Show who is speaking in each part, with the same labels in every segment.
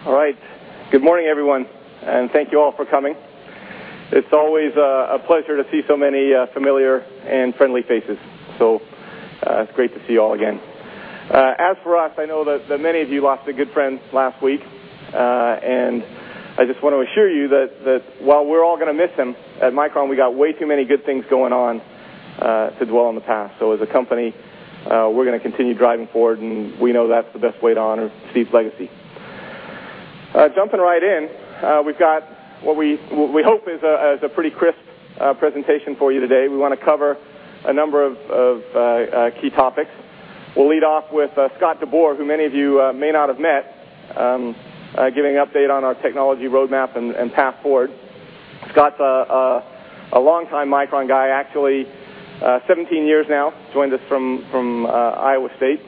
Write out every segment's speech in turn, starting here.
Speaker 1: All right. Good morning, everyone. Thank you all for coming. It's always a pleasure to see so many familiar and friendly faces. It's great to see you all again. As for us, I know that many of you lost a good friend last week. I just want to assure you that while we're all going to miss him, at Micron Technology, we got way too many good things going on to dwell on the past. As a company, we're going to continue driving forward. We know that's the best way to honor Steve's legacy. Jumping right in, we've got what we hope is a pretty crisp presentation for you today. We want to cover a number of key topics. We'll lead off with Scott DeBoer, who many of you may not have met, giving an update on our technology roadmap and path forward. Scott's a longtime Micron guy, actually, 17 years now. Joined us from Iowa State.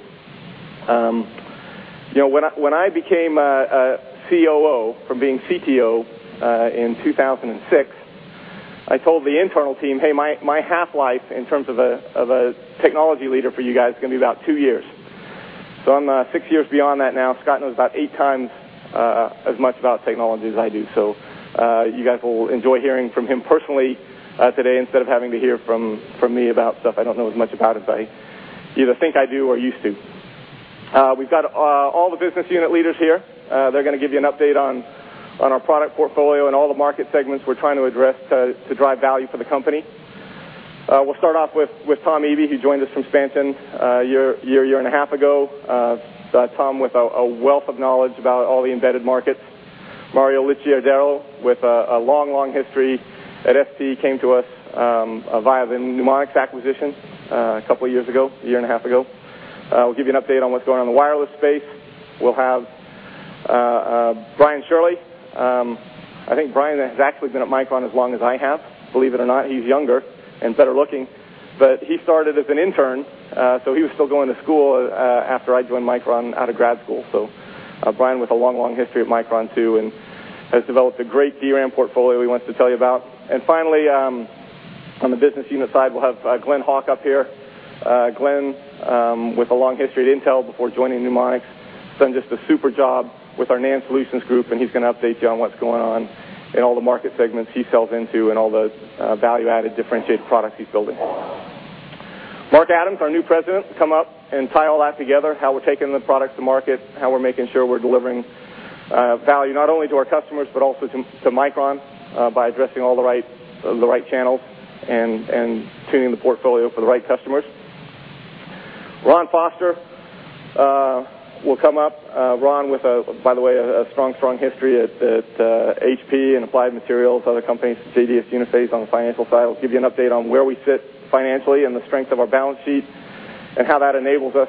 Speaker 1: When I became a COO from being CTO in 2006, I told the internal team, hey, my half-life in terms of a technology leader for you guys is going to be about two years. I'm six years beyond that now. Scott knows about 8x as much about technology as I do. You guys will enjoy hearing from him personally today instead of having to hear from me about stuff I don't know as much about as I either think I do or used to. We've got all the business unit leaders here. They're going to give you an update on our product portfolio and all the market segments we're trying to address to drive value for the company. We'll start off with Tom Eby, who joined us from Spansion a year, year and a half ago. Tom, with a wealth of knowledge about all the embedded markets. Mario Licciardello, with a long, long history at ST, came to us via the Numonyx acquisition a couple of years ago, a year and a half ago. We'll give you an update on what's going on in the wireless space. We'll have Brian Shirley. I think Brian has actually been at Micron as long as I have, believe it or not. He's younger and better looking. He started as an intern. He was still going to school after I joined Micron out of grad school. Brian, with a long, long history at Micron too, has developed a great DRAM portfolio he wants to tell you about. Finally, on the business unit side, we'll have Glen Hawk up here. Glen, with a long history at Intel before joining Numonyx, has done just a super job with our NAND solutions group. He is going to update you on what's going on in all the market segments he sells into and all the value-added differentiated products he is building. Mark Adams, our new President, has come up and tied all that together, how we are taking the product to market, how we are making sure we are delivering value not only to our customers but also to Micron Technology by addressing all the right channels and tuning the portfolio for the right customers. Ron Foster will come up. Ron, with, by the way, a strong, strong history at HP and Applied Materials, other companies, to JDS Uniphase on the financial side, will give you an update on where we sit financially and the strength of our balance sheet and how that enables us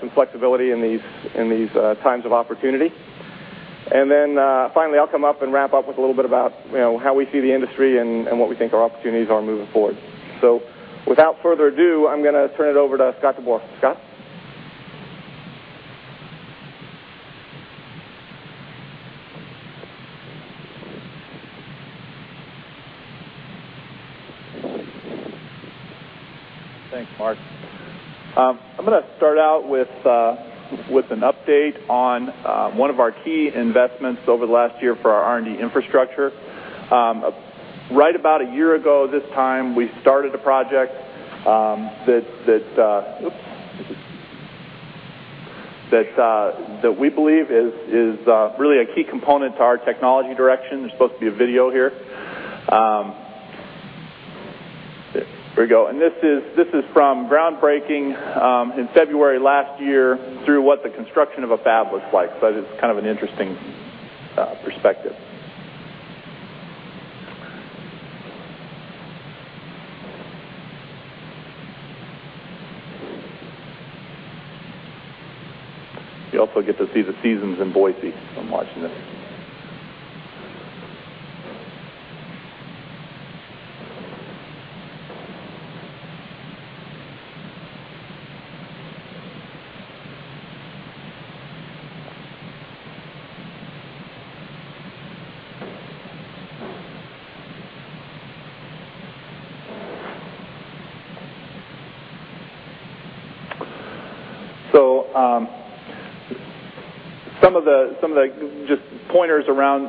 Speaker 1: some flexibility in these times of opportunity. Finally, I will come up and wrap up with a little bit about how we see the industry and what we think our opportunities are moving forward. Without further ado, I am going to turn it over to Scott DeBoer. Scott.
Speaker 2: Thanks, Mark. I'm going to start out with an update on one of our key investments over the last year for our R&D infrastructure. Right about a year ago this time, we started a project that we believe is really a key component to our technology direction. There's supposed to be a video here. There we go. This is from groundbreaking in February last year through what the construction of a fab looks like. It's kind of an interesting perspective. You also get to see the seasons in Boise. I'm watching that. Some of the just pointers around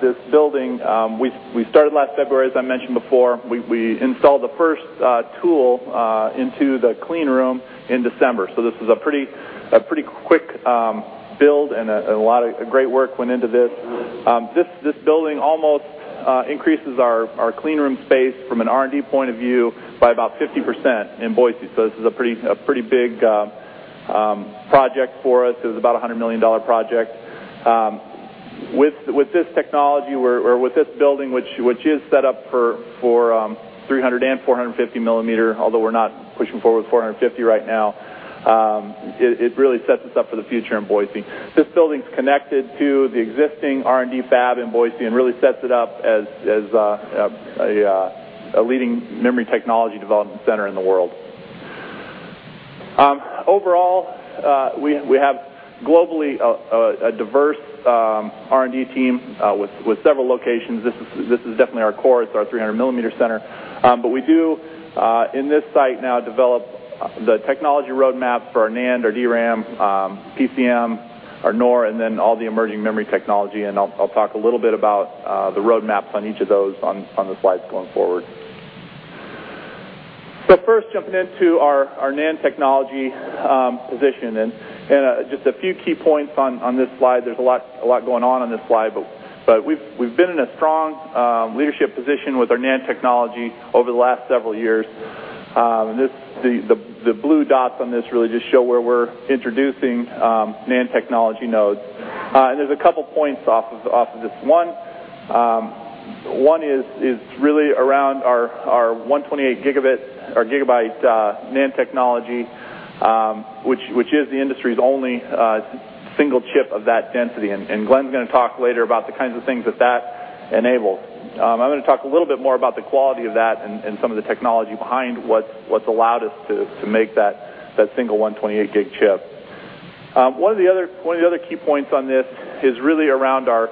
Speaker 2: this building, we started last February, as I mentioned before. We installed the first tool into the clean room in December. This was a pretty quick build. A lot of great work went into this. This building almost increases our clean room space from an R&D point of view by about 50% in Boise. This is a pretty big project for us. It was about a $100 million project. With this technology, or with this building, which is set up for 300 mm and 450 mm, although we're not pushing forward with 450 mm right now, it really sets us up for the future in Boise. This building is connected to the existing R&D fab in Boise and really sets it up as a leading memory technology development center in the world. Overall, we have globally a diverse R&D team with several locations. This is definitely our core. It's our 300 mm center. We do, in this site now, develop the technology roadmap for our NAND, our DRAM, PCM, our NOR, and then all the emerging memory technology. I'll talk a little bit about the roadmaps on each of those on the slides going forward. First, jumping into our NAND technology position and just a few key points on this slide. There's a lot going on on this slide. We've been in a strong leadership position with our NAND technology over the last several years. The blue dots on this really just show where we're introducing NAND technology nodes. There's a couple of points off of this. One is really around our 128 GB NAND technology, which is the industry's only single chip of that density. Glen's going to talk later about the kinds of things that that enables. I'm going to talk a little bit more about the quality of that and some of the technology behind what's allowed us to make that single 128 GB chip. One of the other key points on this is really around our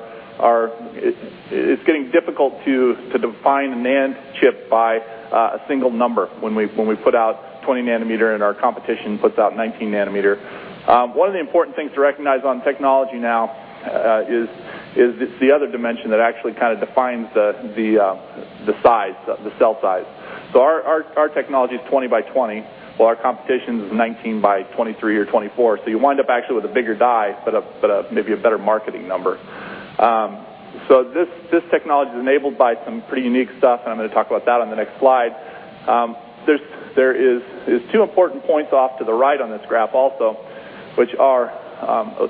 Speaker 2: it's getting difficult to define the NAND chip by a single number when we put out 20 nm and our competition puts out 19 nm. One of the important things to recognize on technology now is the other dimension that actually kind of defines the size, the cell size. Our technology is 20 x 20, while our competition is 19 x 23 or 24. You wind up actually with a bigger die, but maybe a better marketing number. This technology is enabled by some pretty unique stuff. I'm going to talk about that on the next slide. There are two important points off to the right on this graph also, which are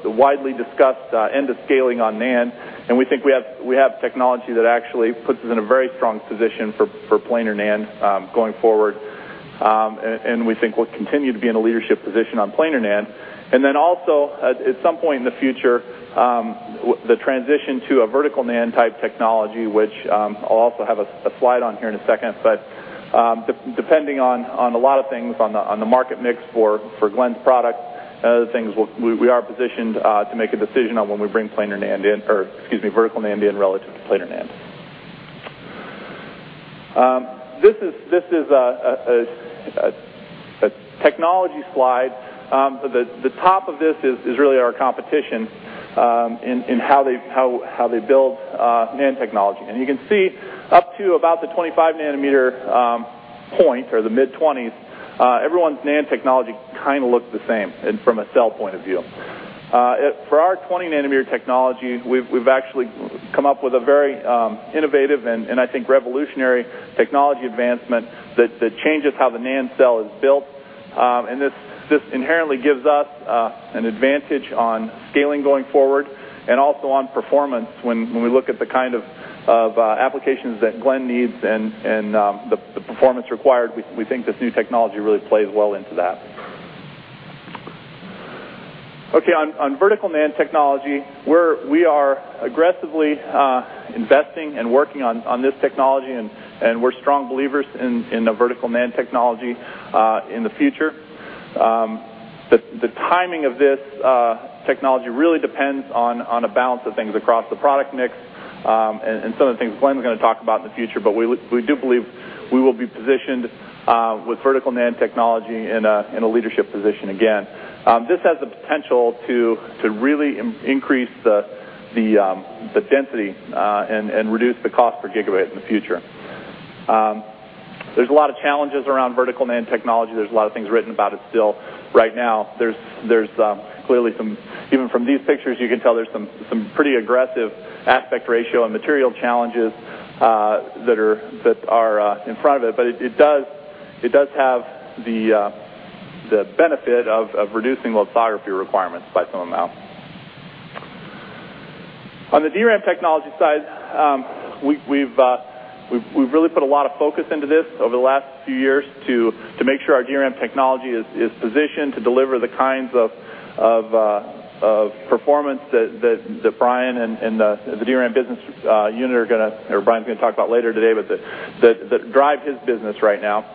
Speaker 2: the widely discussed end of scaling on NAND. We think we have technology that actually puts us in a very strong position for planar NAND going forward. We think we'll continue to be in a leadership position on planar NAND. At some point in the future, the transition to a vertical NAND type technology, which I'll also have a slide on here in a second, will come. Depending on a lot of things on the market mix for Glen's product and other things, we are positioned to make a decision on when we bring planar NAND in or, excuse me, vertical NAND in relative to planar NAND. This is a technology slide. The top of this is really our competition in how they build NAND technology. You can see up to about the 25 nm point or the mid 20s, everyone's NAND technology kind of looked the same from a cell point of view. For our 20 nm technology, we've actually come up with a very innovative and, I think, revolutionary technology advancement that changes how the NAND cell is built. This inherently gives us an advantage on scaling going forward and also on performance when we look at the kind of applications that Glen needs and the performance required. We think this new technology really plays well into that. On vertical NAND technology, we are aggressively investing and working on this technology. We're strong believers in vertical NAND technology in the future. The timing of this technology really depends on a balance of things across the product mix and some of the things Glen's going to talk about in the future. We do believe we will be positioned with vertical NAND technology in a leadership position again. This has the potential to really increase the density and reduce the cost per gigabit in the future. There's a lot of challenges around vertical NAND technology. There's a lot of things written about it still. Right now, there's clearly some, even from these pictures, you can tell there's some pretty aggressive aspect ratio and material challenges that are in front of it. It does have the benefit of reducing lithography requirements by some amount. On the DRAM technology side, we've really put a lot of focus into this over the last few years to make sure our DRAM technology is positioned to deliver the kinds of performance that Brian and the DRAM business unit are going to, or Brian's going to talk about later today, that drive his business right now.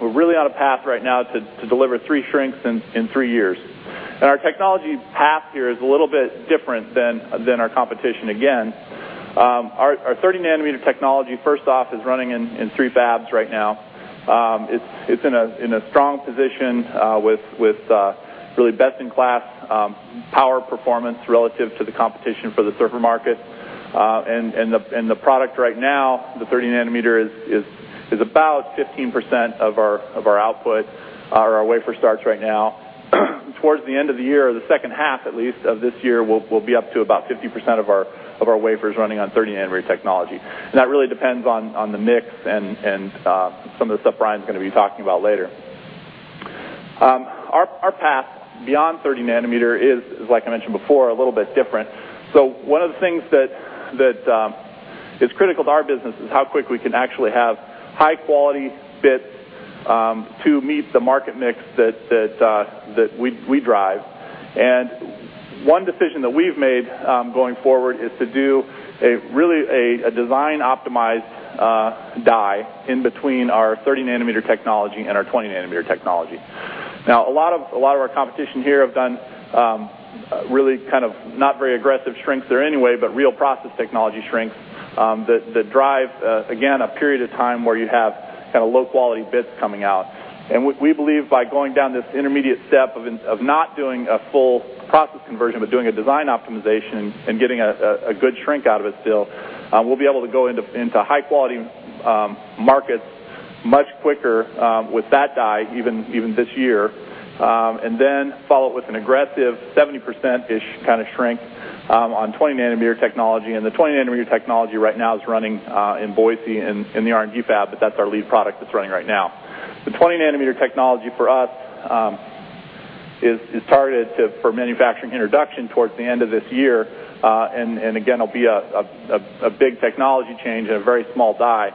Speaker 2: We're really on a path right now to deliver three shrinks in three years. Our technology path here is a little bit different than our competition again. Our 30 nm technology, first off, is running in three fabs right now. It's in a strong position with really best-in-class power performance relative to the competition for the server market. The product right now, the 30 nm, is about 15% of our output or our wafer starts right now. Towards the end of the year, the second half at least of this year, we'll be up to about 50% of our wafers running on 30 nm technology. That really depends on the mix and some of the stuff Brian's going to be talking about later. Our path beyond 30 nm is, like I mentioned before, a little bit different. One of the things that is critical to our business is how quickly we can actually have high-quality bits to meet the market mix that we drive. One decision that we've made going forward is to do a really design-optimized die in between our 30 nm technology and our 20 nm technology. A lot of our competition here have done really kind of not very aggressive shrinks there anyway, but real process technology shrinks that drive, again, a period of time where you have kind of low-quality bits coming out. We believe by going down this intermediate step of not doing a full process conversion but doing a design optimization and getting a good shrink out of it still, we'll be able to go into high-quality markets much quicker with that die, even this year, and then follow it with an aggressive 70%-ish kind of shrink on 20 nm technology. The 20 nm technology right now is running in Boise in the R&D fab. That's our lead product that's running right now. The 20 nm technology for us is targeted for manufacturing introduction towards the end of this year. It'll be a big technology change and a very small die.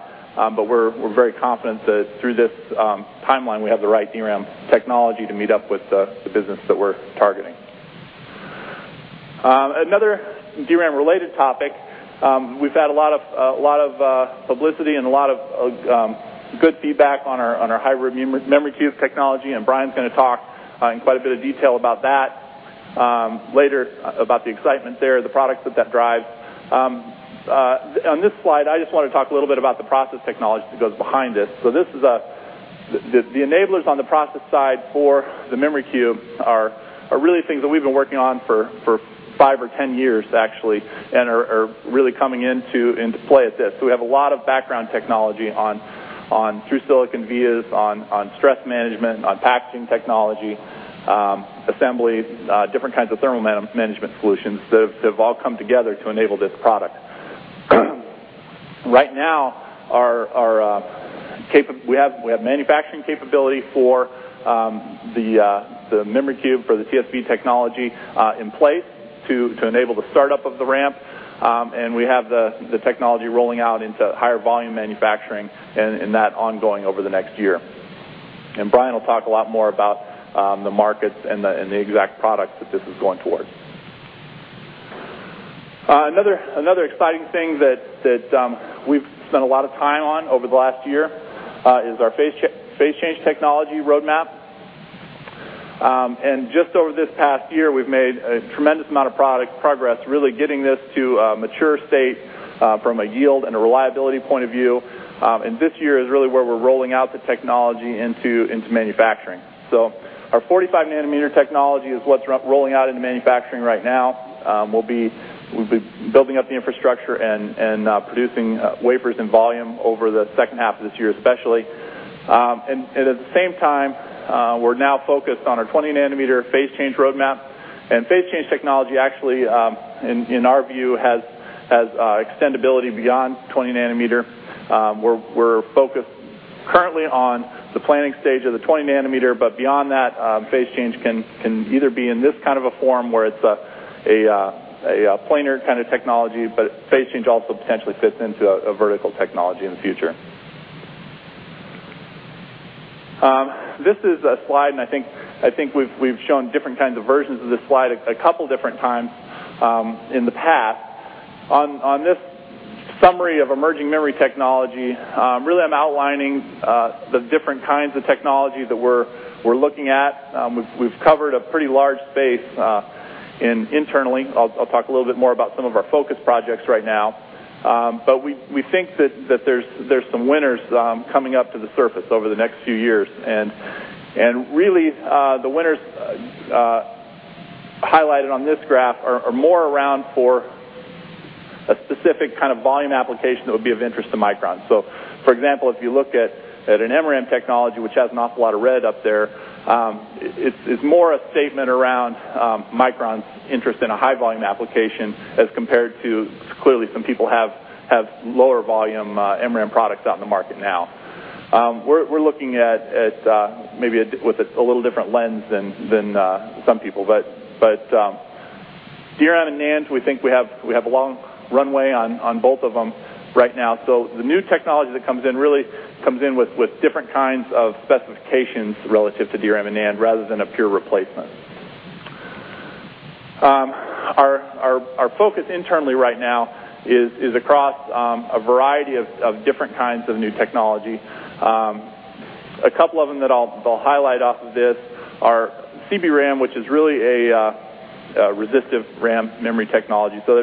Speaker 2: We're very confident that through this timeline, we have the right DRAM technology to meet up with the business that we're targeting. Another DRAM-related topic, we've had a lot of publicity and a lot of good feedback on our Hybrid Memory Cube technology. Brian's going to talk in quite a bit of detail about that later, about the excitement there, the products that that drives. On this slide, I just want to talk a little bit about the process technology that goes behind this. The enablers on the process side for the Memory Cube are really things that we've been working on for five or 10 years actually and are really coming into play at this point. We have a lot of background technology on through-silicon vias, on stress management, on packaging technology, assembly, different kinds of thermal management solutions that have all come together to enable this product. Right now, we have manufacturing capability for the Memory Cube for the TSV technology in place to enable the startup of the ramp. We have the technology rolling out into higher volume manufacturing and that ongoing over the next year. Brian will talk a lot more about the markets and the exact products that this is going towards. Another exciting thing that we've spent a lot of time on over the last year is our phase change technology roadmap. Just over this past year, we've made a tremendous amount of product progress really getting this to a mature state from a yield and a reliability point of view. This year is really where we're rolling out the technology into manufacturing. Our 45 nm technology is what's rolling out into manufacturing right now. We'll be building up the infrastructure and producing wafers in volume over the second half of this year especially. At the same time, we're now focused on our 20 nm phase change roadmap. Phase change technology actually, in our view, has extendability beyond 20 nm. We're focused currently on the planning stage of the 20 nm. Beyond that, phase change can either be in this kind of a form where it's a planar kind of technology, but phase change also potentially fits into a vertical technology in the future. This is a slide, and I think we've shown different kinds of versions of this slide a couple of different times in the past. On this summary of emerging memory technology, really, I'm outlining the different kinds of technology that we're looking at. We've covered a pretty large space internally. I'll talk a little bit more about some of our focus projects right now. We think that there's some winners coming up to the surface over the next few years. Really, the winners highlighted on this graph are more around for a specific kind of volume application that would be of interest to Micron. For example, if you look at an MRAM technology, which has an awful lot of red up there, it's more a statement around Micron's interest in a high-volume application as compared to clearly some people have lower volume MRAM products out in the market now. We're looking at maybe with a little different lens than some people. DRAM and NAND, we think we have a long runway on both of them right now. The new technology that comes in really comes in with different kinds of specifications relative to DRAM and NAND rather than a pure replacement. Our focus internally right now is across a variety of different kinds of new technology. A couple of them that I'll highlight off of this are CBRAM, which is really a resistive RAM memory technology. There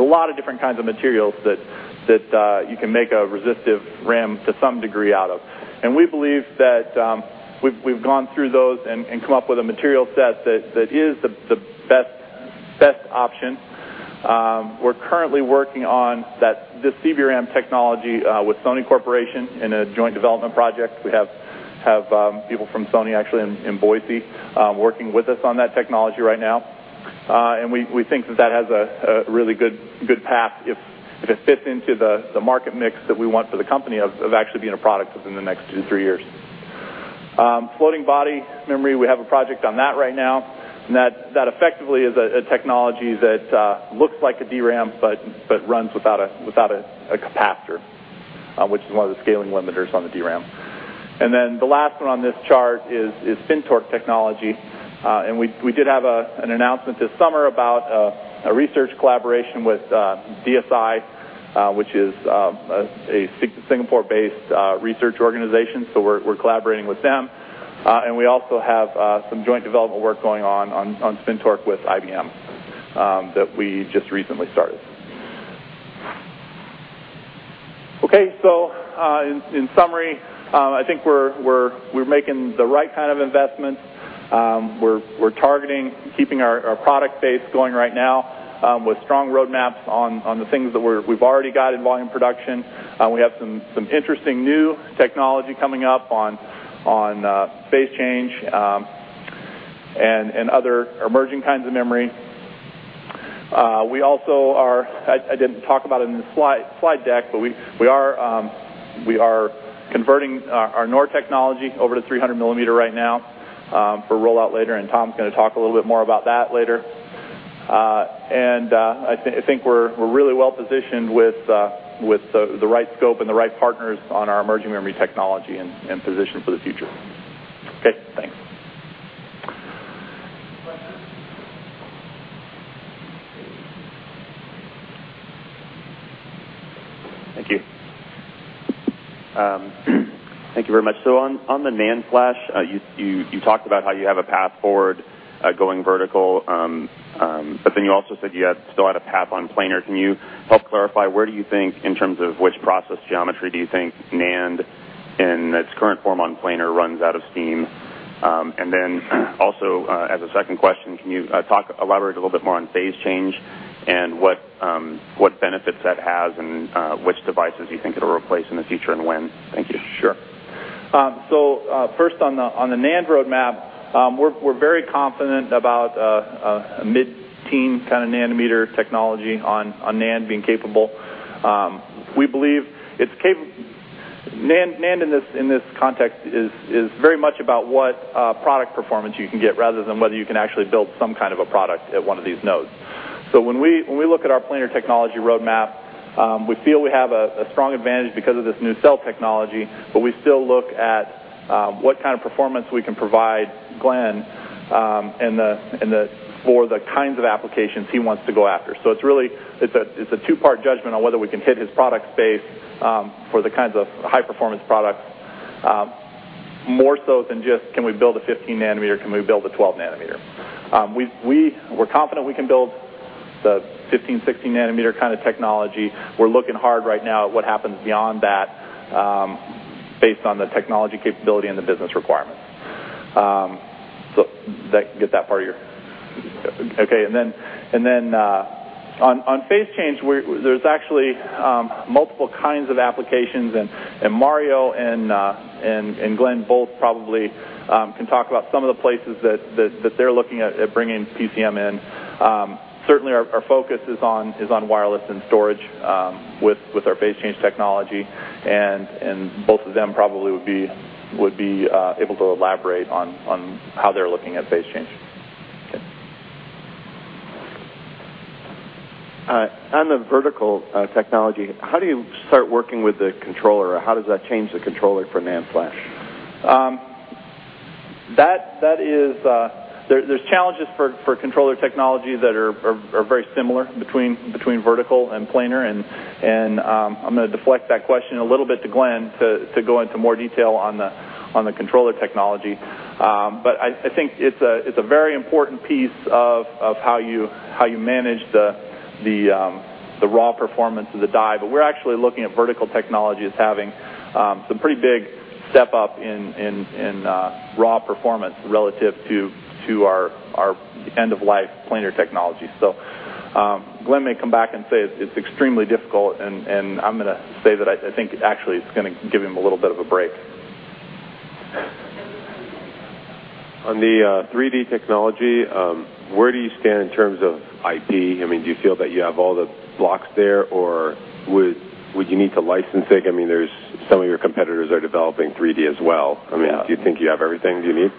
Speaker 2: are a lot of different kinds of materials that you can make a resistive RAM to some degree out of. We believe that we've gone through those and come up with a material set that is the best option. We're currently working on this CBRAM technology with Sony in a joint development project. We have people from Sony actually in Boise working with us on that technology right now. We think that that has a really good path if it fits into the market mix that we want for the company of actually being a product within the next two to three years. Floating body memory, we have a project on that right now. That effectively is a technology that looks like a DRAM but runs without a capacitor, which is one of the scaling limiters on the DRAM. The last one on this chart is FinTorque technology. We did have an announcement this summer about a research collaboration with DSI, which is a Singapore-based research organization. We're collaborating with them. We also have some joint development work going on on FinTorque with IBM that we just recently started. OK, so in summary, I think we're making the right kind of investment. We're targeting keeping our product base going right now with strong roadmaps on the things that we've already got in volume production. We have some interesting new technology coming up on phase change memory and other emerging kinds of memory. I didn't talk about it in the slide deck, but we are converting our NOR technology over to 300 mm right now for rollout later. Tom is going to talk a little bit more about that later. I think we're really well positioned with the right scope and the right partners on our emerging memory technology and position for the future. OK.
Speaker 3: Thank you. Thank you very much. On the NAND flash, you talked about how you have a path forward going vertical. You also said you still had a path on planar. Can you help clarify where do you think in terms of which process geometry do you think NAND in its current form on planar runs out of steam? Also, as a second question, can you elaborate a little bit more on phase change and what benefits that has and which devices you think it'll replace in the future and when? Thank you.
Speaker 2: Sure. First, on the NAND roadmap, we're very confident about a mid-teen kind of nanometer technology on NAND being capable. We believe NAND in this context is very much about what product performance you can get rather than whether you can actually build some kind of a product at one of these nodes. When we look at our planar technology roadmap, we feel we have a strong advantage because of this new cell technology. We still look at what kind of performance we can provide Glen for the kinds of applications he wants to go after. It's a two-part judgment on whether we can hit his product space for the kinds of high-performance products more so than just can we build a 15 nm, can we build a 12 nm. We're confident we can build the 15 nm, 16 nm kind of technology. We're looking hard right now at what happens beyond that based on the technology capability and the business requirements. On phase change, there's actually multiple kinds of applications. Mario and Glen both probably can talk about some of the places that they're looking at bringing PCM in. Certainly, our focus is on wireless and storage with our phase change technology. Both of them probably would be able to elaborate on how they're looking at phase change.
Speaker 4: On the vertical technology, how do you start working with the controller? How does that change the controller for NAND flash?
Speaker 2: There are challenges for controller technology that are very similar between vertical and planar. I'm going to deflect that question a little bit to Glen to go into more detail on the controller technology. I think it's a very important piece of how you manage the raw performance of the die. We're actually looking at vertical technology as having some pretty big step up in raw performance relative to our end-of-life planar technology. Glen may come back and say it's extremely difficult. I'm going to say that I think actually it's going to give him a little bit of a break.
Speaker 5: On the 3D technology, where do you stand in terms of IP? I mean, do you feel that you have all the blocks there? Or would you need to license it? Some of your competitors are developing 3D as well. Do you think you have everything you need?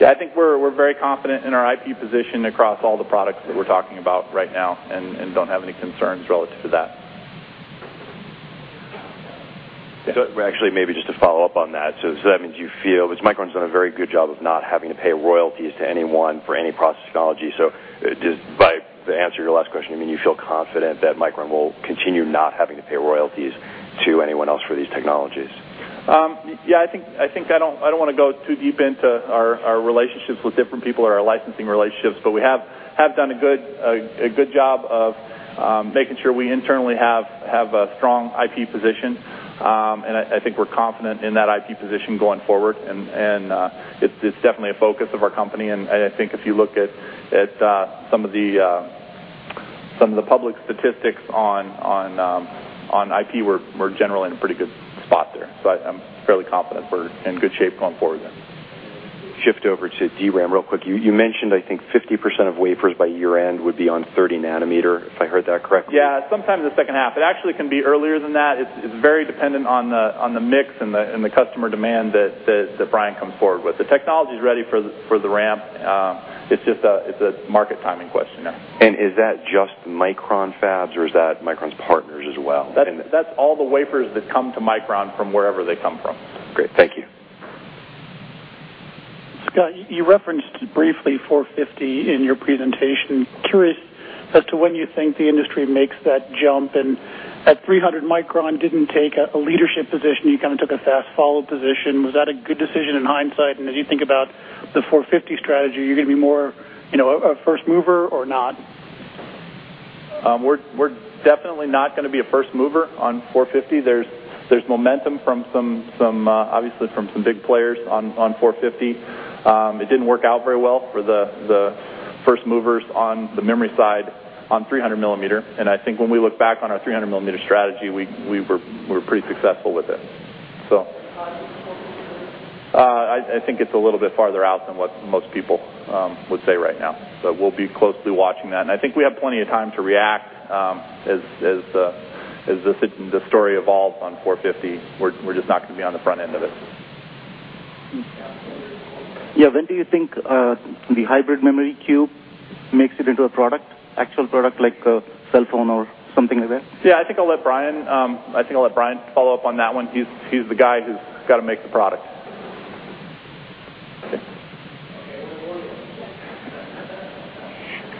Speaker 2: Yeah, I think we're very confident in our IP position across all the products that we're talking about right now, and don't have any concerns relative to that.
Speaker 5: Maybe just to follow up on that. I mean, do you feel because Micron's done a very good job of not having to pay royalties to anyone for any process technology, by the answer to your last question, you feel confident that Micron will continue not having to pay royalties to anyone else for these technologies?
Speaker 2: I think I don't want to go too deep into our relationships with different people or our licensing relationships. We have done a good job of making sure we internally have a strong IP position. I think we're confident in that IP position going forward. It's definitely a focus of our company. If you look at some of the public statistics on IP, we're generally in a pretty good spot there. I'm fairly confident we're in good shape going forward there.
Speaker 5: Shift over to DRAM real quick. You mentioned, I think, 50% of wafers by year end would be on 30 nm, if I heard that correctly.
Speaker 2: Yeah, sometimes the second half. It actually can be earlier than that. It's very dependent on the mix and the customer demand that Brian comes forward with. The technology is ready for the ramp; it's just a market timing question there.
Speaker 5: Is that just Micron fabs, or is that Micron's partners as well?
Speaker 2: That's all the wafers that come to Micron from wherever they come from.
Speaker 5: Great. Thank you.
Speaker 6: Scott, you referenced briefly 450 mm in your presentation. Curious as to when you think the industry makes that jump. At 300 mm, Micron didn't take a leadership position. You kind of took a fast-follow position. Was that a good decision in hindsight? As you think about the 450 mm strategy, are you going to be more a first mover or not?
Speaker 2: We're definitely not going to be a first mover on 450 mm. There's momentum from some, obviously from some big players on 450 mm. It didn't work out very well for the first movers on the memory side on 300 mm. I think when we look back on our 300 mm strategy, we were pretty successful with it. I think it's a little bit farther out than what most people would say right now. We'll be closely watching that. I think we have plenty of time to react as the story evolves on 450 mm. We're just not going to be on the front end of it.
Speaker 7: Do you think the Hybrid Memory Cube makes it into a product, actual product like a cell phone or something like that?
Speaker 2: I think I'll let Brian follow up on that one. He's the guy who's got to make the product.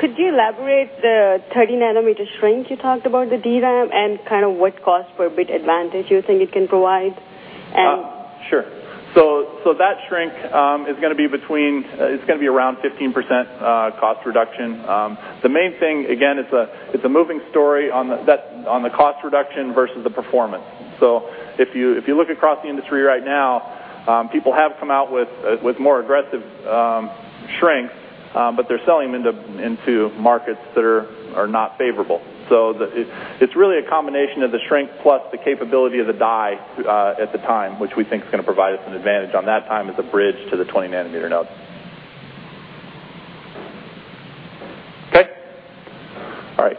Speaker 8: Could you elaborate the 30 nm shrink you talked about, the DRAM, and kind of what cost per bit advantage you think it can provide?
Speaker 2: Sure. That shrink is going to be around 15% cost reduction. The main thing, again, it's a moving story on the cost reduction versus the performance. If you look across the industry right now, people have come out with more aggressive shrinks, but they're selling them into markets that are not favorable. It's really a combination of the shrink plus the capability of the die at the time, which we think is going to provide us an advantage on that time as a bridge to the 20 nm node.
Speaker 9: Good morning.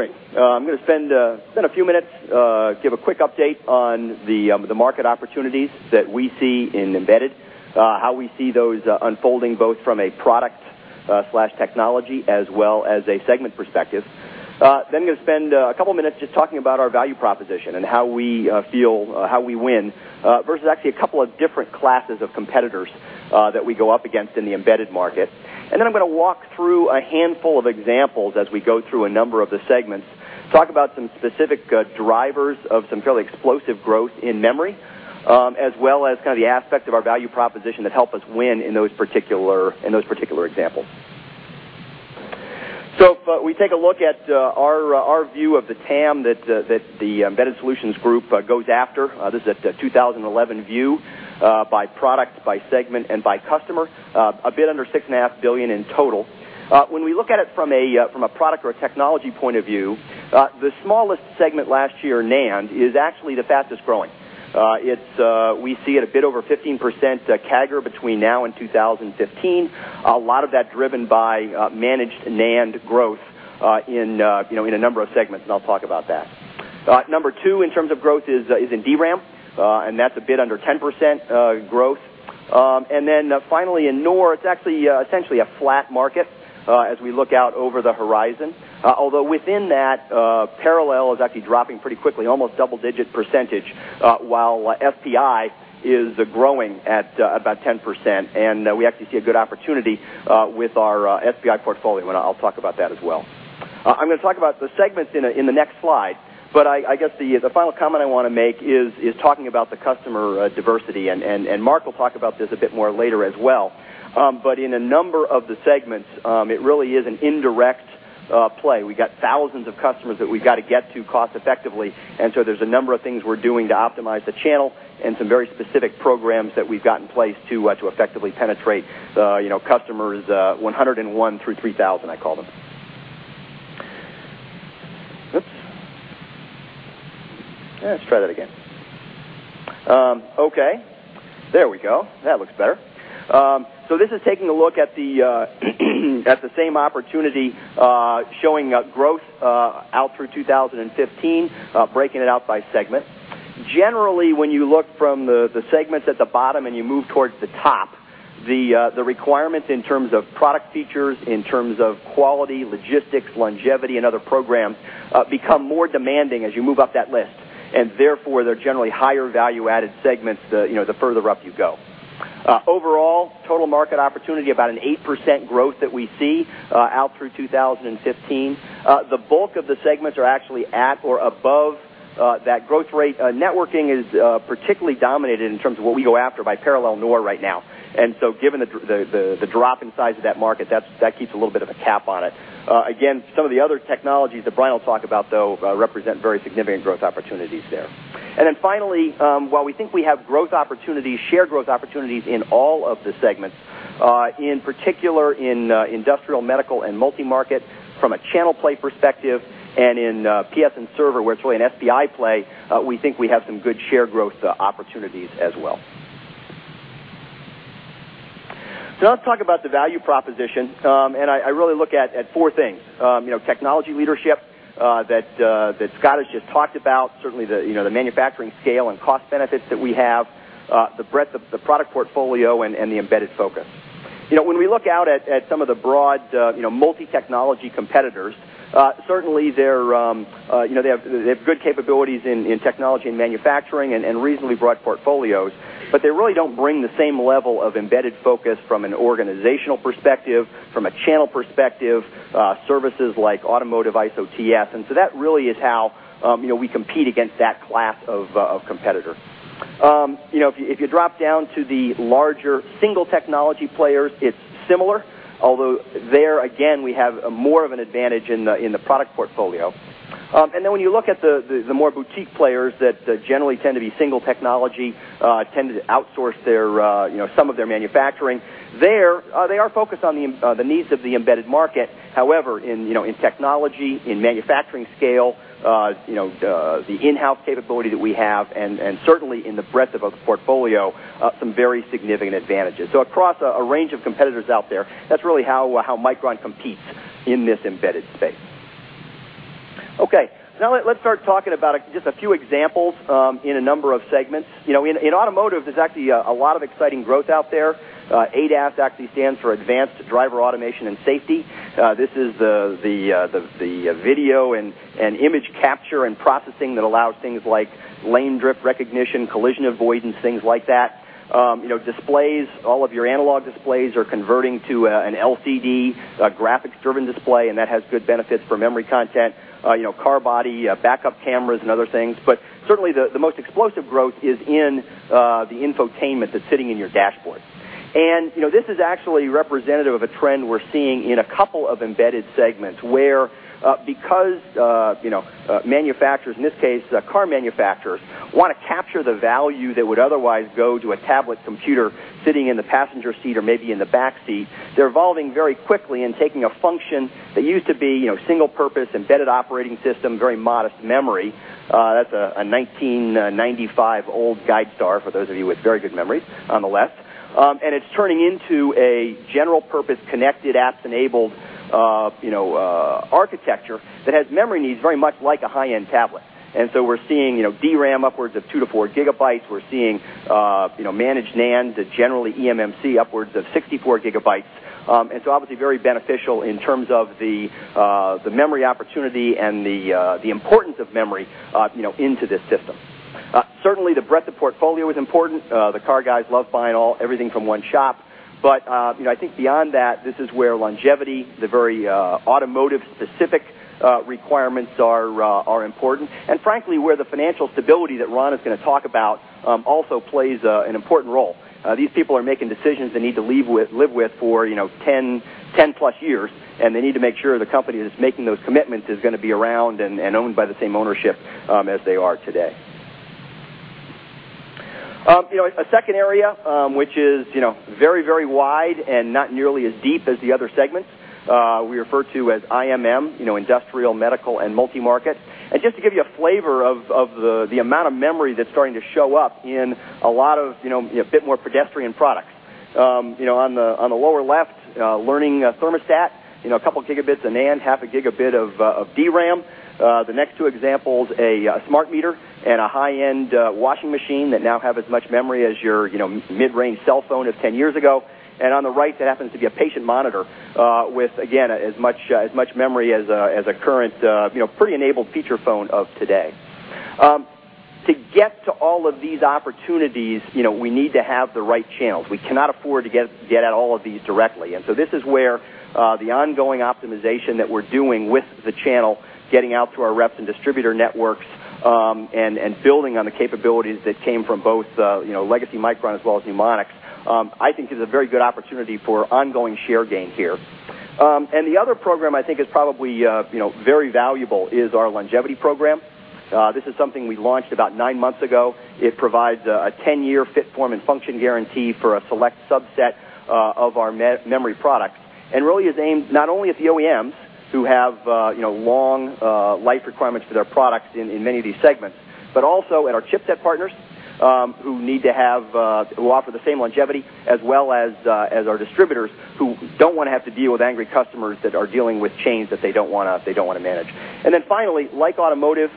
Speaker 9: I'm going to spend a few minutes to give a quick update on the market opportunities that we see in embedded, how we see those unfolding both from a product/technology as well as a segment perspective. Then I'm going to spend a couple of minutes just talking about our value proposition and how we feel how we win versus actually a couple of different classes of competitors that we go up against in the embedded market. I'm going to walk through a handful of examples as we go through a number of the segments, talk about some specific drivers of some fairly explosive growth in memory as well as kind of the aspects of our value proposition that help us win in those particular examples. If we take a look at our view of the TAM that the Embedded Solutions Group goes after, this is a 2011 view by product, by segment, and by customer, a bit under $6.5 billion in total. When we look at it from a product or a technology point of view, the smallest segment last year, NAND, is actually the fastest growing. We see it a bit over 15% CAGR between now and 2015, a lot of that driven by managed NAND growth in a number of segments. I'll talk about that. Number two in terms of growth is in DRAM, and that's a bit under 10% growth. Finally, in NOR, it's actually essentially a flat market as we look out over the horizon, although within that, parallel is actually dropping pretty quickly, almost double-digit percentage, while SPI is growing at about 10%. We actually see a good opportunity with our SPI portfolio, and I'll talk about that as well. I'm going to talk about the segments in the next slide. The final comment I want to make is talking about the customer diversity. Mark will talk about this a bit more later as well. In a number of the segments, it really is an indirect play. We've got thousands of customers that we've got to get to cost effectively. There are a number of things we're doing to optimize the channel and some very specific programs that we've got in place to effectively penetrate customers 101 through 3,000, I call them. Let's try that again. OK, there we go. That looks better. This is taking a look at the same opportunity showing growth out through 2015, breaking it out by segment. Generally, when you look from the segments at the bottom and you move towards the top, the requirements in terms of product features, in terms of quality, logistics, longevity, and other programs become more demanding as you move up that list. Therefore, they're generally higher value-added segments the further up you go. Overall, total market opportunity, about an 8% growth that we see out through 2015. The bulk of the segments are actually at or above that growth rate. Networking is particularly dominated in terms of what we go after by parallel NOR right now. Given the drop in size of that market, that keeps a little bit of a cap on it. Some of the other technologies that Brian will talk about, though, represent very significant growth opportunities there. Finally, while we think we have growth opportunities, shared growth opportunities in all of the segments, in particular in industrial, medical, and multi-market from a channel play perspective and in PS and server, where it's really an SPI play, we think we have some good shared growth opportunities as well. Now let's talk about the value proposition. I really look at four things: technology leadership that Scott has just talked about, certainly the manufacturing scale and cost benefits that we have, the breadth of the product portfolio, and the embedded focus. When we look out at some of the broad multi-technology competitors, certainly they have good capabilities in technology and manufacturing and reasonably broad portfolios. They really don't bring the same level of embedded focus from an organizational perspective, from a channel perspective, services like automotive ISOTS. That really is how we compete against that class of competitor. If you drop down to the larger single technology players, it's similar, although there, again, we have more of an advantage in the product portfolio. When you look at the more boutique players that generally tend to be single technology, tend to outsource some of their manufacturing, they are focused on the needs of the embedded market. However, in technology, in manufacturing scale, the in-house capability that we have, and certainly in the breadth of the portfolio, some very significant advantages. Across a range of competitors out there, that's really how Micron competes in this embedded space. OK, now let's start talking about just a few examples in a number of segments. In automotive, there's actually a lot of exciting growth out there. ADAS actually stands for Advanced Driver Automation and Safety. This is the video and image capture and processing that allows things like lane drift recognition, collision avoidance, things like that. Displays, all of your analog displays are converting to an LCD, a graphics-driven display. That has good benefits for memory content, car body, backup cameras, and other things. Certainly, the most explosive growth is in the infotainment that's sitting in your dashboard. This is actually representative of a trend we're seeing in a couple of embedded segments where, because manufacturers, in this case, car manufacturers, want to capture the value that would otherwise go to a tablet computer sitting in the passenger seat or maybe in the back seat, they're evolving very quickly and taking a function that used to be single purpose embedded operating system, very modest memory. That's a 1995 old GuideStar for those of you with very good memories on the left. It's turning into a general purpose connected apps-enabled architecture that has memory needs very much like a high-end tablet. We're seeing DRAM upwards of 2 GB-4 GB. We're seeing managed NAND, generally EMMC, upwards of 64 GB. Obviously, very beneficial in terms of the memory opportunity and the importance of memory into this system. Certainly, the breadth of portfolio is important. The car guys love buying everything from one shop. I think beyond that, this is where longevity, the very automotive-specific requirements are important, and frankly, where the financial stability that Ron is going to talk about also plays an important role. These people are making decisions they need to live with for 10+ years. They need to make sure the company that's making those commitments is going to be around and owned by the same ownership as they are today. A second area, which is very, very wide and not nearly as deep as the other segments, we refer to as IMM, Industrial, Medical, and Multi-Market. Just to give you a flavor of the amount of memory that's starting to show up in a lot of a bit more pedestrian products. On the lower left, learning thermostat, a couple of gigabits of NAND, half a gigabit of DRAM. The next two examples, a smart meter and a high-end washing machine that now have as much memory as your mid-range cell phone of 10 years ago. On the right, that happens to be a patient monitor with, again, as much memory as a current pretty enabled feature phone of today. To get to all of these opportunities, we need to have the right channels. We cannot afford to get at all of these directly. This is where the ongoing optimization that we're doing with the channel, getting out to our reps and distributor networks, and building on the capabilities that came from both legacy Micron as well as Numonyx, I think is a very good opportunity for ongoing share gain here. The other program I think is probably very valuable is our longevity program. This is something we launched about nine months ago. It provides a 10-year fit, form, and function guarantee for a select subset of our memory product and really is aimed not only at the OEMs who have long-life requirements for their products in many of these segments, but also at our chipset partners who need to have who offer the same longevity as well as our distributors who don't want to have to deal with angry customers that are dealing with chains that they don't want to manage. Finally, like automotive,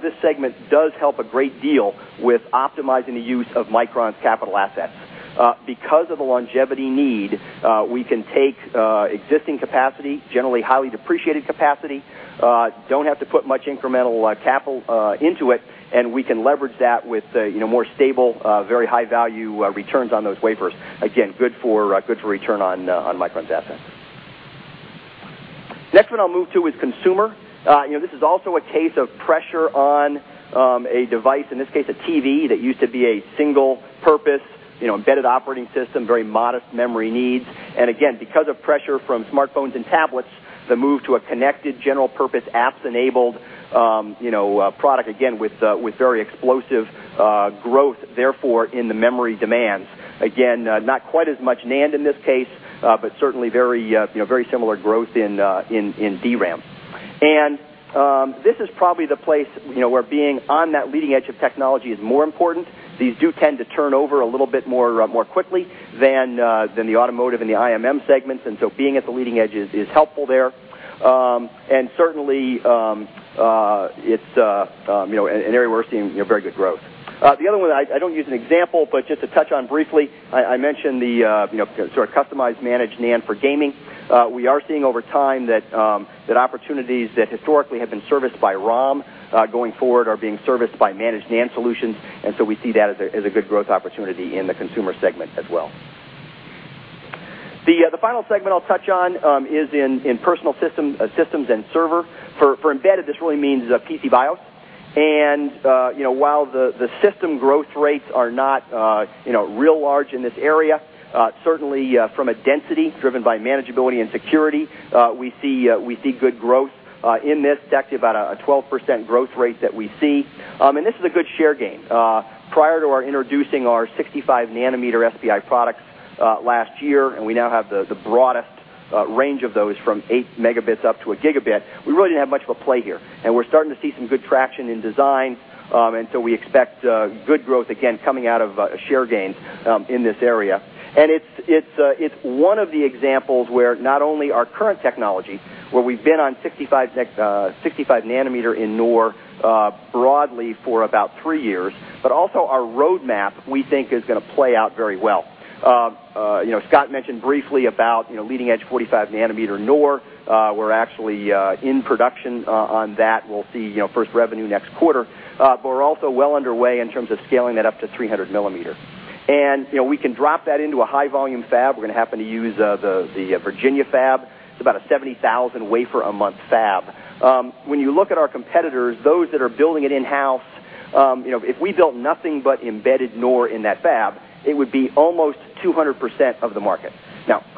Speaker 9: this segment does help a great deal with optimizing the use of Micron's capital assets. Because of the longevity need, we can take existing capacity, generally highly depreciated capacity, don't have to put much incremental capital into it. We can leverage that with more stable, very high-value returns on those wafers. Again, good for return on Micron's assets. Next one I'll move to is consumer. This is also a case of pressure on a device, in this case, a TV that used to be a single-purpose embedded operating system, very modest memory needs. Again, because of pressure from smartphones and tablets, the move to a connected general-purpose apps-enabled product, again, with very explosive growth, therefore, in the memory demands. Not quite as much NAND in this case, but certainly very similar growth in DRAM. This is probably the place where being on that leading edge of technology is more important. These do tend to turn over a little bit more quickly than the automotive and the IMM segments. Being at the leading edge is helpful there. Certainly, it's an area where we're seeing very good growth. The other one, I don't use an example, but just to touch on briefly, I mentioned the sort of customized managed NAND for gaming. We are seeing over time that opportunities that historically have been serviced by ROM going forward are being serviced by managed NAND solutions. We see that as a good growth opportunity in the consumer segment as well. The final segment I'll touch on is in personal systems and server. For embedded, this really means PCBIOS. While the system growth rates are not real large in this area, certainly from a density driven by manageability and security, we see good growth in this. It's actually about a 12% growth rate that we see. This is a good share gain. Prior to our introducing our 65 nm SPI product last year, and we now have the broadest range of those from 8 Mb up to a gigabit, we really didn't have much of a play here. We're starting to see some good traction in design. We expect good growth, again, coming out of share gains in this area. It's one of the examples where not only our current technology, where we've been on 65 nm in NOR broadly for about three years, but also our roadmap we think is going to play out very well. Scott mentioned briefly about leading edge 45 nm NOR. We're actually in production on that. We'll see first revenue next quarter. We're also well underway in terms of scaling that up to 300 mm. We can drop that into a high-volume fab. We're going to happen to use the Virginia fab. It's about a 70,000 wafer a month fab. When you look at our competitors, those that are building it in-house, if we built nothing but embedded NOR in that fab, it would be almost 200% of the market.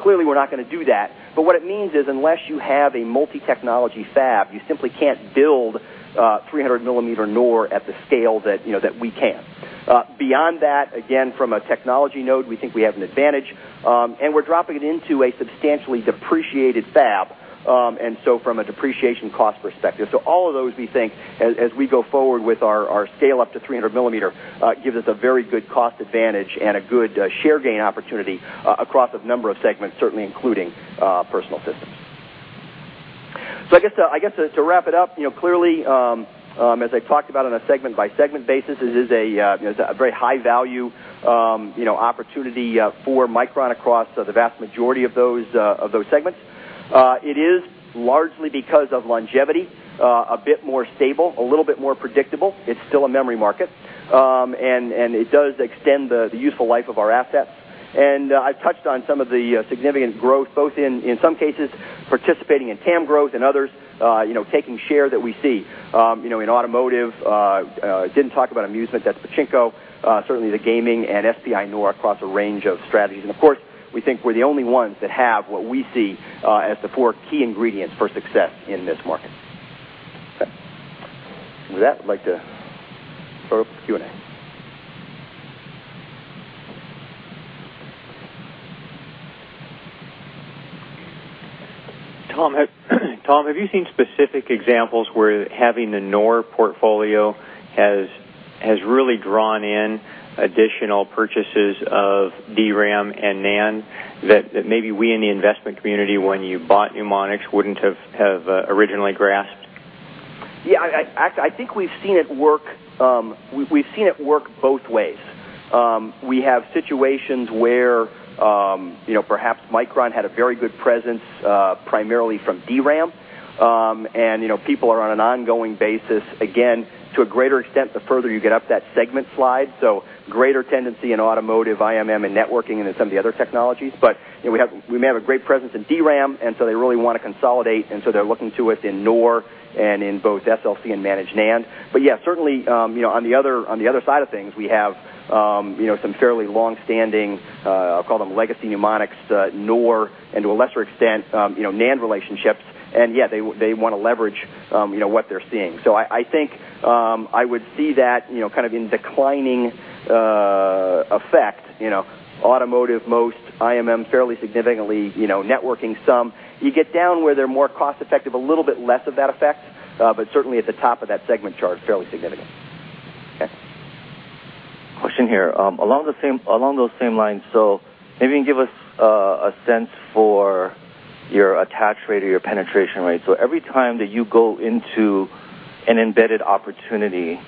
Speaker 9: Clearly, we're not going to do that. What it means is unless you have a multi-technology fab, you simply can't build 300 mm NOR at the scale that we can. Beyond that, from a technology node, we think we have an advantage. We're dropping it into a substantially depreciated fab. From a depreciation cost perspective, all of those we think as we go forward with our scale up to 300 mm gives us a very good cost advantage and a good share gain opportunity across a number of segments, certainly including personal systems. To wrap it up, clearly, as I talked about on a segment-by-segment basis, it is a very high-value opportunity for Micron across the vast majority of those segments. It is largely because of longevity, a bit more stable, a little bit more predictable. It's still a memory market. It does extend the useful life of our asset. I've touched on some of the significant growth, both in some cases participating in TAM growth and others taking share that we see. In automotive, I didn't talk about amusement. That's Pachinko. Certainly, the gaming and SPI NOR across a range of strategies. Of course, we think we're the only ones that have what we see as the four key ingredients for success in this market. With that, I'd like to focus on Q&A.
Speaker 4: Tom, have you seen specific examples where having the NOR portfolio has really drawn in additional purchases of DRAM and NAND that maybe we in the investment community, when you bought Numonyx, wouldn't have originally grasped?
Speaker 9: Yeah, I think we've seen it work. We've seen it work both ways. We have situations where perhaps Micron had a very good presence primarily from DRAM. People are on an ongoing basis, again, to a greater extent, the further you get up that segment slide, so greater tendency in automotive, IMM, and networking and in some of the other technologies. We may have a great presence in DRAM, so they really want to consolidate. They're looking to it in NOR and in both SLC and managed NAND. Certainly, on the other side of things, we have some fairly longstanding, I'll call them legacy Numonyx, NOR, and to a lesser extent NAND relationships. They want to leverage what they're seeing. I think I would see that kind of in declining effect, automotive most, IMM fairly significantly, networking some. You get down where they're more cost-effective, a little bit less of that effect. Certainly, at the top of that segment chart, fairly significant.
Speaker 10: Question here, along those same lines. Maybe you can give us a sense for your attach rate or your penetration rate. Every time that you go into an embedded opportunity,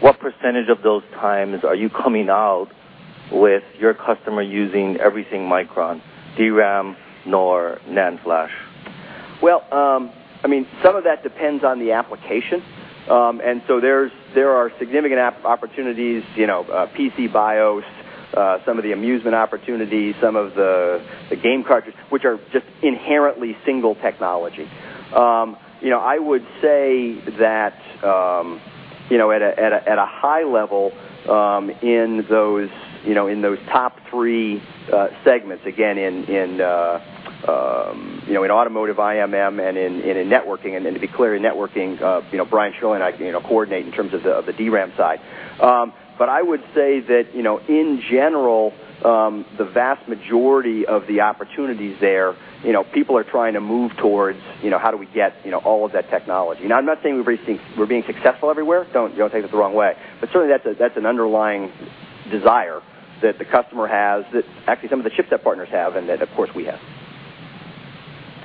Speaker 10: what percentage of those times are you coming out with your customer using everything Micron, DRAM, NOR, NAND flash?
Speaker 9: I mean, some of that depends on the application. There are significant opportunities, PCBIOS, some of the amusement opportunities, some of the game cartridges, which are just inherently single technology. I would say that at a high level in those top three segments, again, in automotive, IMM, and in networking. To be clear, in networking, Brian Shirley and I coordinate in terms of the DRAM side. I would say that in general, the vast majority of the opportunities there, people are trying to move towards how do we get all of that technology. I'm not saying we're being successful everywhere. Don't take it the wrong way. Certainly, that's an underlying desire that the customer has, that actually some of the chipset partners have, and that, of course, we have.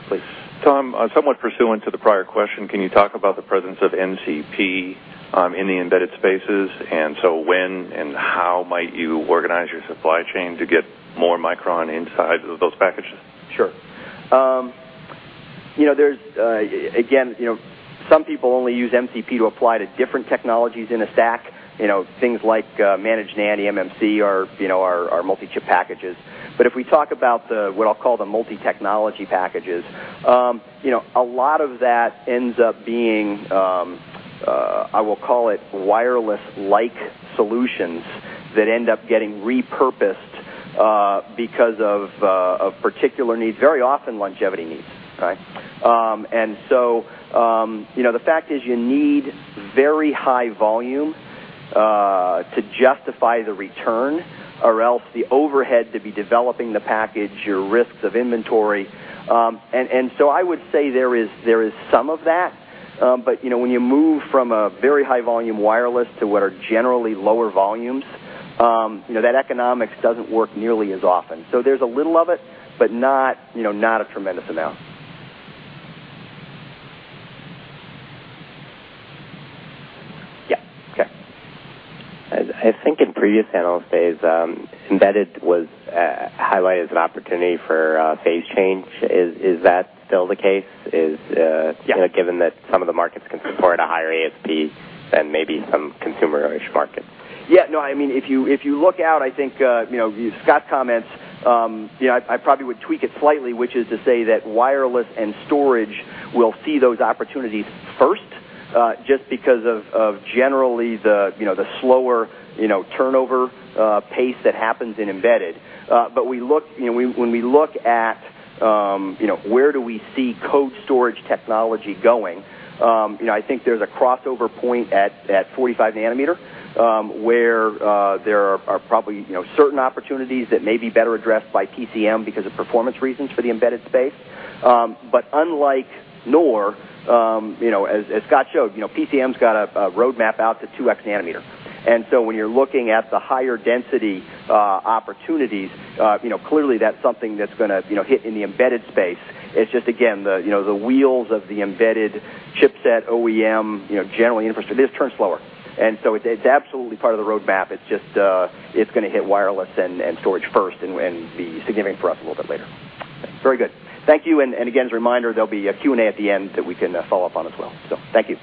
Speaker 9: Please.
Speaker 3: Tom, somewhat pursuant to the prior question, can you talk about the presence of MCP in the embedded spaces? When and how might you organize1:47 your supply chain to get more Micron inside of those packages?
Speaker 9: Sure. Again, some people only use MCP to apply to different technologies in a stack, things like managed NAND, eMMC, or multi-chip packages. If we talk about what I'll call the multi-technology packages, a lot of that ends up being, I will call it, wireless-like solutions that end up getting repurposed because of particular needs, very often longevity needs. The fact is you need very high volume to justify the return or else the overhead to be developing the package, your risks of inventory. I would say there is some of that. When you move from a very high volume wireless to what are generally lower volumes, that economics doesn't work nearly as often. There's a little of it, but not a tremendous amount. Yeah. OK.
Speaker 11: I think in previous analyst days, embedded was highlighted as an opportunity for phase change. Is that still the case given that some of the markets can support a higher ASP than maybe some consumer-ish markets?
Speaker 9: Yeah, no, I mean, if you look out, I think Scott's comments, I probably would tweak it slightly, which is to say that wireless and storage will see those opportunities first just because of generally the slower turnover pace that happens in embedded. When we look at where do we see code storage technology going, I think there's a crossover point at 45 nm where there are probably certain opportunities that may be better addressed by PCM because of performance reasons for the embedded space. Unlike NOR, as Scott showed, PCM's got a roadmap out to 2x nm. When you're looking at the higher density opportunities, clearly that's something that's going to hit in the embedded space. It's just, again, the wheels of the embedded chipset OEM, generally infrastructure, it just turns slower. It's absolutely part of the roadmap. It's just going to hit wireless and storage first and be significant for us a little bit later. Very good. Thank you. Again, as a reminder, there'll be a Q&A at the end that we can follow up on as well. Thank you.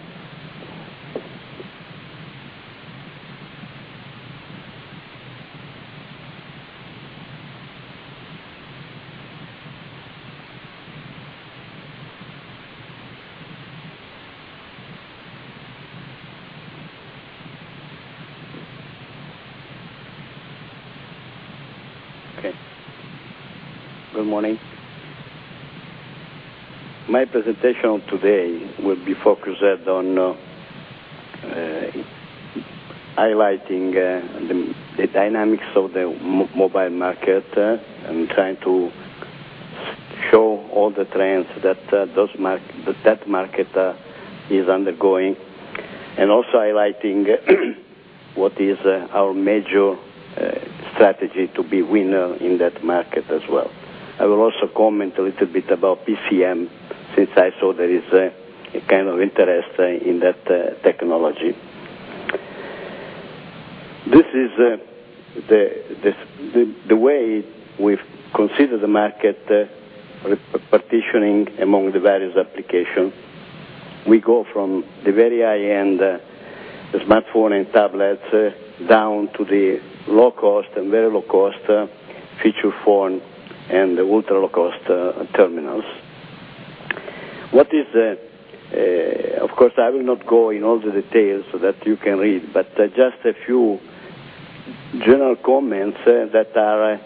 Speaker 12: Good morning. My presentation today will be focused on highlighting the dynamics of the mobile market and trying to show all the trends that that market is undergoing and also highlighting what is our major strategy to be a winner in that market as well. I will also comment a little bit about PCM since I saw there is a kind of interest in that technology. This is the way we consider the market partitioning among the various applications. We go from the very high-end smartphone and tablets down to the low-cost and very low-cost feature phone and the ultra-low-cost terminals. Of course, I will not go in all the details so that you can read, but just a few general comments that are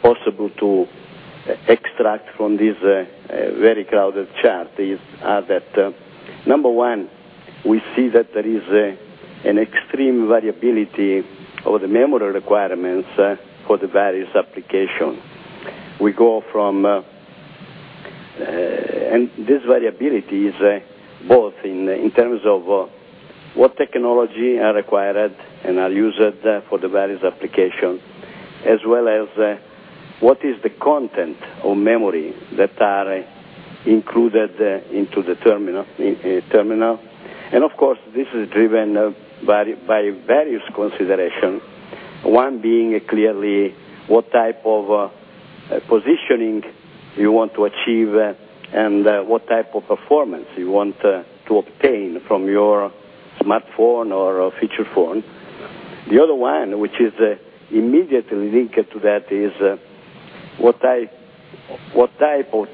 Speaker 12: possible to extract from this very crowded chart are that, number one, we see that there is an extreme variability of the memory requirements for the various applications. We go from, and this variability is both in terms of what technology are required and are used for the various applications, as well as what is the content of memory that are included into the terminal. Of course, this is driven by various considerations, one being clearly what type of positioning you want to achieve and what type of performance you want to obtain from your smartphone or feature phone. The other one, which is immediately linked to that, is what type of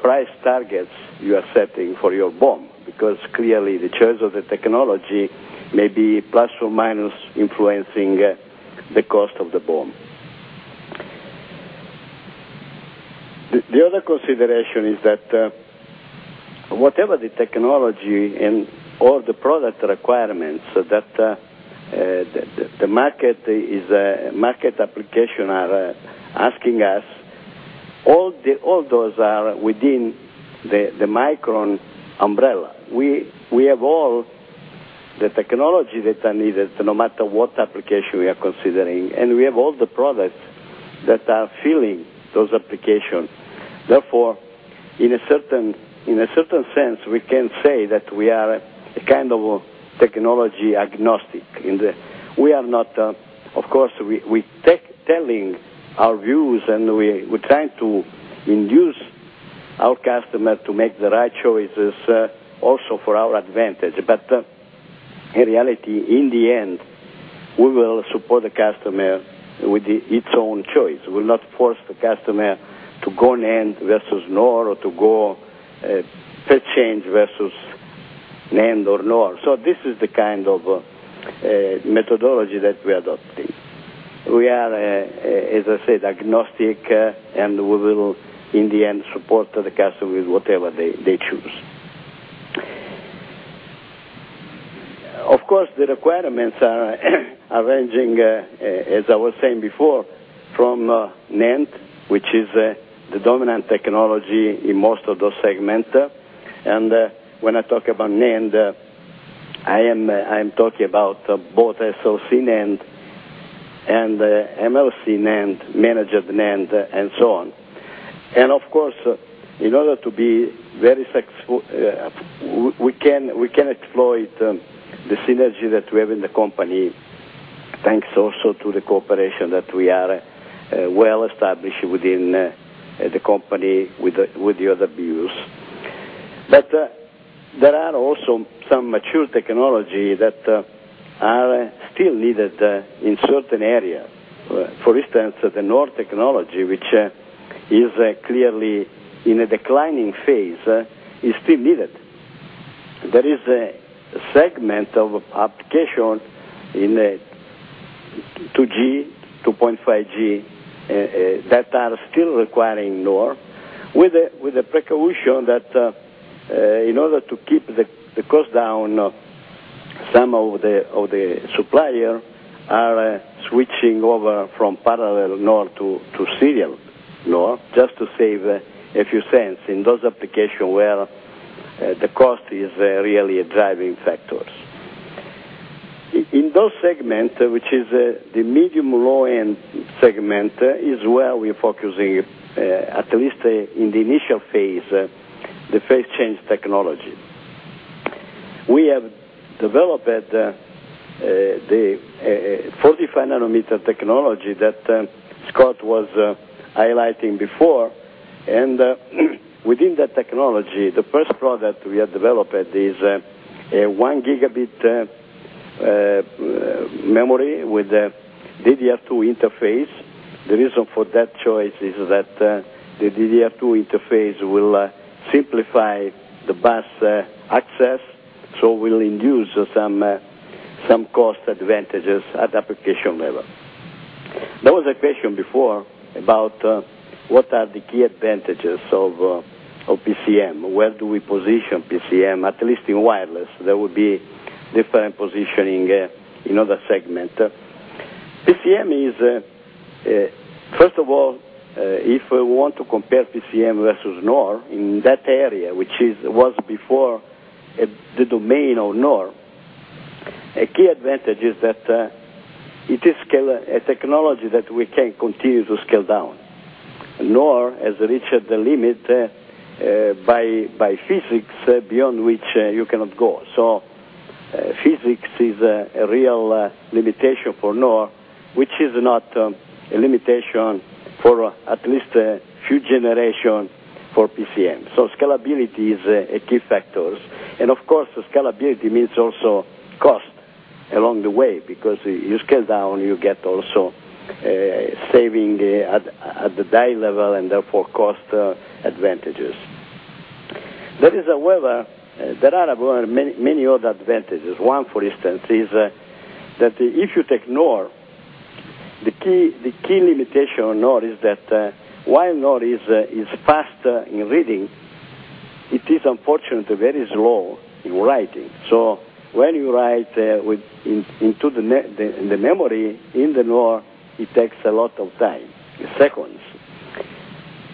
Speaker 12: price targets you are setting for your BOM because clearly the choice of the technology may be plus or minus influencing the cost of the BOM. The other consideration is that whatever the technology and all the product requirements that the market application are asking us, all those are within the Micron umbrella. We have all the technology that are needed no matter what application we are considering. We have all the products that are filling those applications. Therefore, in a certain sense, we can say that we are a kind of technology agnostic. We are not, of course, we're telling our views. We're trying to induce our customer to make the right choices also for our advantage. In reality, in the end, we will support the customer with its own choice. We'll not force the customer to go NAND versus NOR or to go phase change versus NAND or NOR. This is the kind of methodology that we're adopting. We are, as I said, agnostic. We will, in the end, support the customer with whatever they choose. Of course, the requirements are ranging, as I was saying before, from NAND, which is the dominant technology in most of those segments. When I talk about NAND, I am talking about both SLC NAND and MLC NAND, managed NAND, and so on. Of course, in order to be very successful, we can exploit the synergy that we have in the company, thanks also to the cooperation that we are well established within the company with the other views. There are also some mature technologies that are still needed in certain areas. For instance, the NOR technology, which is clearly in a declining phase, is still needed. There is a segment of applications in 2G, 2.5G that are still requiring NOR with the precaution that in order to keep the cost down, some of the suppliers are switching over from parallel NOR to serial NOR just to save a few cents in those applications where the cost is really a driving factor. In those segments, which is the medium low-end segment, is where we're focusing at least in the initial phase, the phase change technology. We have developed the 45 nm technology that Scott was highlighting before. Within that technology, the first product we have developed is a 1 gigabit memory with a DDR2 interface. The reason for that choice is that the DDR2 interface will simplify the bus access. It will induce some cost advantages at the application level. There was a question before about what are the key advantages of phase change memory (PCM). Where do we position PCM, at least in wireless? There would be different positioning in other segments. First of all, if we want to compare PCM versus NOR in that area, which was before the domain of NOR, a key advantage is that it is a technology that we can continue to scale down. NOR has reached the limit by physics beyond which you cannot go. Physics is a real limitation for NOR, which is not a limitation for at least a few generations for PCM. Scalability is a key factor. Scalability means also cost along the way because you scale down, you get also saving at the die level and therefore cost advantages. There are many other advantages. One, for instance, is that if you take NOR, the key limitation of NOR is that while NOR is faster in reading, it is unfortunately very slow in writing. When you write into the memory in the NOR, it takes a lot of time, seconds.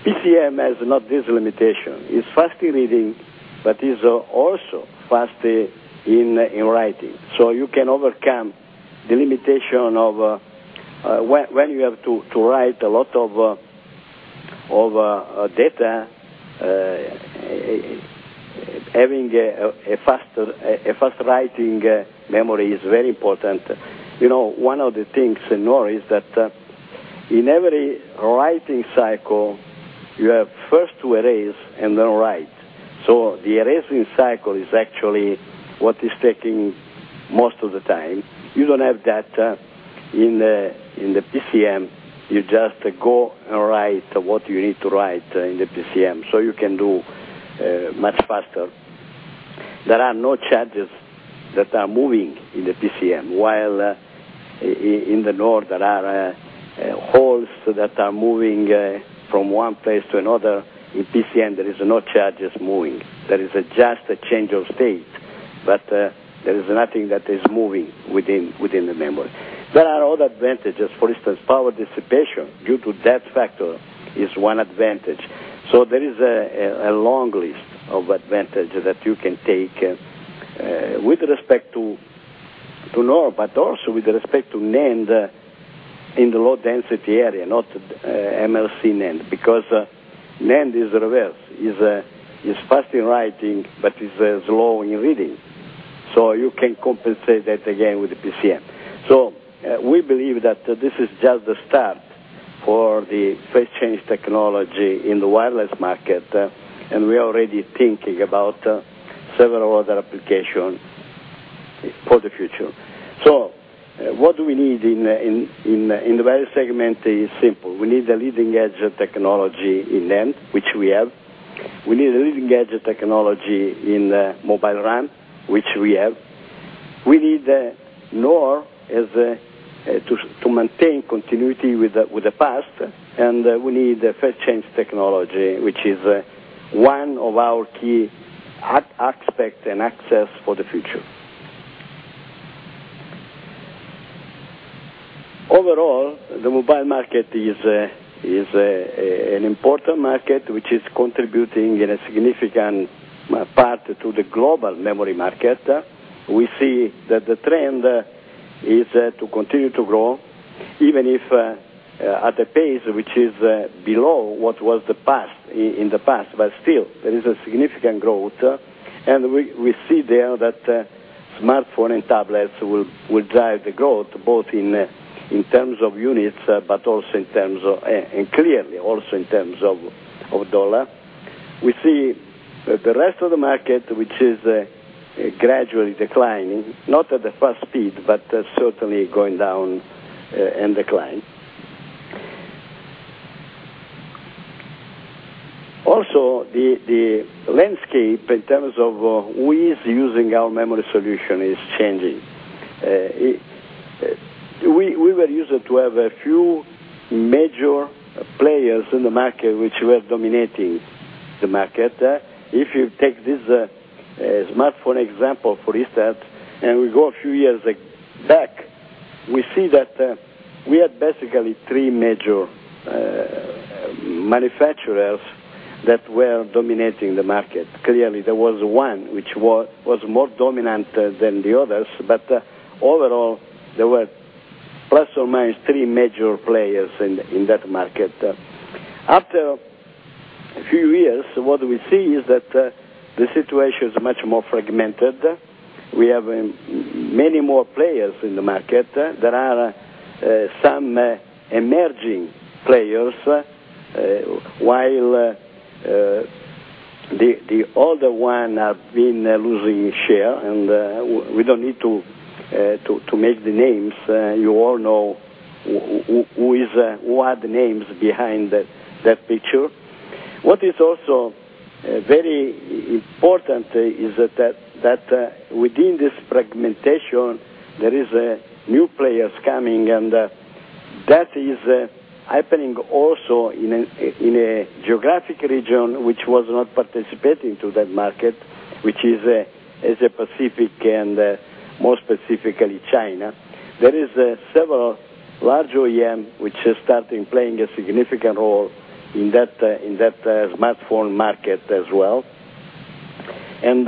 Speaker 12: PCM has not this limitation. It's fast in reading, but it's also fast in writing. You can overcome the limitation of when you have to write a lot of data, having a fast writing memory is very important. You know, one of the things in NOR is that in every writing cycle, you have first to erase and then write. The erasing cycle is actually what is taking most of the time. You don't have that in the PCM. You just go and write what you need to write in the PCM, so you can do much faster. There are no charges that are moving in the PCM. While in the NOR, there are holes that are moving from one place to another, in PCM, there are no charges moving. There is just a change of state, but there is nothing that is moving within the memory. There are other advantages. For instance, power dissipation due to that factor is one advantage. There is a long list of advantages that you can take with respect to NOR, but also with respect to NAND in the low-density area, not MLC NAND, because NAND is the reverse. It's fast in writing, but it's slow in reading. You can compensate that again with the PCM. We believe that this is just the start for the phase change technology in the wireless market. We are already thinking about several other applications for the future. What do we need in the various segments is simple. We need the leading edge technology in NAND, which we have. We need the leading edge technology in mobile RAM, which we have. We need NOR to maintain continuity with the past. We need phase change technology, which is one of our key aspects and access for the future. Overall, the mobile market is an important market, which is contributing in a significant part to the global memory market. We see that the trend is to continue to grow, even if at a pace which is below what was in the past. There is a significant growth. We see there that smartphone and tablets will drive the growth both in terms of units, but also in terms of, and clearly also in terms of dollar. We see the rest of the market, which is gradually declining, not at the fast speed, but certainly going down and declining. Also, the landscape in terms of who is using our memory solution is changing. We were used to have a few major players in the market which were dominating the market. If you take this smartphone example, for instance, and we go a few years back, we see that we had basically three major manufacturers that were dominating the market. Clearly, there was one which was more dominant than the others. Overall, there were plus or minus three major players in that market. After a few years, what we see is that the situation is much more fragmented. We have many more players in the market. There are some emerging players, while the other ones have been losing share. We don't need to make the names. You all know who are the names behind that picture. What is also very important is that within this fragmentation, there are new players coming. That is happening also in a geographic region which was not participating in that market, which is Asia-Pacific and more specifically China. There are several large OEMs which are starting to play a significant role in that smartphone market as well. I'm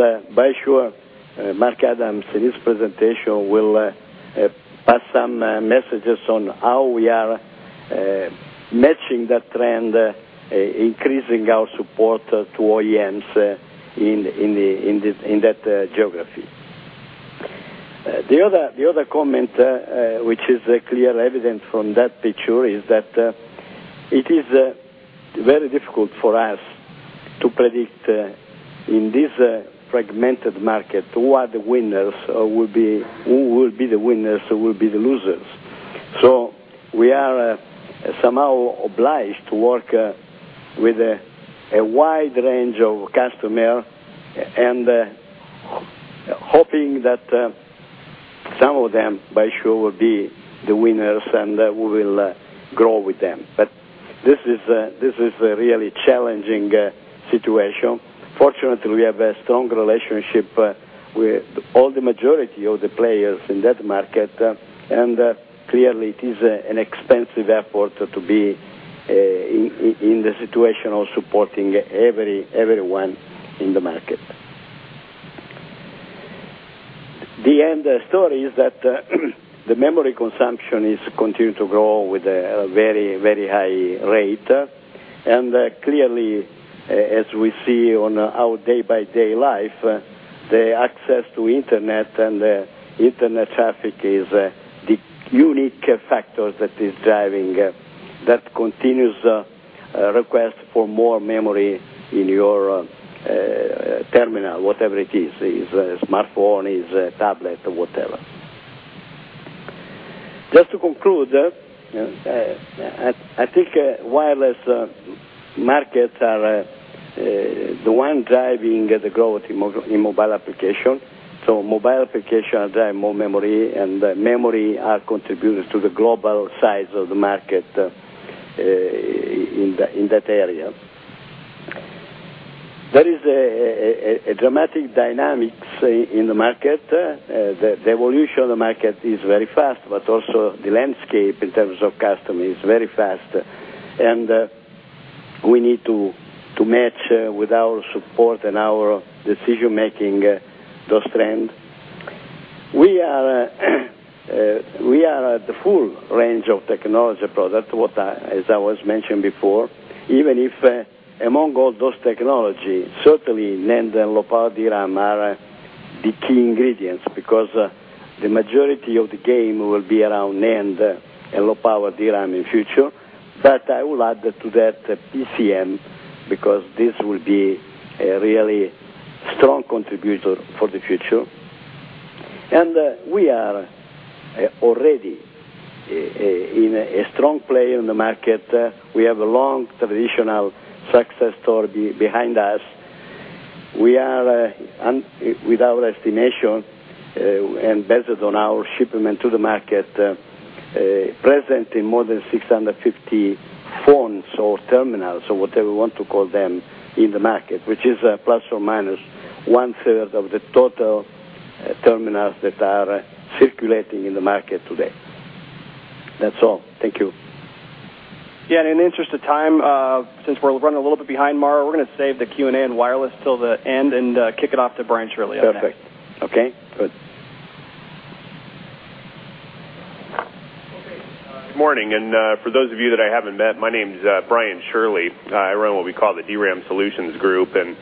Speaker 12: sure Mark Adams in his presentation will pass some messages on how we are matching that trend, increasing our support to OEMs in that geography. The other comment, which is clear evidence from that picture, is that it is very difficult for us to predict in this fragmented market who are the winners or who will be the winners or who will be the losers. We are somehow obliged to work with a wide range of customers and hoping that some of them, I'm sure, will be the winners and we will grow with them. This is a really challenging situation. Fortunately, we have a strong relationship with all the majority of the players in that market. Clearly, it is an expensive effort to be in the situation of supporting everyone in the market. The end of the story is that the memory consumption is continuing to grow with a very, very high rate. Clearly, as we see in our day-by-day life, the access to internet and the internet traffic is the unique factor that is driving that continuous request for more memory in your terminal, whatever it is, is a smartphone, is a tablet, whatever. Just to conclude, I think wireless markets are the ones driving the growth in mobile applications. Mobile applications drive more memory, and memory contributes to the global size of the market in that area. There is a dramatic dynamic in the market. The evolution of the market is very fast, but also the landscape in terms of customers is very fast. We need to match with our support and our decision-making those trends. We are at the full range of technology products, as I was mentioning before. Even if among all those technologies, certainly NAND and low-power DRAM are the key ingredients because the majority of the game will be around NAND and low-power DRAM in the future. I will add to that PCM because this will be a really strong contributor for the future. We are already in a strong play in the market. We have a long traditional success story behind us. We are, with our estimation and based on our shipment to the market, present in more than 650 phones or terminals or whatever you want to call them in the market, which is plus or minus one-third of the total terminals that are circulating in the market today. That's all. Thank you.
Speaker 1: Yeah, in the interest of time, since we're running a little bit behind, Mark, we're going to save the Q&A and wireless till the end and kick it off to Brian Shirley on that.
Speaker 12: Perfect. OK, good.
Speaker 13: Good morning. For those of you that I haven't met, my name is Brian Shirley. I run what we call the DRAM Solutions Group. I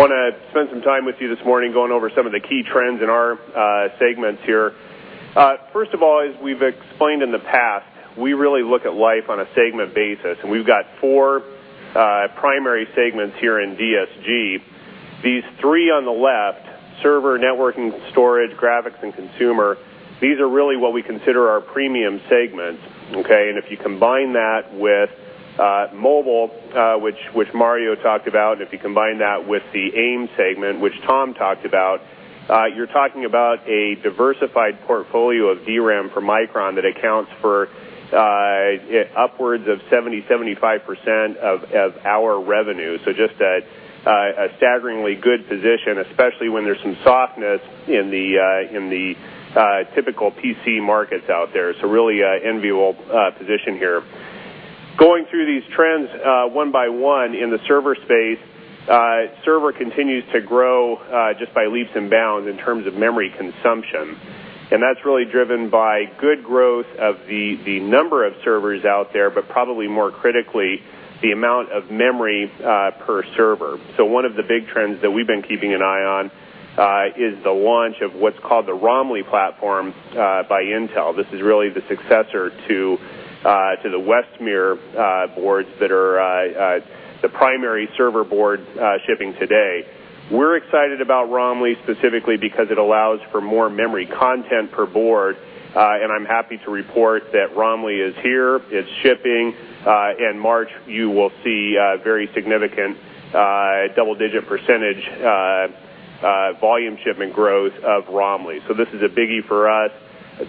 Speaker 13: want to spend some time with you this morning going over some of the key trends in our segments here. First of all, as we've explained in the past, we really look at life on a segment basis. We've got four primary segments here in DSG. These three on the left, server, networking, storage, graphics, and consumer, these are really what we consider our premium segments. If you combine that with mobile, which Mario talked about, and if you combine that with the AIM segment, which Tom talked about, you're talking about a diversified portfolio of DRAM for Micron that accounts for upwards of 70%, 75% of our revenue. Just a staggeringly good position, especially when there's some softness in the typical PC markets out there. Really an enviable position here. Going through these trends one by one in the server space, server continues to grow just. Leaps and bounds in terms of memory consumption. That's really driven by good growth of the number of servers out there, but probably more critically, the amount of memory per server. One of the big trends that we've been keeping an eye on is the launch of what's called the Romley platform by Intel. This is really the successor to the Westmir boards that are the primary server board shipping today. We're excited about Romley specifically because it allows for more memory content per board. I'm happy to report that Romley is here, it's shipping, and in March you will see very significant double-digit percentage volume shipment growth of Romley. This is a biggie for us.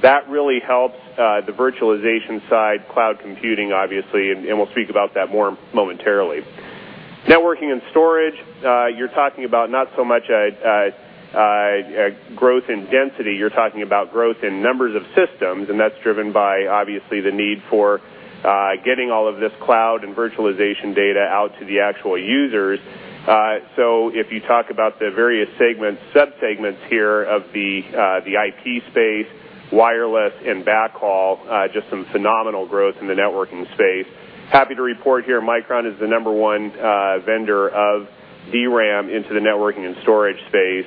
Speaker 13: That really helps the virtualization side, cloud computing obviously, and we'll speak about that more momentarily. Networking and storage, you're talking about not so much growth in density, you're talking about growth in numbers of systems, and that's driven by obviously the need for getting all of this cloud and virtualization data out to the actual users. If you talk about the various segments, sub-segments here of the IP space, wireless, and backhaul, just some phenomenal growth in the networking space. Happy to report here Micron is the number one vendor of DRAM into the networking and storage space.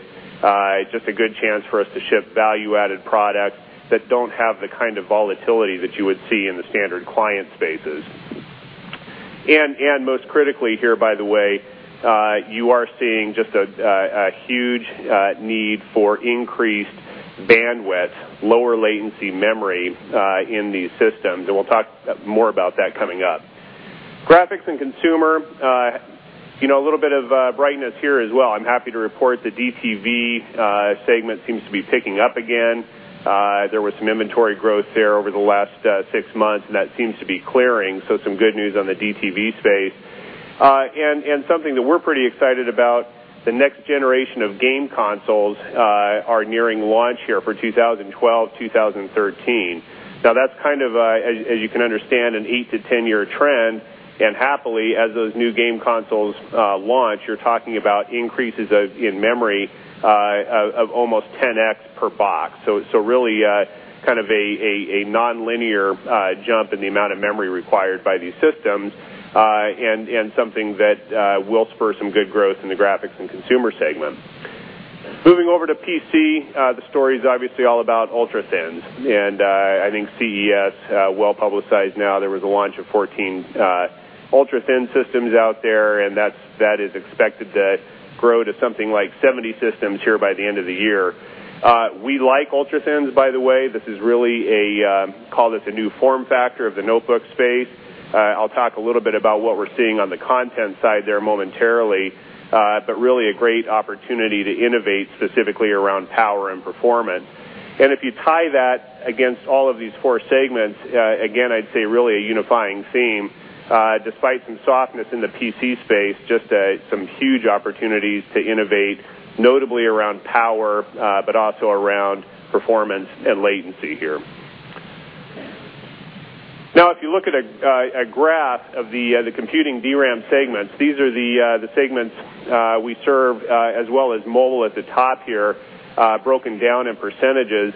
Speaker 13: Just a good chance for us to ship value-added products that don't have the kind of volatility that you would see in the standard client spaces. Most critically here, by the way, you are seeing just a huge need for increased bandwidth, lower latency memory in these systems. We'll talk more about that coming up. Graphics and consumer, you know, a little bit of brightness here as well. I'm happy to report the DTV segment seems to be picking up again. There was some inventory growth there over the last six months, and that seems to be clearing. Some good news on the DTV space. Something that we're pretty excited about, the next generation of game consoles are nearing launch here for 2012, 2013. Now that's kind of, as you can understand, an eight to 10-year trend. Happily, as those new game consoles launch, you're talking about increases in memory of almost 10x per box. Really kind of a nonlinear jump in the amount of memory required by these systems. Something that will spur some good growth in the graphics and consumer segment. Moving over to PC, the story's obviously all about ultra-thins. I think CES, well publicized now, there was a launch of 14 ultra-thin systems out there, and that is expected to grow to something like 70 systems here by the end of the year. We like ultra-thins, by the way. This is really a, call this a new form factor of the notebook space. I'll talk a little bit about what we're seeing on the content side there momentarily, but really a great opportunity to innovate specifically around power and performance. If you tie that against all of these four segments, again, I'd say really a unifying theme. Despite some softness in the PC space, just some huge opportunities to innovate, notably around power, but also around performance and latency here. If you look at a graph of the computing DRAM segments, these are the segments we serve as well as mobile at the top here, broken down in percentages.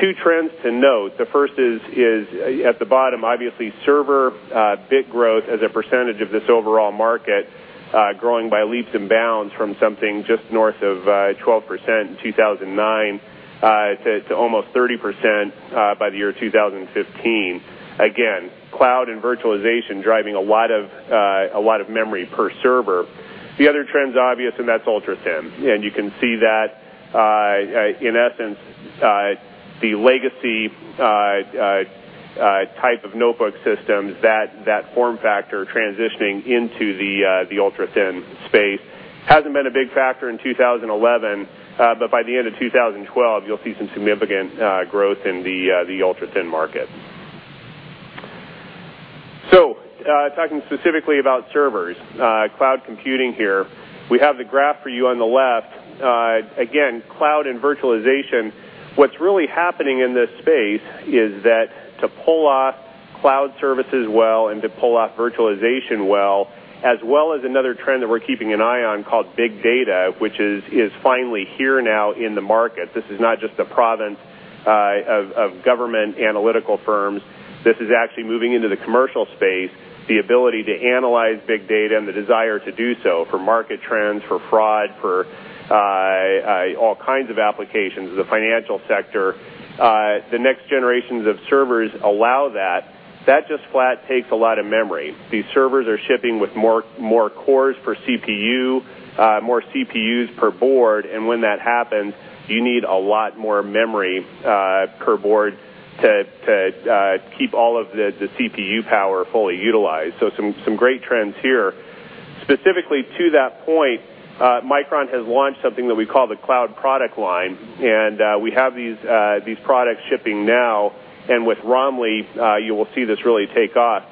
Speaker 13: Two trends to note. The first is at the bottom, obviously, server bit growth as a percentage of this overall market, growing by leaps and bounds from something just north of 12% in 2009 to almost 30% by the year 2015. Cloud and virtualization are driving a lot of memory per server. The other trend's obvious, and that's ultra-thin. You can see that in essence, the legacy type of notebook systems, that form factor transitioning into the ultra-thin space hasn't been a big factor in 2011, but by the end of 2012, you'll see some significant growth in the ultra-thin market. Talking specifically about servers, cloud computing here, we have the graph for you on the left. Cloud and virtualization, what's really happening in this space is that to pull off cloud services well and to pull off virtualization well, as well as another trend that we're keeping an eye on called big data, which is finally here now in the market. This is not just a province of government analytical firms. This is actually moving into the commercial space, the ability to analyze big data and the desire to do so for market trends, for fraud, for all kinds of applications, the financial sector. The next generations of servers allow that. That just flat takes a lot of memory. These servers are shipping with more cores per CPU, more CPUs per board, and when that happens, you need a lot more memory per board to keep all of the CPU power fully utilized. Some great trends here. Specifically to that point, Micron has launched something that we call the cloud product line. We have these products shipping now, and with Romley, you will see this really take off.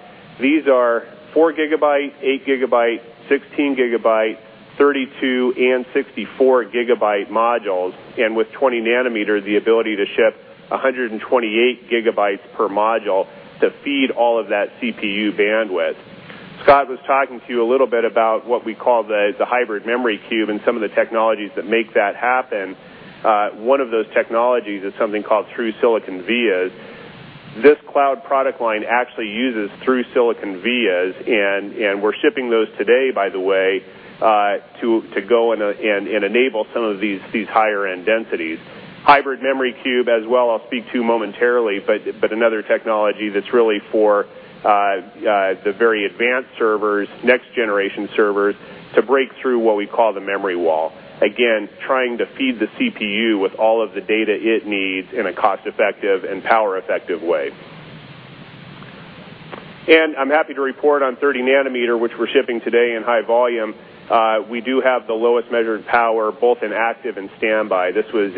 Speaker 13: These are 4 GB, 8 GB, 16 GB, 32 GB, and 64 gigabyte modules, and with 20 nm, the ability to ship 128 GB per module to feed all of that CPU bandwidth. Scott was talking to you a little bit about what we call the Hybrid Memory Cube and some of the technologies that make that happen. One of those technologies is something called true silicon vias. This cloud product line actually uses true silicon vias, and we're shipping those today, by the way, to go and enable some of these higher-end densities. Hybrid Memory Cube as well, I'll speak to momentarily, but another technology that's really for the very advanced servers, next generation servers, to break through what we call the memory wall. Again, trying to feed the CPU with all of the data it needs in a cost-effective and power-effective way. I'm happy to report on 30 nm, which we're shipping today in high volume. We do have the lowest measured power both in active and standby. This was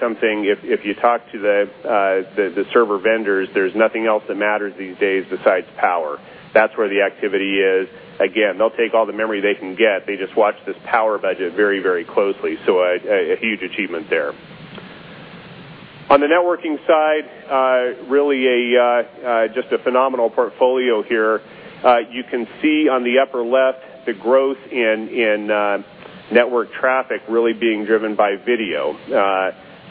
Speaker 13: something, if you talk to the server vendors, there's nothing else that matters these days besides power. That's where the activity is. They'll take all the memory they can get. They just watch this power budget very, very closely. A huge achievement there. On the networking side, really just a phenomenal portfolio here. You can see on the upper left the growth in network traffic really being driven by video.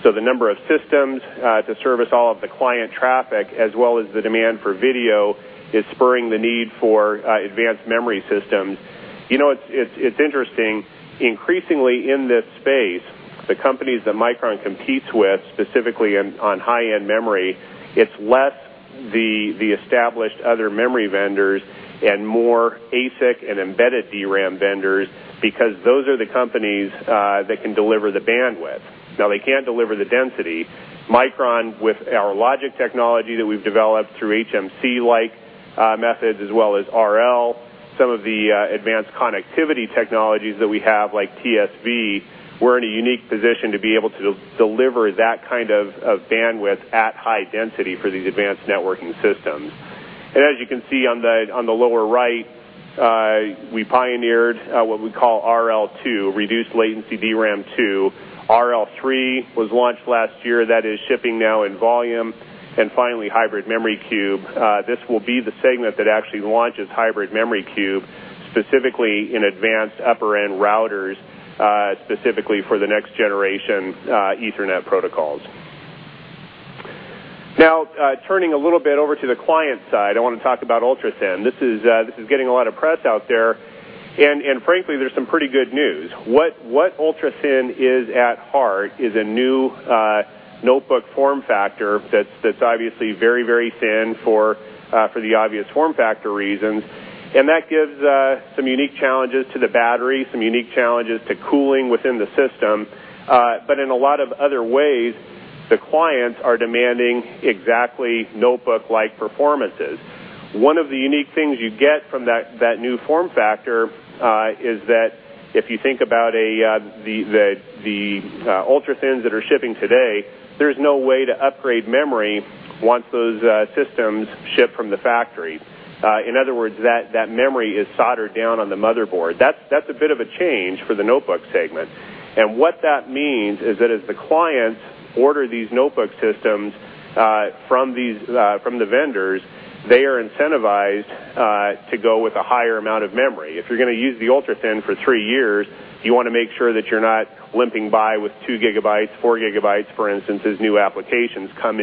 Speaker 13: The number of systems to service all of the client traffic, as well as the demand for video, is spurring the need for advanced memory systems. It's interesting, increasingly in that space, the companies that Micron competes with specifically on high-end memory, it's less the established other memory vendors and more ASIC and embedded DRAM vendors because those are the companies that can deliver the bandwidth. Now they can't deliver the density. Micron Technology, with our logic technology that we've developed through HMC-like methods, as well as RL, some of the advanced connectivity technologies that we have like TSV, we're in a unique position to be able to deliver that kind of bandwidth at high density for these advanced networking systems. As you can see on the lower right, we pioneered what we call RL2, reduced latency DRAM2. RL3 was launched last year. That is shipping now in volume. Finally, Hybrid Memory Cube. This will be the segment that actually launches Hybrid Memory Cube, specifically in advanced upper-end routers, specifically for the next generation Ethernet protocols. Now, turning a little bit over to the client side, I want to talk about ultra-thin. This is getting a lot of press out there. Frankly, there's some pretty good news. What ultra-thin is at heart is a new notebook form factor that's obviously very, very thin for the obvious form factor reasons. That gives some unique challenges to the battery, some unique challenges to cooling within the system. In a lot of other ways, the clients are demanding exactly notebook-like performances. One of the unique things you get from that new form factor is that if you think about the ultra-thins that are shipping today, there's no way to upgrade memory once those systems ship from the factory. In other words, that memory is soldered down on the motherboard. That's a bit of a change for the notebook segment. What that means is that as the clients order these notebook systems from the vendors, they are incentivized to go with a higher amount of memory. If you're going to use the ultra-thin for three years, you want to make sure that you're not limping by with two gigabytes, four gigabytes, for instance, as new applications come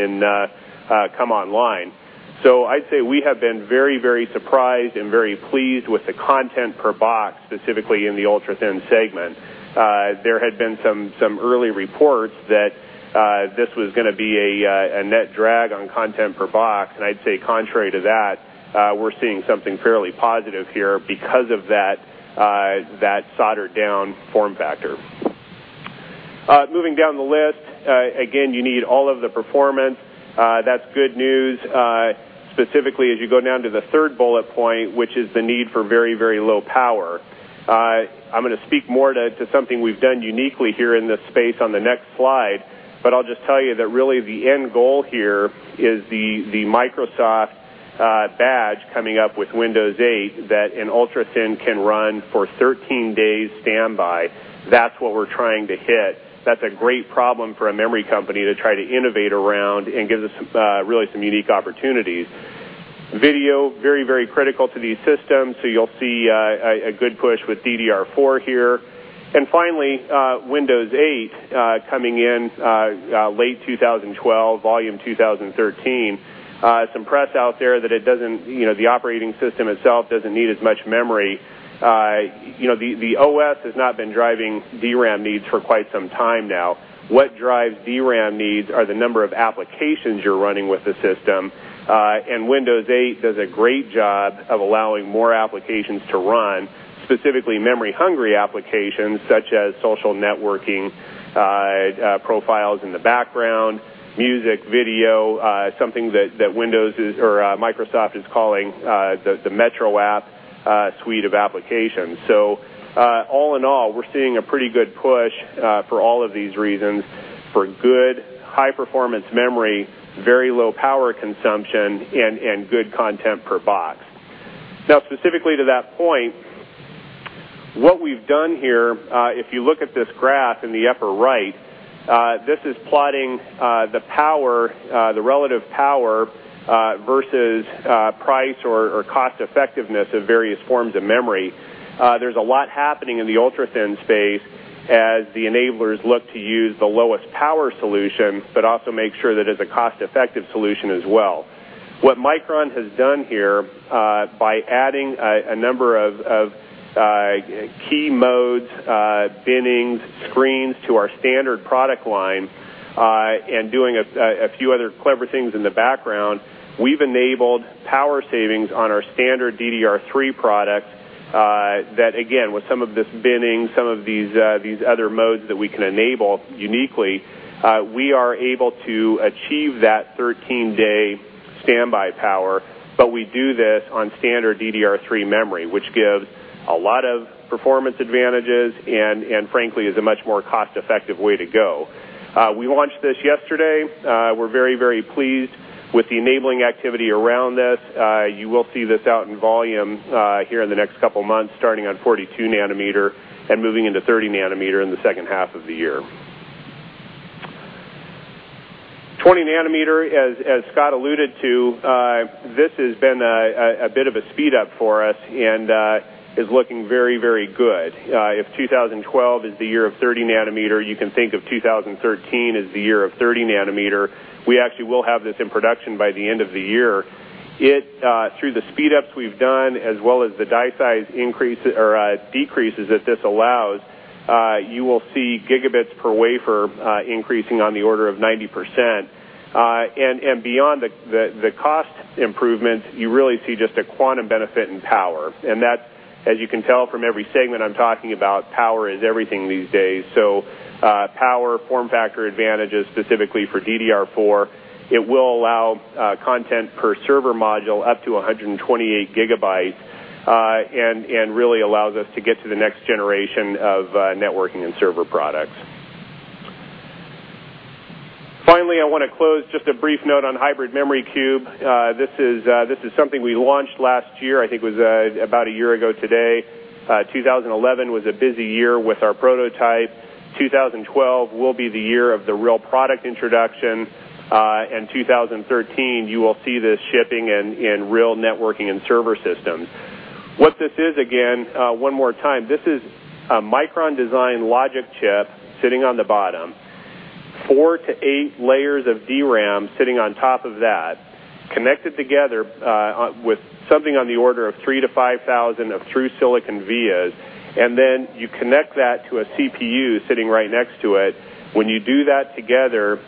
Speaker 13: online. I'd say we have been very, very surprised and very pleased with the content per box, specifically in the ultra-thin segment. There had been some early reports that this was going to be a net drag on content per box. I'd say contrary to that, we're seeing something fairly positive here because of that soldered-down form factor. Moving down the list, again, you need all of the performance. That's good news. Specifically, as you go down to the third bullet point, which is the need for very, very low power. I'm going to speak more to something we've done uniquely here in this space on the next slide. I'll just tell you that really the end goal here is the Microsoft badge coming up with Windows 8 that an ultra-thin can run for 13 days standby. That's what we're trying to hit. That's a great problem for a memory company to try to innovate around and gives us really some unique opportunities. Video, very, very critical to these systems. You'll see a good push with DDR4 here. Finally, Windows 8 coming in late 2012, volume 2013. Some press out there that it doesn't, you know, the operating system itself doesn't need as much memory. You know, the OS has not been driving DRAM needs for quite some time now. What drives DRAM needs are the number of applications you're running with the system. Windows 8 does a great job of allowing more applications to run, specifically memory-hungry applications such as social networking profiles in the background, music, video, something that Microsoft is calling the Metro app suite of applications. All in all, we're seeing a pretty good push for all of these reasons for good high-performance memory, very low power consumption, and good content per box. Now, specifically to that point, what we've done here, if you look at this graph in the upper right, this is plotting the power, the relative power versus price or cost-effectiveness of various forms of memory. There's a lot happening in the ultra-thin space as the enablers look to use the lowest power solution, but also make sure that it's a cost-effective solution as well. What Micron has done here by adding a number of key modes, binnings, screens to our standard product line and doing a few other clever things in the background, we've enabled power savings on our standard DDR3 product that, again, with some of this binning, some of these other modes that we can enable uniquely, we are able to achieve that 13-day standby power. We do this on standard DDR3 memory, which gives a lot of performance advantages and, frankly, is a much more cost-effective way to go. We launched this yesterday. We're very, very pleased with the enabling activity around this. You will see this out in volume here in the next couple of months, starting on 42nm and moving into 30 nm in the second half of the year. 20 nm, as Scott alluded to, this has been a bit of a speed-up for us and is looking very, very good. If 2012 is the year of 30 nm, you can think of 2013 as the year of 30 nm. We actually will have this in production by the end of the year. Through the speed-ups we've done, as well as the die size decreases that this allows, you will see gigabits per wafer increasing on the order of 90%. Beyond the cost improvements, you really see just a quantum benefit in power. As you can tell from every segment I'm talking about, power is everything these days. Power form factor advantages, specifically for DDR4, will allow content per server module up to 128GB and really allows us to get to the next generation of networking and server products. Finally, I want to close with just a brief note on Hybrid Memory Cube. This is something we launched last year. I think it was about a year ago today. 2011 was a busy year with our prototype. 2012 will be the year of the real product introduction. 2013, you will see this shipping in real networking and server systems. What this is, again, one more time, this is a Micron-designed logic chip sitting on the bottom, four to eight layers of DRAM sitting on top of that, connected together with something on the order of 3,000 to 5,000 of true silicon vias. You connect that to a CPU sitting right next to it. When you do that together,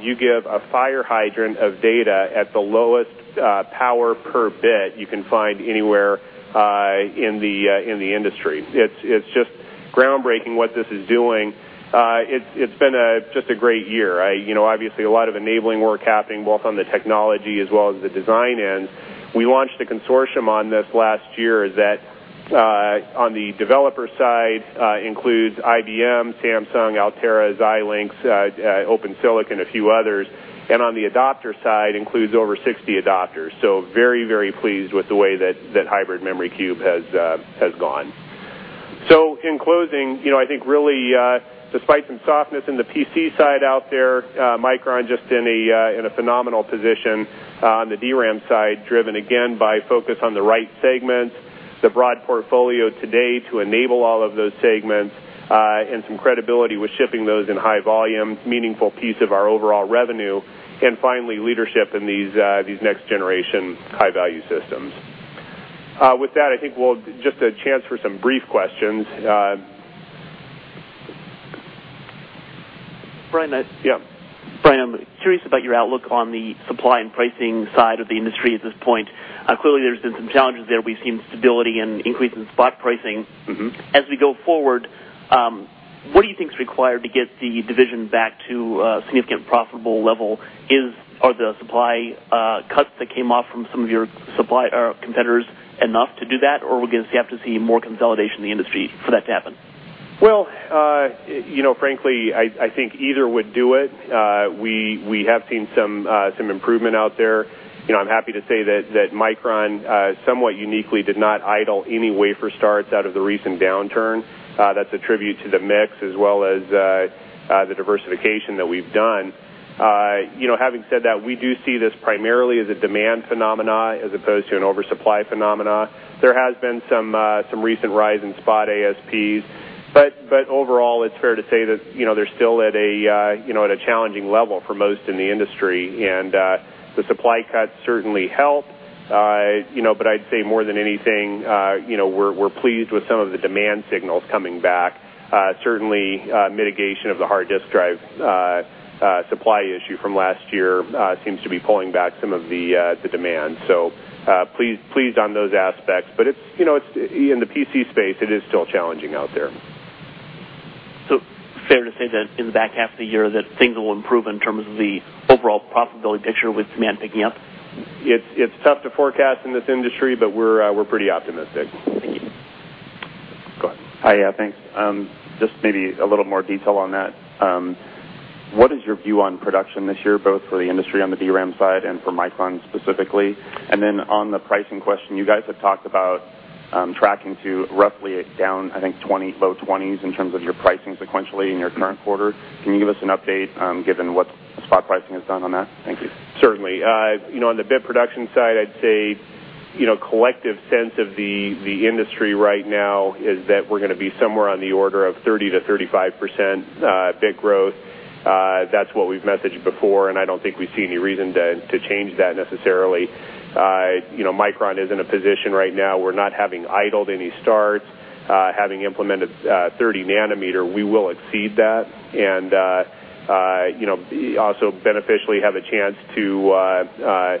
Speaker 13: you give a fire hydrant of data at the lowest power per bit you can find anywhere in the industry. It's just groundbreaking what this is doing. It's been just a great year. Obviously, a lot of enabling work happening both on the technology as well as the design end. We launched a consortium on this last year that, on the developer side, includes IBM, Samsung, Altera, Xilinx, Open-Silicon, a few others. On the adopter side, it includes over 60 adopters. Very, very pleased with the way that Hybrid Memory Cube has gone. In closing, I think really, despite some softness in the PC side out there, Micron is just in a phenomenal position on the DRAM side, driven again by focus on the right segments, the broad portfolio today to enable all of those segments, and some credibility with shipping those in high volume, meaningful piece of our overall revenue. Finally, leadership in these next generation high-value systems. With that, I think we'll just have a chance for some brief questions.
Speaker 14: Brian,
Speaker 13: yeah.
Speaker 14: Brian, I'm curious about your outlook on the supply and pricing side of the industry at this point. Clearly, there's been some challenges there. We've seen stability and increase in spot pricing. As we go forward, what do you think is required to get the division back to a significant profitable level? Are the supply cuts that came off from some of your competitors enough to do that, or will you have to see more consolidation in the industry for that to happen?
Speaker 13: Frankly, I think either would do it. We have seen some improvement out there. I'm happy to say that Micron somewhat uniquely did not idle any wafer starts out of the recent downturn. That's a tribute to the mix as well as the diversification that we've done. Having said that, we do see this primarily as a demand phenomenon as opposed to an oversupply phenomenon. There has been some recent rise in spot ASPs, but overall, it's fair to say that they're still at a challenging level for most in the industry. The supply cuts certainly helped. I'd say more than anything, we're pleased with some of the demand signals coming back. Certainly, mitigation of the hard disk drive supply issue from last year seems to be pulling back some of the demand. Pleased on those aspects. In the PC space, it is still challenging out there.
Speaker 14: it fair to say that in the back half of the year that things will improve in terms of the overall profitability picture with demand picking up?
Speaker 13: It's tough to forecast in this industry, but we're pretty optimistic.
Speaker 14: Thank you.
Speaker 13: Go ahead.
Speaker 3: Hi, yeah, thanks. Maybe a little more detail on that. What is your view on production this year, both for the industry on the DRAM side and for Micron Technology specifically? On the pricing question, you guys have talked about tracking to roughly down, I think, low 20% in terms of your pricing sequentially in your current quarter. Can you give us an update given what spot pricing has done on that?
Speaker 13: Thank you. Certainly. You know, on the bit production side, I'd say the collective sense of the industry right now is that we're going to be somewhere on the order of 30% to 35% bit growth. That's what we've messaged before, and I don't think we see any reason to change that necessarily. Micron is in a position right now where, not having idled any starts, having implemented 30 nm, we will exceed that. Also, beneficially, we have a chance to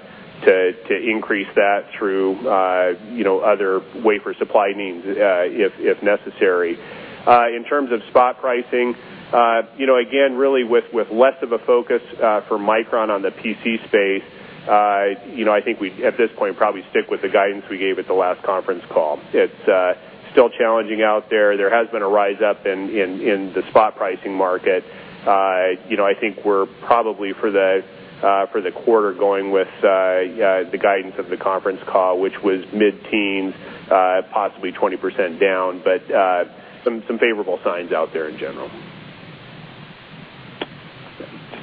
Speaker 13: increase that through other wafer supply needs if necessary. In terms of spot pricing, again, really with less of a focus for Micron on the PC space, I think we at this point probably stick with the guidance we gave at the last conference call. It's still challenging out there. There has been a rise up in the spot pricing market. I think we're probably for the quarter going with the guidance of the conference call, which was mid-teens, possibly 20% down, but some favorable signs out there in general.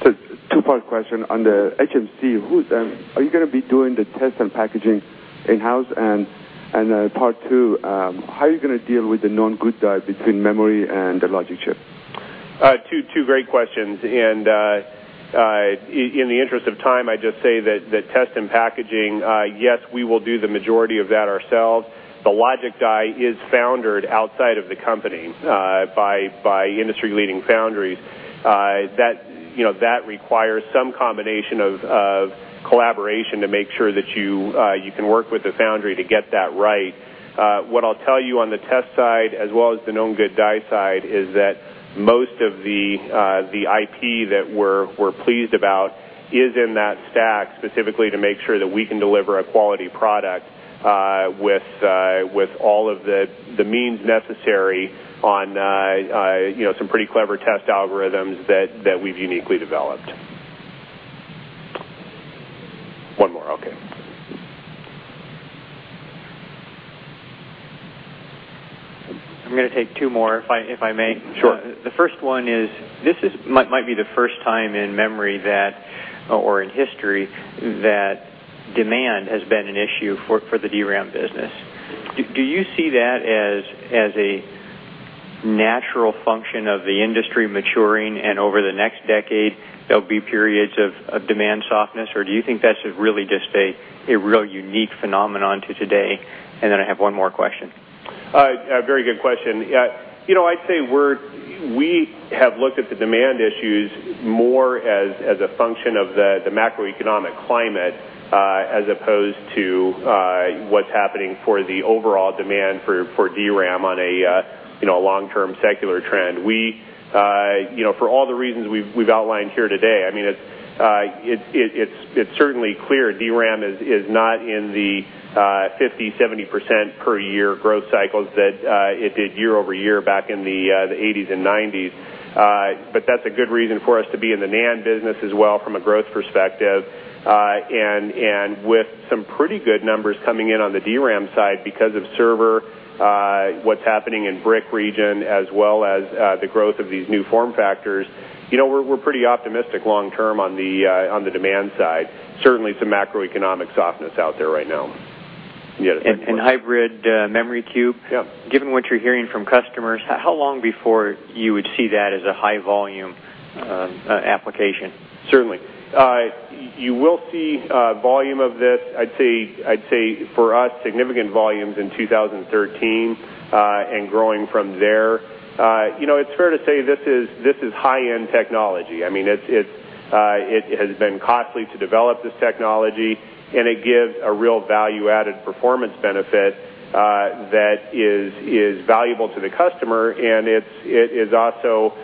Speaker 15: Two-part question on the Hybrid Memory Cube. Are you going to be doing the test and packaging in-house? Part two, how are you going to deal with the non-good die between memory and the logic chip?
Speaker 13: Two great questions. In the interest of time, I just say that the test and packaging, yes, we will do the majority of that ourselves. The logic die is foundered outside of the company by industry-leading foundries. That requires some combination of collaboration to make sure that you can work with the foundry to get that right. What I'll tell you on the test side, as well as the non-good die side, is that most of the IP that we're pleased about is in that stack specifically to make sure that we can deliver a quality product with all of the means necessary on some pretty clever test algorithms that we've uniquely developed. One more, okay.
Speaker 10: I'm going to take two more, if I may.
Speaker 13: Sure.
Speaker 10: The first one is, this might be the first time in memory that, or in history, that demand has been an issue for the DRAM business. Do you see that as a natural function of the industry maturing and over the next decade, there'll be periods of demand softness, or do you think that's really just a real unique phenomenon to today? I have one more question.
Speaker 13: Very good question. I'd say we have looked at the demand issues more as a function of the macroeconomic climate as opposed to what's happening for the overall demand for DRAM on a long-term secular trend. For all the reasons we've outlined here today, it's certainly clear DRAM is not in the 50%, 70% per year growth cycles that it did year over year back in the 1980s and 1990s. That's a good reason for us to be in the NAND business as well from a growth perspective. With some pretty good numbers coming in on the DRAM side because of server, what's happening in brick region, as well as the growth of these new form factors, we're pretty optimistic long-term on the demand side. Certainly, some macroeconomic softness out there right now.
Speaker 10: Given what you're hearing from customers, how long before you would see that as a high-volume application?
Speaker 13: Certainly. You will see volume of this. I'd say for us, significant volumes in 2013 and growing from there. It's fair to say this is high-end technology. I mean, it has been costly to develop this technology, and it gives a real value-added performance benefit that is valuable to the customer. It also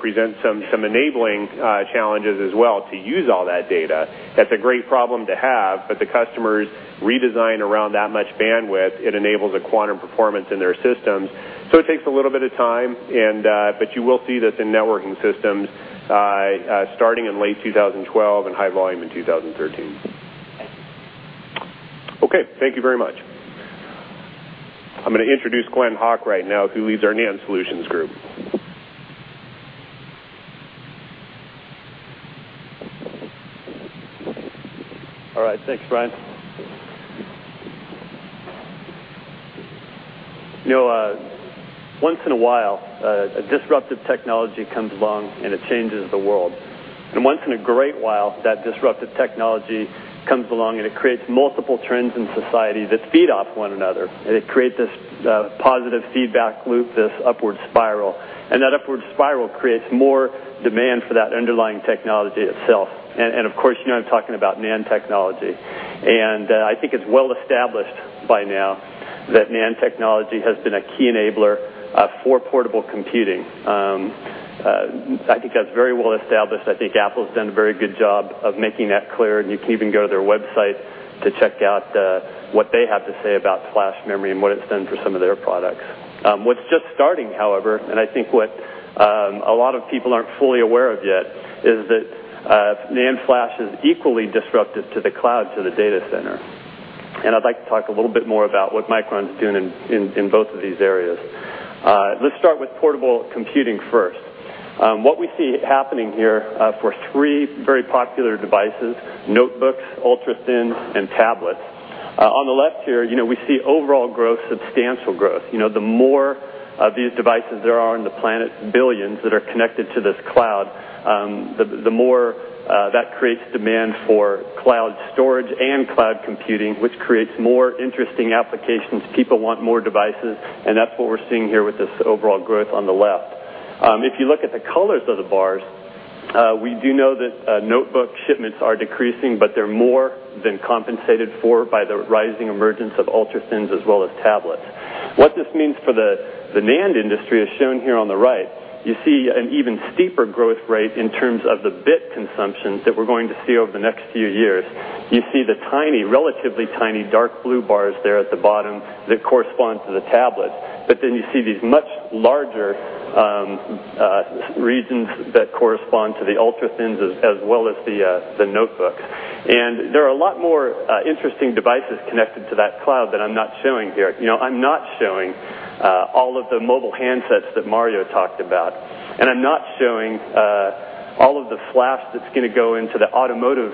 Speaker 13: presents some enabling challenges as well to use all that data. That's a great problem to have, but the customers redesign around that much bandwidth. It enables a quantum performance in their systems. It takes a little bit of time, but you will see this in networking systems starting in late 2012 and high volume in 2013. Thank you very much. I'm going to introduce Glen Hawk right now, who leads our NAND Solutions Group.
Speaker 16: All right, thanks, Brian. You know, once in a while, a disruptive technology comes along and it changes the world. Once in a great while, that disruptive technology comes along and it creates multiple trends in society that feed off one another. It creates this positive feedback loop, this upward spiral. That upward spiral creates more demand for that underlying technology itself. Of course, you know, I'm talking about NAND technology. I think it's well established by now that NAND technology has been a key enabler for portable computing. I think that's very well established. I think Apple's done a very good job of making that clear. You can even go to their website to check out what they have to say about flash memory and what it's done for some of their products. What's just starting, however, and I think what a lot of people aren't fully aware of yet, is that NAND flash is equally disruptive to the cloud, to the data center. I'd like to talk a little bit more about what Micron Technology is doing in both of these areas. Let's start with portable computing first. What we see happening here for three very popular devices, notebooks, ultra-thins, and tablets. On the left here, you know, we see overall growth, substantial growth. The more of these devices there are on the planet, billions that are connected to this cloud, the more that creates demand for cloud storage and cloud computing, which creates more interesting applications. People want more devices. That's what we're seeing here with this overall growth on the left. If you look at the colors of the bars, we do know that notebook shipments are decreasing, but they're more than compensated for by the rising emergence of ultra-thins as well as tablets. What this means for the NAND industry is shown here on the right. You see an even steeper growth rate in terms of the bit consumptions that we're going to see over the next few years. You see the tiny, relatively tiny dark blue bars there at the bottom that correspond to the tablets. Then you see these much larger regions that correspond to the ultra-thins as well as the notebooks. There are a lot more interesting devices connected to that cloud that I'm not showing here. I'm not showing all of the mobile handsets that Mario talked about. I'm not showing all of the flash that's going to go into the automotive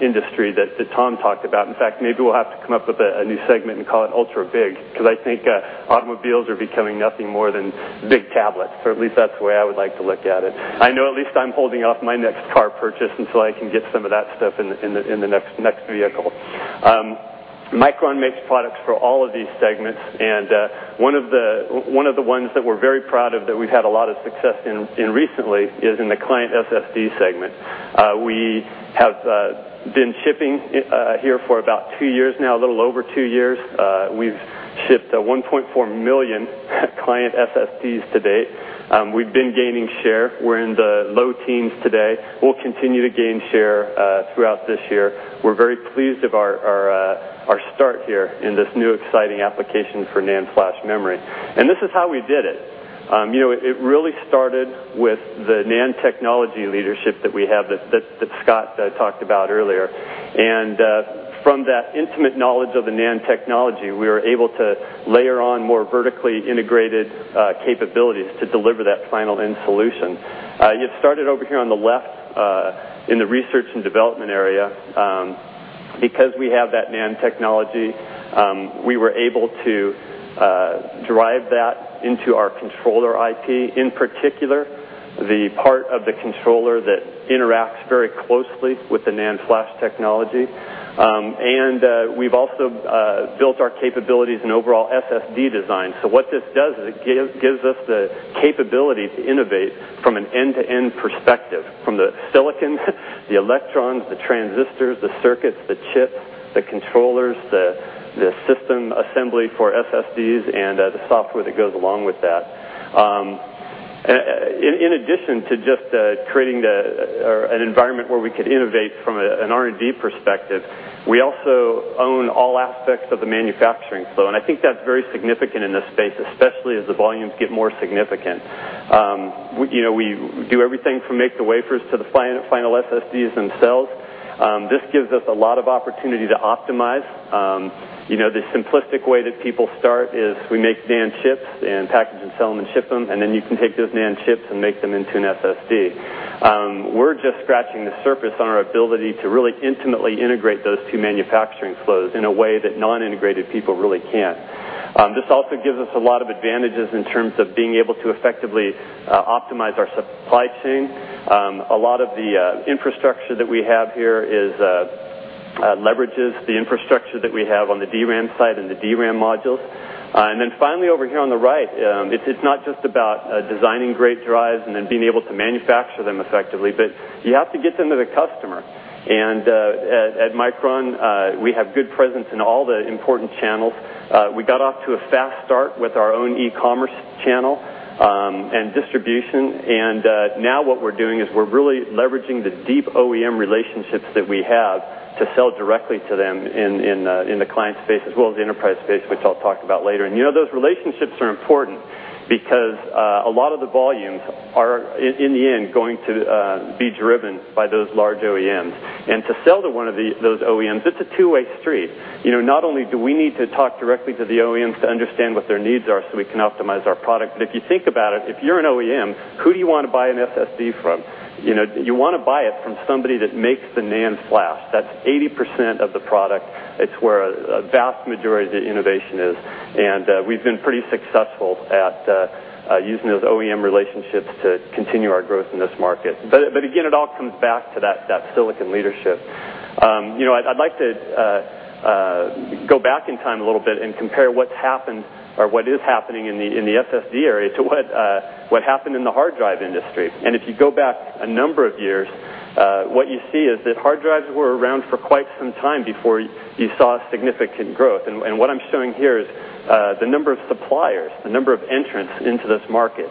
Speaker 16: industry that Tom talked about. In fact, maybe we'll have to come up with a new segment and call it ultra big, because I think automobiles are becoming nothing more than big tablets. At least that's the way I would like to look at it. I know at least I'm holding off my next car purchase until I can get some of that stuff in the next vehicle. Micron makes products for all of these segments. One of the ones that we're very proud of that we've had a lot of success in recently is in the client SSD segment. We have been shipping here for about two years now, a little over two years. We've shipped 1.4 million client SSDs to date. We've been gaining share. We're in the low teens today. We'll continue to gain share throughout this year. We're very pleased with our start here in this new exciting application for NAND flash memory. This is how we did it. It really started with the NAND technology leadership that we have, that Scott talked about earlier. From that intimate knowledge of the NAND technology, we were able to layer on more vertically integrated capabilities to deliver that final end solution. You started over here on the left in the research and development area. Because we have that NAND technology, we were able to drive that into our controller IP, in particular, the part of the controller that interacts very closely with the NAND flash technology. We've also built our capabilities in overall SSD design. What this does is it gives us the capability to innovate from an end-to-end perspective, from the silicon, the electrons, the transistors, the circuits, the chip, the controllers, the system assembly for SSDs, and the software that goes along with that. In addition to just creating an environment where we could innovate from an R&D perspective, we also own all aspects of the manufacturing flow. I think that's very significant in this space, especially as the volumes get more significant. We do everything from make the wafers to the final SSDs themselves. This gives us a lot of opportunity to optimize. The simplistic way that people start is we make NAND chips and package and sell them and ship them. Then you can take those NAND chips and make them into an SSD. We're just scratching the surface on our ability to really intimately integrate those two manufacturing flows in a way that non-integrated people really can't. This also gives us a lot of advantages in terms of being able to effectively optimize our supply chain. A lot of the infrastructure that we have here leverages the infrastructure that we have on the DRAM side and the DRAM modules. Finally, over here on the right, it's not just about designing great drives and then being able to manufacture them effectively, but you have to get them to the customer. At Micron, we have good presence in all the important channels. We got off to a fast start with our own e-commerce channel and distribution. Now what we're doing is we're really leveraging the deep OEM relationships that we have to sell directly to them in the client space as well as the enterprise space, which I'll talk about later. Those relationships are important because a lot of the volumes are, in the end, going to be driven by those large OEMs. To sell to one of those OEMs, it's a two-way street. Not only do we need to talk directly to the OEMs to understand what their needs are so we can optimize our product, but if you think about it, if you're an OEM, who do you want to buy an SSD from? You want to buy it from somebody that makes the NAND flash. That's 80% of the product. It's where a vast majority of the innovation is. We've been pretty successful at using those OEM relationships to continue our growth in this market. Again, it all comes back to that silicon leadership. I'd like to go back in time a little bit and compare what's happened or what is happening in the SSD area to what happened in the hard drive industry. If you go back a number of years, what you see is that hard drives were around for quite some time before you saw significant growth. What I'm showing here is the number of suppliers, the number of entrants into this market.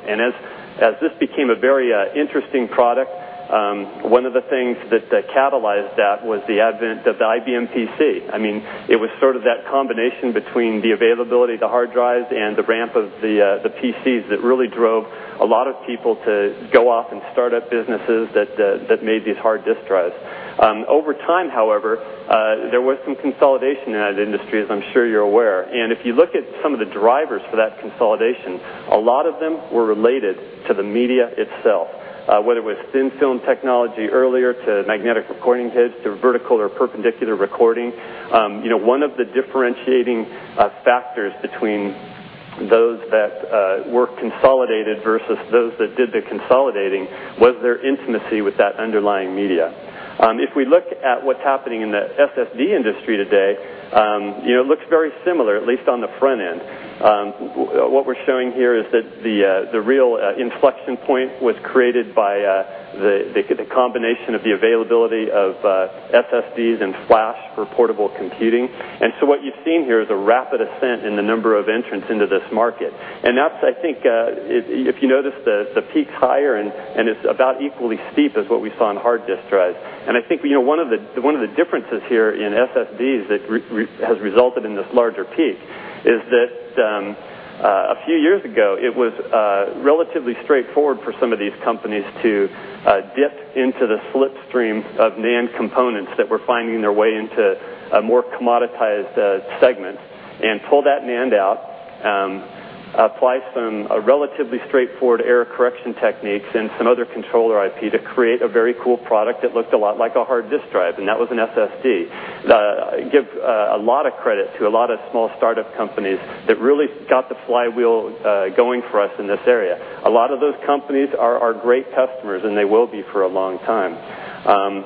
Speaker 16: As this became a very interesting product, one of the things that catalyzed that was the advent of the IBM PC. It was sort of that combination between the availability of the hard drives and the ramp of the PCs that really drove a lot of people to go off and start up businesses that made these hard disk drives. Over time, however, there was some consolidation in that industry, as I'm sure you're aware. If you look at some of the drivers for that consolidation, a lot of them were related to the media itself. Whether it was thin film technology earlier to magnetic recording heads to vertical or perpendicular recording, one of the differentiating factors between those that were consolidated versus those that did the consolidating was their intimacy with that underlying media. If we look at what's happening in the SSD industry today, it looks very similar, at least on the front end. What we're showing here is that the real inflection point was created by the combination of the availability of SSDs and flash for portable computing. What you've seen here is a rapid ascent in the number of entrants into this market. That's, I think, if you notice, the peak's higher and it's about equally steep as what we saw in hard disk drives. I think one of the differences here in SSDs that has resulted in this larger peak is that a few years ago, it was relatively straightforward for some of these companies to dip into the slipstream of NAND components that were finding their way into more commoditized segments. Pull that NAND out, apply some relatively straightforward error correction techniques and some other controller IP to create a very cool product that looked a lot like a hard disk drive. That was an SSD. I give a lot of credit to a lot of small startup companies that really got the flywheel going for us in this area. A lot of those companies are great customers and they will be for a long time.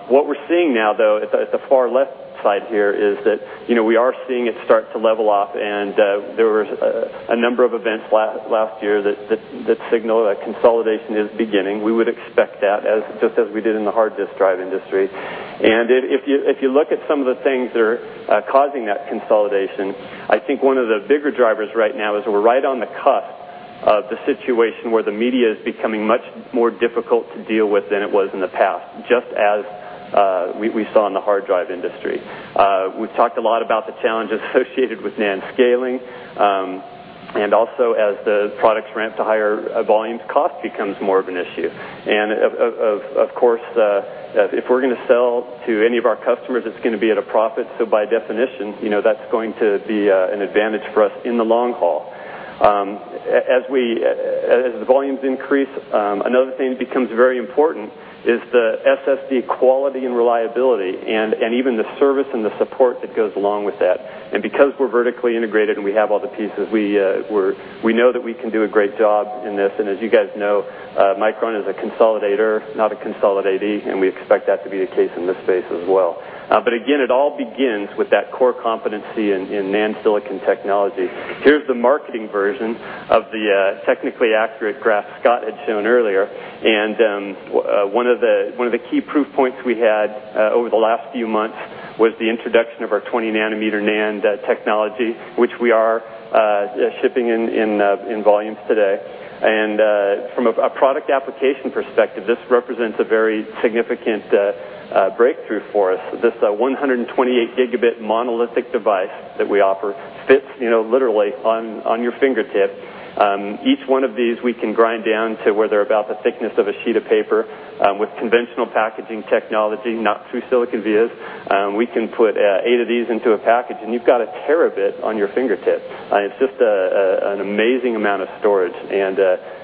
Speaker 16: What we're seeing now, though, at the far left side here is that we are seeing it start to level up. There were a number of events last year that signaled that consolidation is beginning. We would expect that just as we did in the hard disk drive industry. If you look at some of the things that are causing that consolidation, I think one of the bigger drivers right now is we're right on the cusp of the situation where the media is becoming much more difficult to deal with than it was in the past, just as we saw in the hard drive industry. We've talked a lot about the challenges associated with NAND scaling. Also, as the products ramp to higher volumes, cost becomes more of an issue. Of course, if we're going to sell to any of our customers, it's going to be at a profit. By definition, that's going to be an advantage for us in the long haul. As the volumes increase, another thing that becomes very important is the SSD quality and reliability, and even the service and the support that goes along with that. Because we're vertically integrated and we have all the pieces, we know that we can do a great job in this. As you guys know, Micron is a consolidator, not a consolidatee, and we expect that to be the case in this space as well. It all begins with that core competency in NAND silicon technology. Here's the marketing version of the technically accurate graph Scott had shown earlier. One of the key proof points we had over the last few months was the introduction of our 20 nm NAND technology, which we are shipping in volumes today. From a product application perspective, this represents a very significant breakthrough for us. This 128 Gb monolithic device that we offer fits, you know, literally on your fingertip. Each one of these we can grind down to where they're about the thickness of a sheet of paper with conventional packaging technology, not true silicon vias. We can put eight of these into a package and you've got a terabit on your fingertip. It's just an amazing amount of storage.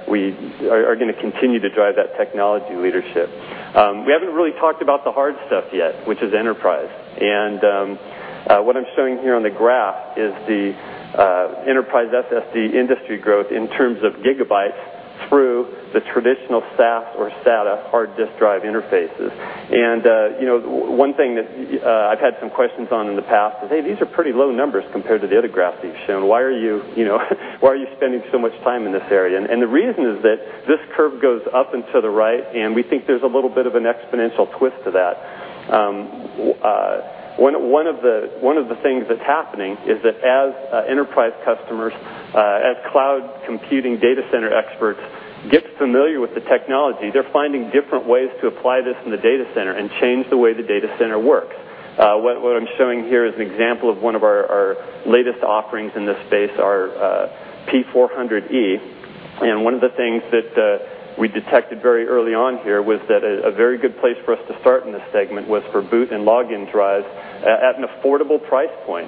Speaker 16: We are going to continue to drive that technology leadership. We haven't really talked about the hard stuff yet, which is enterprise. What I'm showing here on the graph is the enterprise SSD industry growth in terms of gigabytes through the traditional SAS or SATA hard disk drive interfaces. One thing that I've had some questions on in the past is, hey, these are pretty low numbers compared to the other graphs that you've shown. Why are you spending so much time in this area? The reason is that this curve goes up and to the right, and we think there's a little bit of an exponential twist to that. One of the things that's happening is that as enterprise customers, as cloud computing data center experts get familiar with the technology, they're finding different ways to apply this in the data center and change the way the data center works. What I'm showing here is an example of one of our latest offerings in this space, our P400E. One of the things that we detected very early on here was that a very good place for us to start in this segment was for boot and login drives at an affordable price point.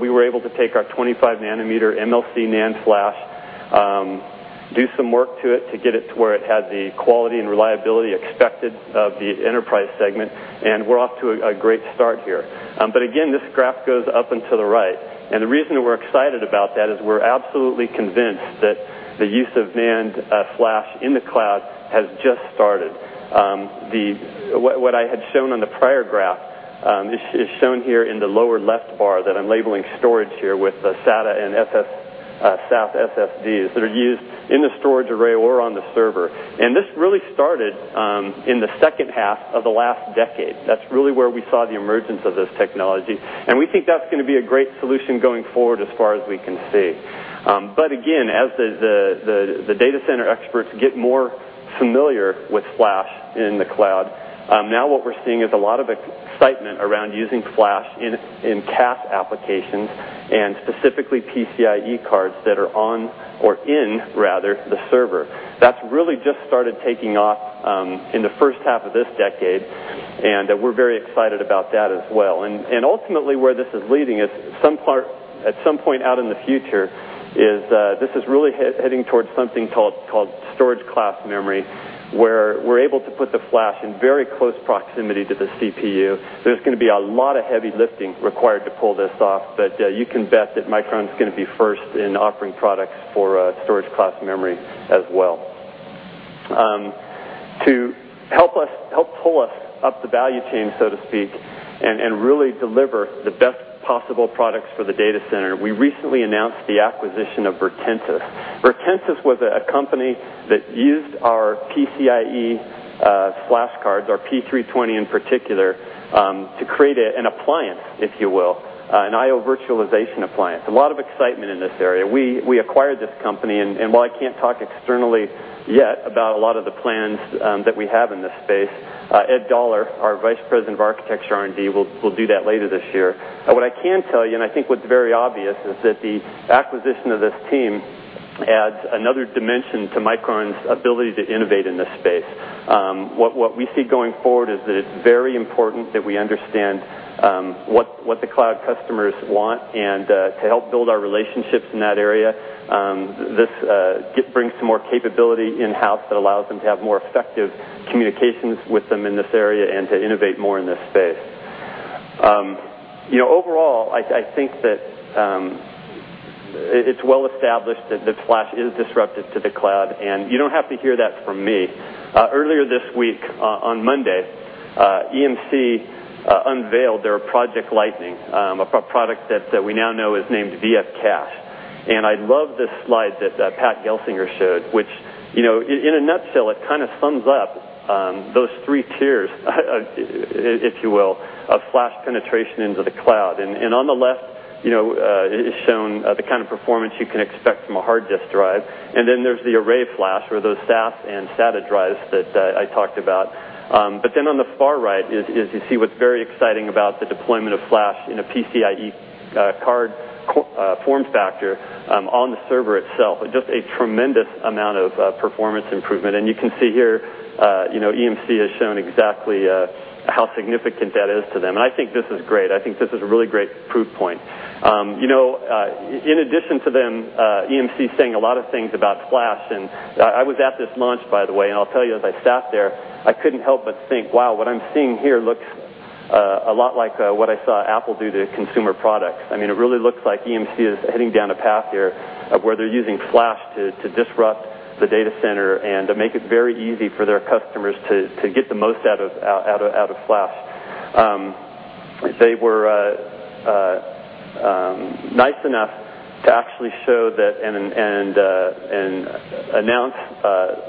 Speaker 16: We were able to take our 25 nm MLC NAND flash, do some work to it to get it to where it had the quality and reliability expected of the enterprise segment. We're off to a great start here. This graph goes up and to the right. The reason we're excited about that is we're absolutely convinced that the use of NAND flash in the cloud has just started. What I had shown on the prior graph is shown here in the lower left bar that I'm labeling storage here with the SATA and SAS SSDs that are used in the storage array or on the server. This really started in the second half of the last decade. That's really where we saw the emergence of this technology. We think that's going to be a great solution going forward as far as we can see. As the data center experts get more familiar with flash in the cloud, now what we're seeing is a lot of excitement around using flash in CAS applications and specifically PCIe cards that are on or in, rather, the server. That's really just started taking off in the first half of this decade. We're very excited about that as well. Ultimately, where this is leading is at some point out in the future, this is really heading towards something called storage class memory, where we're able to put the flash in very close proximity to the CPU. There's going to be a lot of heavy lifting required to pull this off. You can bet that Micron is going to be first in offering products for storage class memory as well. To help us pull us up the value chain, so to speak, and really deliver the best possible products for the data center, we recently announced the acquisition of Virtensys. Virtensys was a company that used our PCIe flash cards, our P320 in particular, to create an appliance, if you will, an IO virtualization appliance. A lot of excitement in this area. We acquired this company. While I can't talk externally yet about a lot of the plans that we have in this space, Ed Doller, our Vice President of Architecture R&D, will do that later this year. What I can tell you, and I think what's very obvious, is that the acquisition of this team adds another dimension to Micron Technology's ability to innovate in this space. What we see going forward is that it's very important that we understand what the cloud customers want and to help build our relationships in that area. This brings some more capability in-house that allows them to have more effective communications with them in this area and to innovate more in this space. Overall, I think that it's well established that flash is disruptive to the cloud. You don't have to hear that from me. Earlier this week, on Monday, EMC unveiled their Project Lightning, a product that we now know is named VFCache. I love this slide that Pat Gelsinger showed, which, in a nutshell, kind of sums up those three tiers, if you will, of flash penetration into the cloud. On the left, it's shown the kind of performance you can expect from a hard disk drive. Then there's the array flash or those SAS and SATA drives that I talked about. On the far right, as you see, what's very exciting about the deployment of flash in a PCIe card form factor on the server itself is just a tremendous amount of performance improvement. You can see here, EMC has shown exactly how significant that is to them. I think this is great. I think this is a really great proof point. In addition to them, EMC is saying a lot of things about flash. I was at this launch, by the way, and I'll tell you, as I sat there, I couldn't help but think, wow, what I'm seeing here looks a lot like what I saw Apple do to consumer products. It really looks like EMC is heading down a path here where they're using flash to disrupt the data center and to make it very easy for their customers to get the most out of flash. They were nice enough to actually show that and announce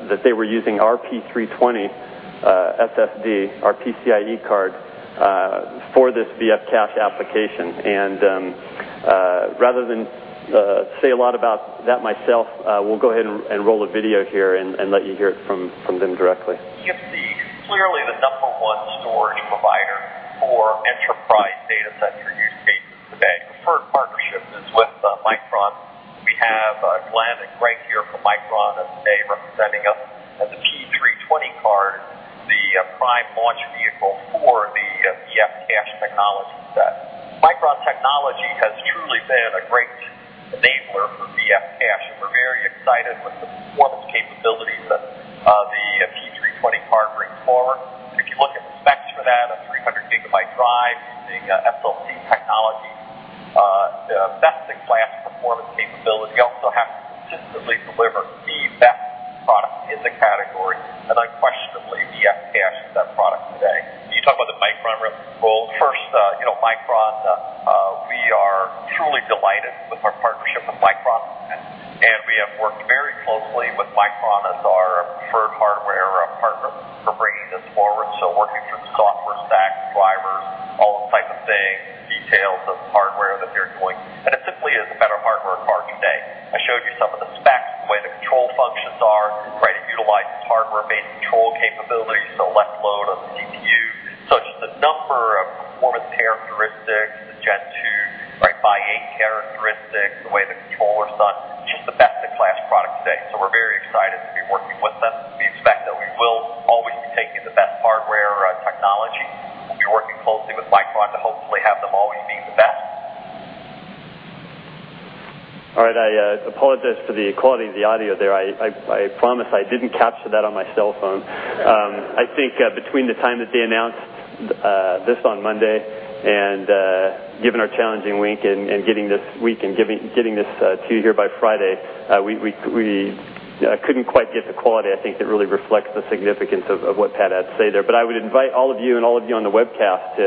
Speaker 16: that they were using our P320 SSD, our PCIe card for this VFCache application. Rather than say a lot about that myself, we'll go ahead and roll a video here and let you hear it from them directly.
Speaker 17: EFD, clearly the number one storage provider for enterprise data center use case today. Our first partnership is with Micron. We have Glen and Greg here from Micron at the Bay from setting up the T320 card, the prime launch vehicle for the VFCache technology set. Micron Technology has truly been a great enabler for VFCache. We're very excited with the performance capabilities that the T320 card brings forward. If you look at specs for that, a 300 GB drive, the SLT technology, the best in class performance capability. We also have consistently delivered the best product in the category, and unquestionably VFCache is that product today. You talk about the Micron role. First, you know, Micron, we are truly delighted with our partnership with Micron. We have worked very closely with Micron as our preferred hardware partner for bringing this forward. Working for software stack, drivers, all those types of things, details of hardware that they're doing. It simply is a better hardware card today. I showed you some of the specs, the way the control functions are, the way it utilizes hardware-based control capabilities, select load on the CPU. Just the number of performance characteristics, the Gen 2, right by eight characteristics, the way the controller's done. It's just the best in class product today. We're very excited to be working with them. We expect that we will always be taking the best hardware technology. We'll be working closely with Micron to hopefully have them always be the best.
Speaker 16: All right, I apologize for the quality of the audio there. I promise I didn't capture that on my cell phone. I think between the time that they announced this on Monday and given our challenging week getting this to you here by Friday, we couldn't quite get the quality that really reflects the significance of what Pat had to say there. I would invite all of you and all of you on the webcast to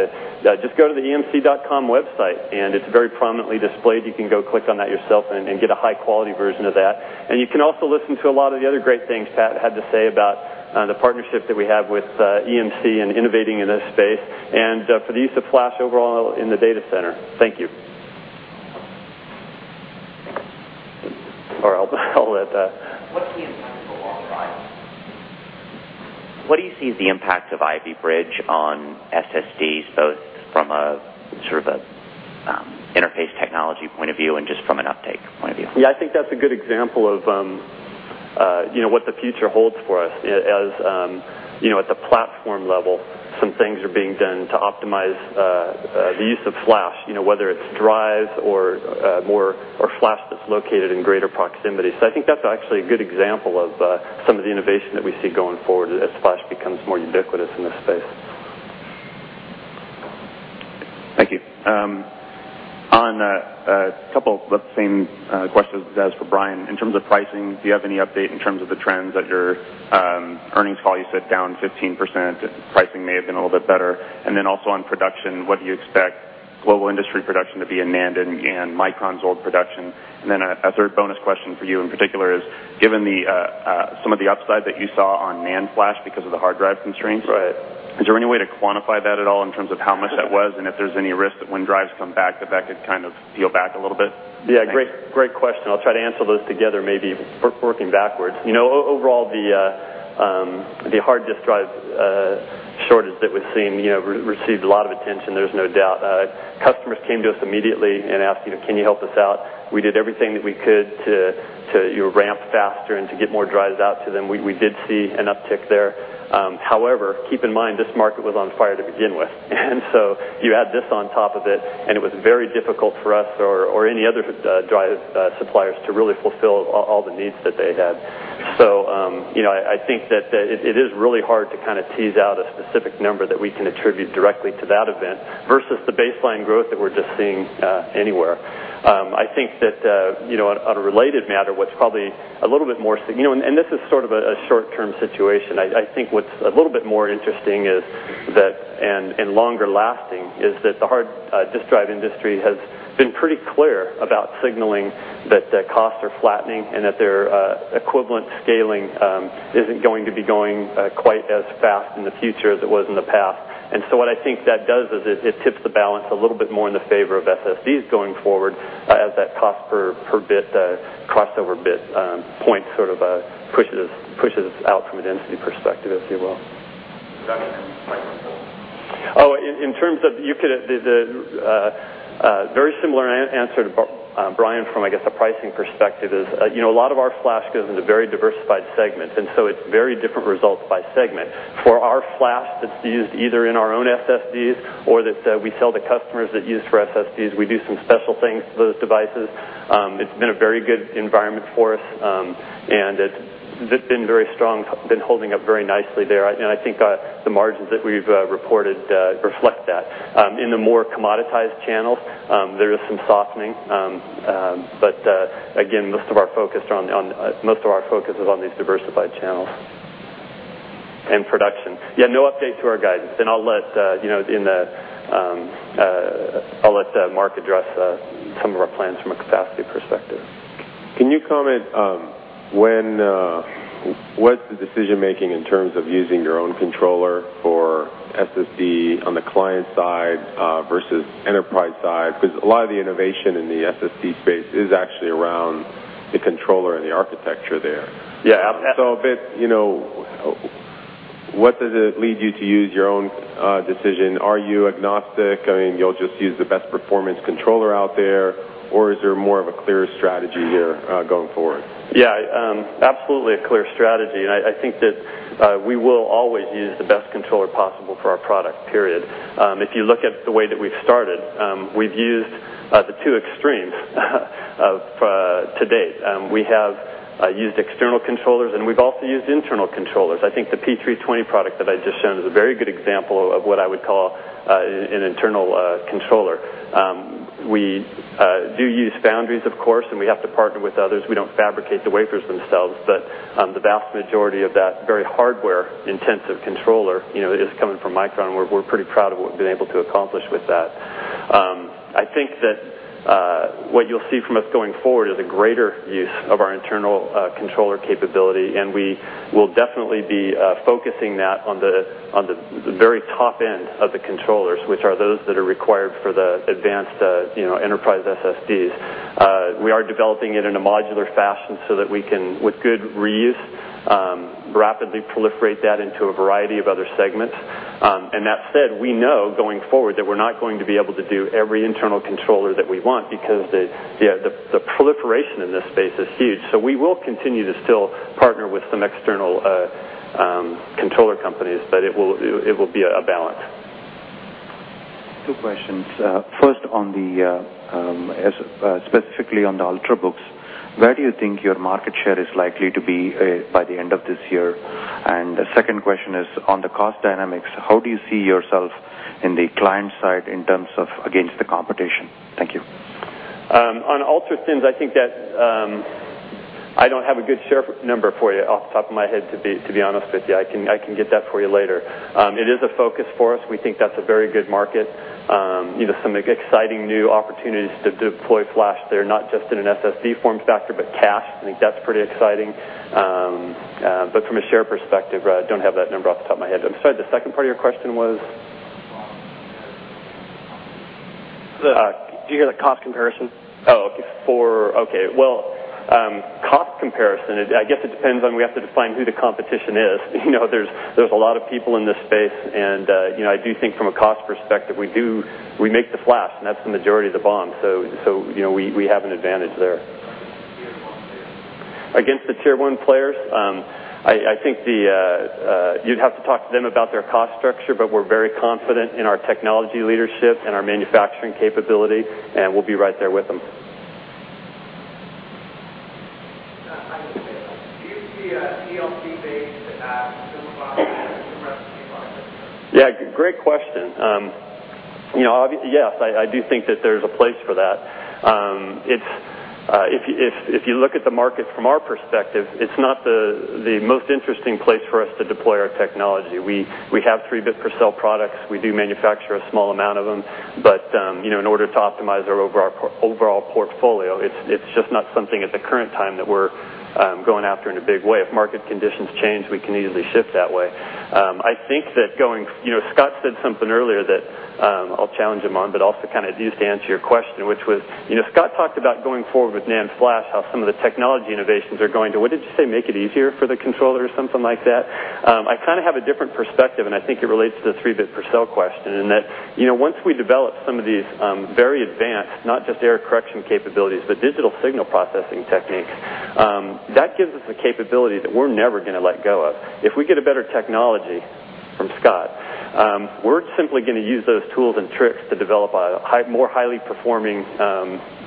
Speaker 16: just go to the emc.com website. It's very prominently displayed. You can go click on that yourself and get a high-quality version of that. You can also listen to a lot of the other great things Pat had to say about the partnership that we have with EMC and innovating in this space and for the use of flash overall in the data center. Thank you. I'll let...
Speaker 11: What's the impact of the long drive? What do you see as the impact of Ivy Bridge on SSDs, both from a sort of an interface technology point of view and just from an uptake point of view?
Speaker 16: Yeah, I think that's a good example of what the future holds for us as, you know, at the platform level, some things are being done to optimize the use of flash, whether it's drives or more flash that's located in greater proximity. I think that's actually a good example of some of the innovation that we see going forward as flash becomes more ubiquitous in this space.
Speaker 3: Thank you. On a couple of the same questions as for Brian, in terms of pricing, do you have any update in terms of the trends at your earnings call? You said down 15%, pricing may have been a little bit better. Also, on production, what do you expect global industry production to be in NAND and Micron's old production? A third bonus question for you in particular is, given some of the upside that you saw on NAND flash because of the hard drive constraints, is there any way to quantify that at all in terms of how much that was and if there's any risk that when drives come back, that could kind of peel back a little bit?
Speaker 16: Yeah, great question. I'll try to answer those together, maybe working backwards. Overall, the hard disk drive shortage that was seen received a lot of attention, there's no doubt. Customers came to us immediately and asked, you know, can you help us out? We did everything that we could to ramp faster and to get more drives out to them. We did see an uptick there. However, keep in mind, this market was on fire to begin with. You add this on top of it, and it was very difficult for us or any other drive suppliers to really fulfill all the needs that they had. I think that it is really hard to kind of tease out a specific number that we can attribute directly to that event versus the baseline growth that we're just seeing anywhere. I think that, on a related matter, what's probably a little bit more, you know, and this is sort of a short-term situation. I think what's a little bit more interesting is that, and longer lasting, is that the hard disk drive industry has been pretty clear about signaling that costs are flattening and that their equivalent scaling isn't going to be going quite as fast in the future as it was in the past. I think that does tip the balance a little bit more in the favor of SSDs going forward as that cost per bit, cost over bit point sort of pushes us out from an entity perspective, if you will.
Speaker 3: Does that mean...
Speaker 16: In terms of, you could, very similar answer to Brian from, I guess, the pricing perspective is, you know, a lot of our flash goes into very diversified segments. It's very different results by segment. For our flash that's used either in our own SSDs or that we sell to customers that use for SSDs, we do some special things to those devices. It's been a very good environment for us. It's just been very strong, been holding up very nicely there. I think the margins that we've reported reflect that. In the more commoditized channels, there is some softening. Most of our focus is on these diversified channels and production. No update to our guidance. I'll let Mark address some of our plans from a capacity perspective.
Speaker 5: Can you comment when, what's the decision making in terms of using your own controller for SSD on the client side versus enterprise side? A lot of the innovation in the SSD space is actually around the controller and the architecture there.
Speaker 16: Yeah.
Speaker 5: What does it lead you to use your own decision? Are you agnostic? I mean, you'll just use the best performance controller out there, or is there more of a clearer strategy here going forward?
Speaker 16: Yeah, absolutely a clear strategy. I think that we will always use the best controller possible for our product, period. If you look at the way that we've started, we've used the two extremes to date. We have used external controllers, and we've also used internal controllers. I think the P320 product that I just shown is a very good example of what I would call an internal controller. We do use foundries, of course, and we have to partner with others. We don't fabricate the wafers themselves, but the vast majority of that very hardware-intensive controller is coming from Micron. We're pretty proud of what we've been able to accomplish with that. I think that what you'll see from us going forward is a greater use of our internal controller capability. We will definitely be focusing that on the very top end of the controllers, which are those that are required for the advanced enterprise SSDs. We are developing it in a modular fashion so that we can, with good reuse, rapidly proliferate that into a variety of other segments. That said, we know going forward that we're not going to be able to do every internal controller that we want because the proliferation in this space is huge. We will continue to still partner with some external controller companies, but it will be a balance.
Speaker 18: Two questions. First, specifically on the Ultrabooks, where do you think your market share is likely to be by the end of this year? The second question is on the cost dynamics, how do you see yourself in the client side in terms of against the competition? Thank you.
Speaker 16: On ultra-thins, I think that I don't have a good share number for you off the top of my head, to be honest with you. I can get that for you later. It is a focus for us. We think that's a very good market. There are some exciting new opportunities to deploy flash there, not just in an SSD form factor, but cache. I think that's pretty exciting. From a share perspective, I don't have that number off the top of my head. I'm sorry, the second part of your question was?
Speaker 18: Do you hear the cost comparison?
Speaker 16: Oh, okay. Cost comparison, I guess it depends on we have to define who the competition is. You know, there's a lot of people in this space. I do think from a cost perspective, we do, we make the flash, and that's the majority of the bond. You know, we have an advantage there. Against the tier one players, I think you'd have to talk to them about their cost structure, but we're very confident in our technology leadership and our manufacturing capability. We'll be right there with them. Yeah, great question. Yes, I do think that there's a place for that. If you look at the market from our perspective, it's not the most interesting place for us to deploy our technology. We have three bit per cell products. We do manufacture a small amount of them. In order to optimize our overall portfolio, it's just not something at the current time that we're going after in a big way. If market conditions change, we can easily shift that way. I think that going, you know, Scott said something earlier that I'll challenge him on, but also kind of used to answer your question, which was, you know, Scott talked about going forward with NAND flash, how some of the technology innovations are going to, what did you say, make it easier for the controller or something like that? I kind of have a different perspective, and I think it relates to the three bit per cell question in that, you know, once we develop some of these very advanced, not just error correction capabilities, but digital signal processing techniques, that gives us a capability that we're never going to let go of. If we get a better technology from Scott, we're simply going to use those tools and tricks to develop a more highly performing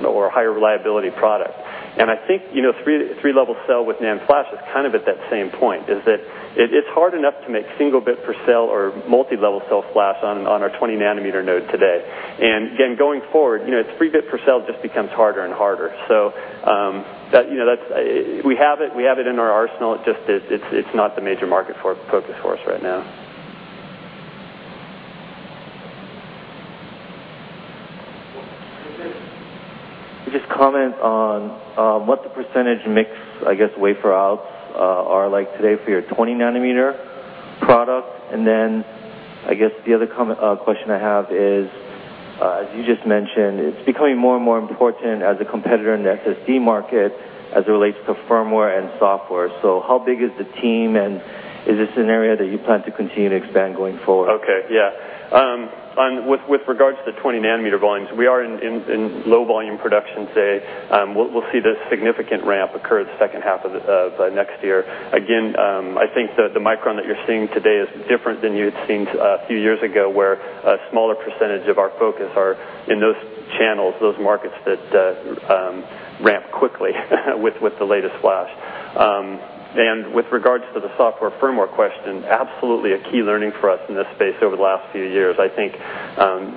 Speaker 16: or higher reliability product. I think, you know, three level cell with NAND flash is kind of at that same point, is that it's hard enough to make single bit per cell or multi-level cell flash on our 20 nm node today. Again, going forward, you know, it's three bit per cell just becomes harder and harder. We have it, we have it in our arsenal. It's just, it's not the major market focus for us right now.
Speaker 10: Could you just comment on what the percentage mix, I guess, wafer outs are like today for your 20 nm product? I guess the other question I have is, as you just mentioned, it's becoming more and more important as a competitor in the SSD market as it relates to firmware and software. How big is the team, and is this an area that you plan to continue to expand going forward?
Speaker 16: Okay, yeah. With regards to the 20 nm volumes, we are in low volume production. We'll see this significant ramp occur the second half of next year. I think that the Micron that you're seeing today is different than you had seen a few years ago where a smaller percentage of our focus are in those channels, those markets that ramp quickly with the latest flash. With regards to the software firmware question, absolutely a key learning for us in this space over the last few years. I think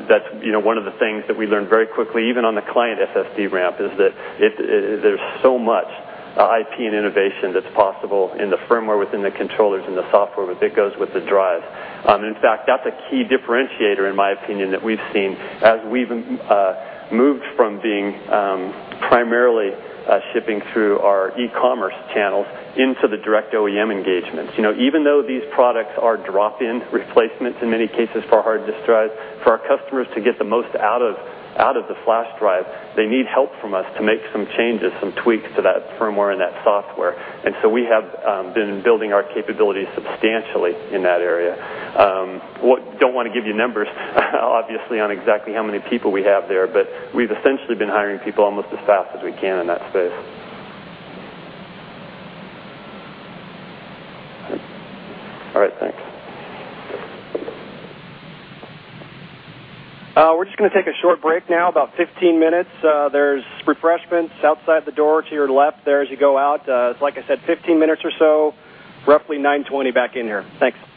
Speaker 16: that's one of the things that we learned very quickly, even on the client SSD ramp, is that there's so much IP and innovation that's possible in the firmware within the controllers and the software that goes with the drives. In fact, that's a key differentiator in my opinion that we've seen as we've moved from being primarily shipping through our e-commerce channels into the direct OEM engagements. Even though these products are drop-in replacements in many cases for hard disk drives, for our customers to get the most out of the flash drive, they need help from us to make some changes, some tweaks to that firmware and that software. We have been building our capabilities substantially in that area. I don't want to give you numbers, obviously, on exactly how many people we have there, but we've essentially been hiring people almost as fast as we can in that space.
Speaker 10: All right, thanks.
Speaker 1: We're just going to take a short break now, about 15 minutes. There are refreshments outside the door to your left there as you go out. Like I said, 15 minutes or so, roughly 9:20 A.M. back in. I don't know why I'm scared because I've been here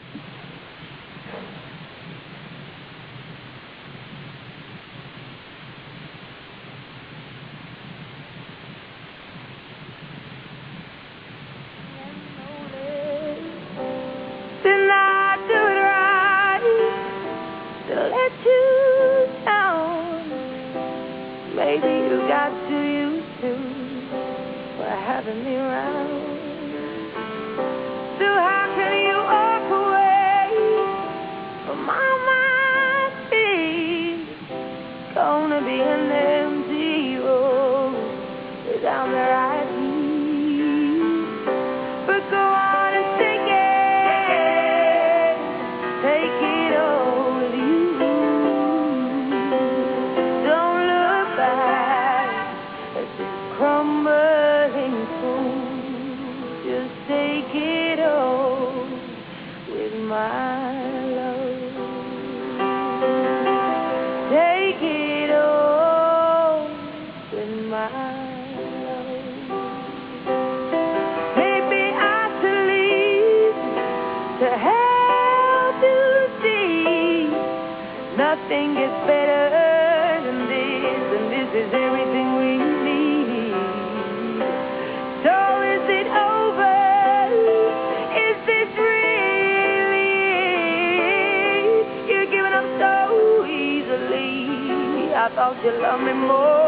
Speaker 1: before.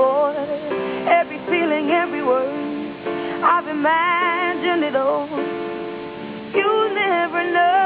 Speaker 1: Every feeling, every word, I've been mad at it all. You never know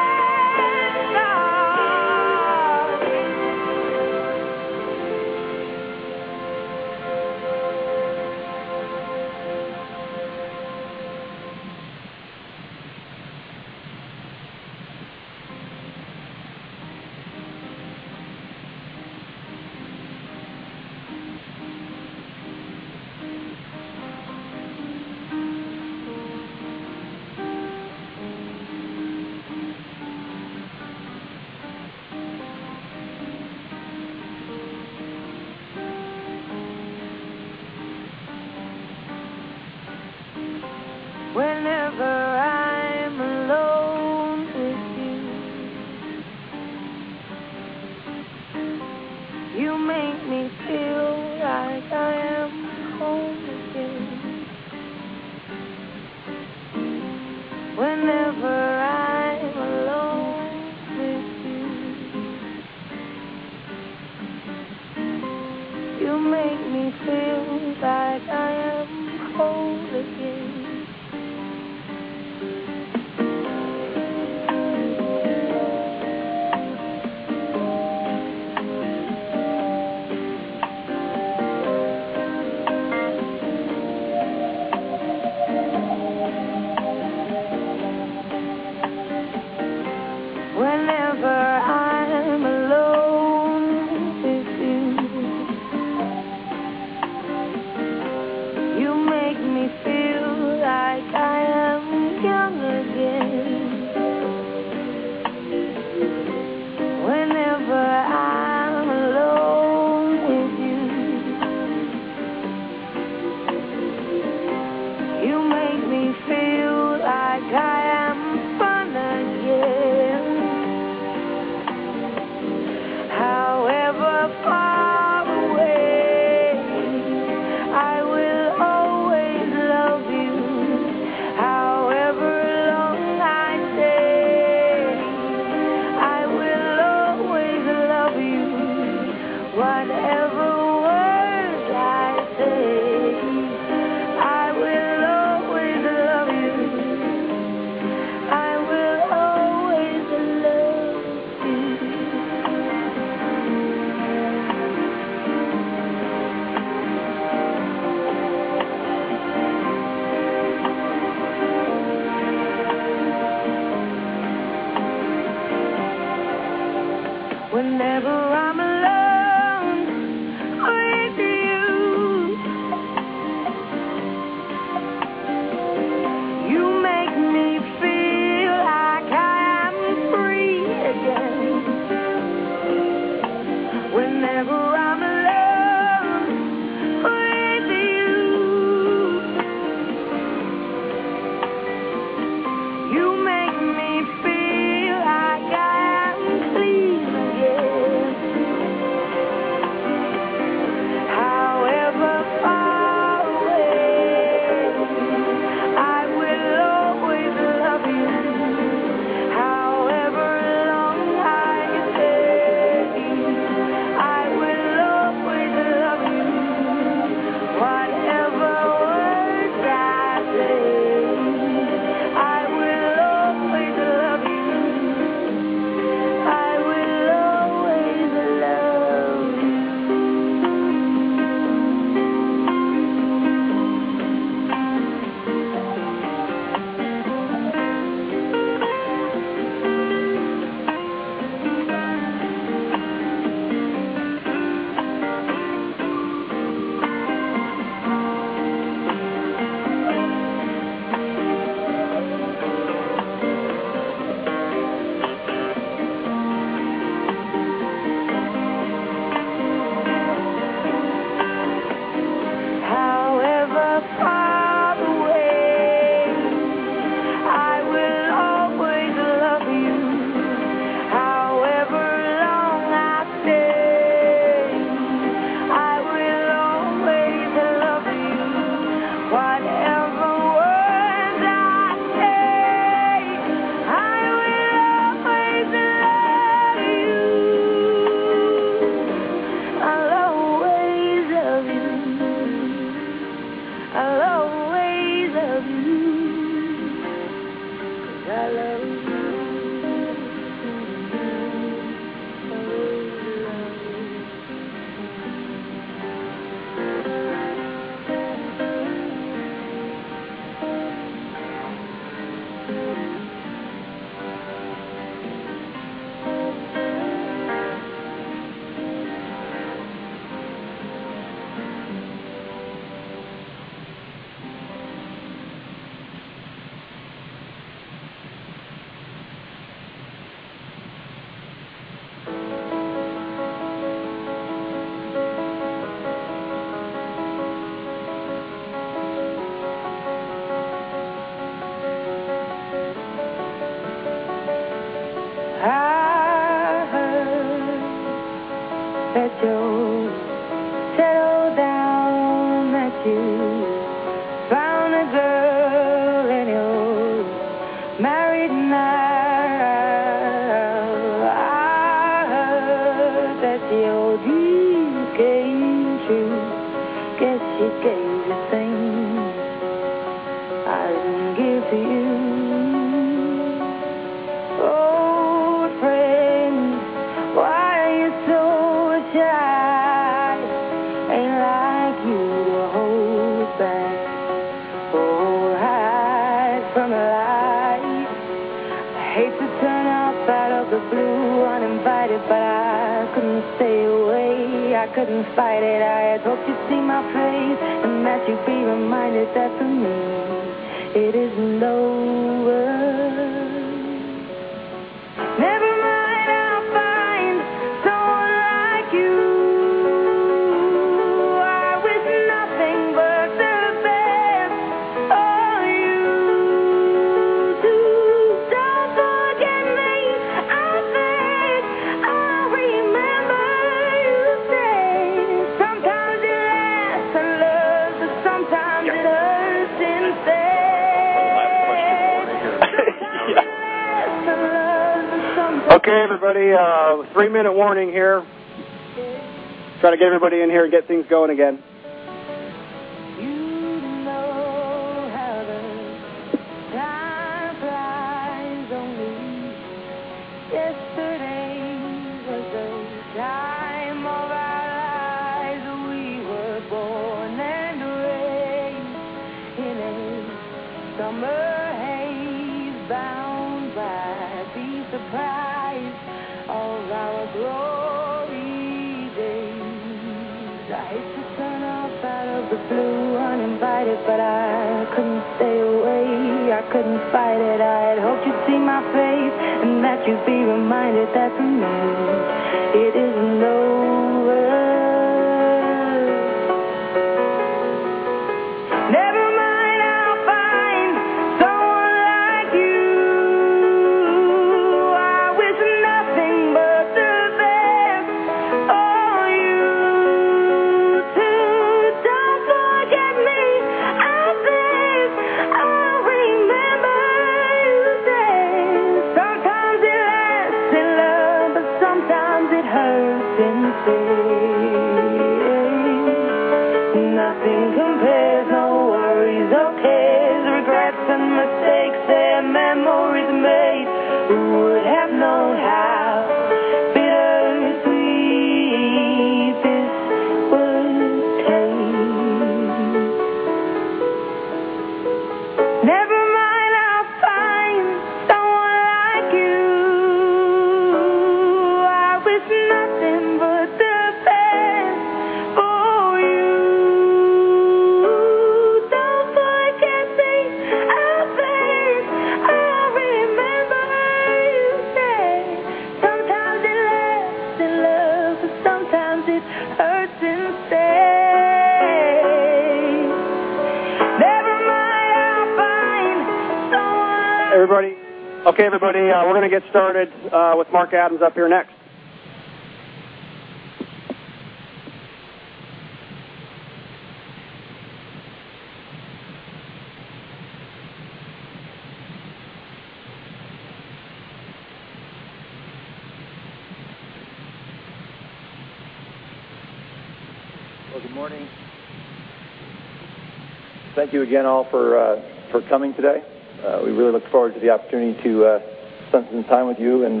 Speaker 19: We really look forward to the opportunity to spend some time with you and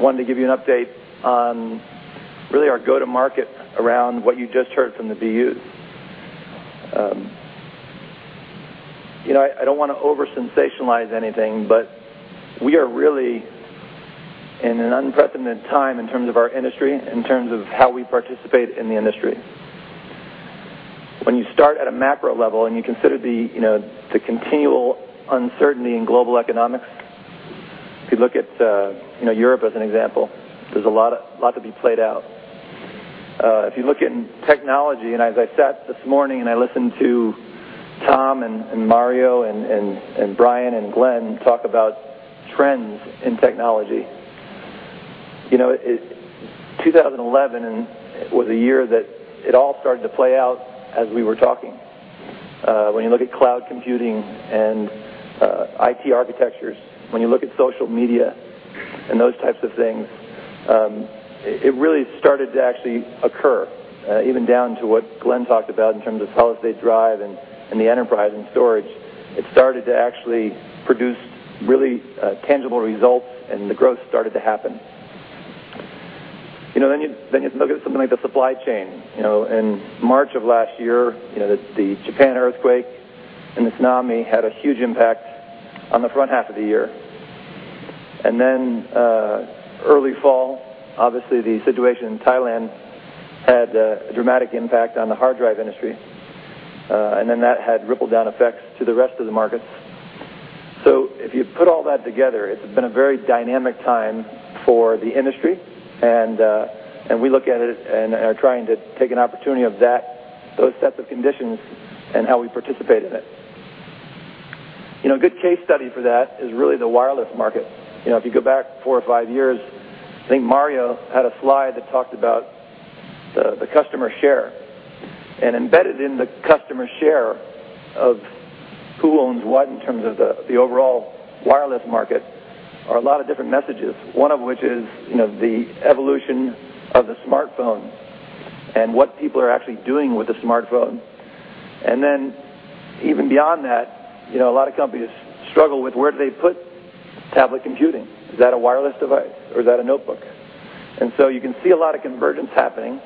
Speaker 19: wanted to give you an update on really our go-to-market around what you just heard from the BU. I don't want to oversensationalize anything, but we are really in an unprecedented time in terms of our industry, in terms of how we participate in the industry. When you start at a macro level and you consider the continual uncertainty in global economics, if you look at Europe as an example, there's a lot to be played out. If you look in technology, and as I sat this morning and I listened to Tom and Mario and Brian and Glen talk about trends in technology, 2011 was a year that it all started to play out as we were talking. When you look at cloud computing and IT architectures, when you look at social media and those types of things, it really started to actually occur, even down to what Glen talked about in terms of solid state drive and the enterprise and storage. It started to actually produce really tangible results and the growth started to happen. You look at something like the supply chain. In March of last year, the Japan earthquake and the tsunami had a huge impact on the front half of the year. Early fall, obviously, the situation in Thailand had a dramatic impact on the hard drive industry. That had ripple-down effects to the rest of the markets. If you put all that together, it's been a very dynamic time for the industry. We look at it and are trying to take an opportunity of those sets of conditions and how we participate in it. A good case study for that is really the wireless market. If you go back four or five years, I think Mario had a slide that talked about the customer share. Embedded in the customer share of who owns what in terms of the overall wireless market are a lot of different messages, one of which is the evolution of the smartphone and what people are actually doing with the smartphone. Even beyond that, a lot of companies struggle with where do they put tablet computing. Is that a wireless device or is that a notebook? You can see a lot of convergence happening.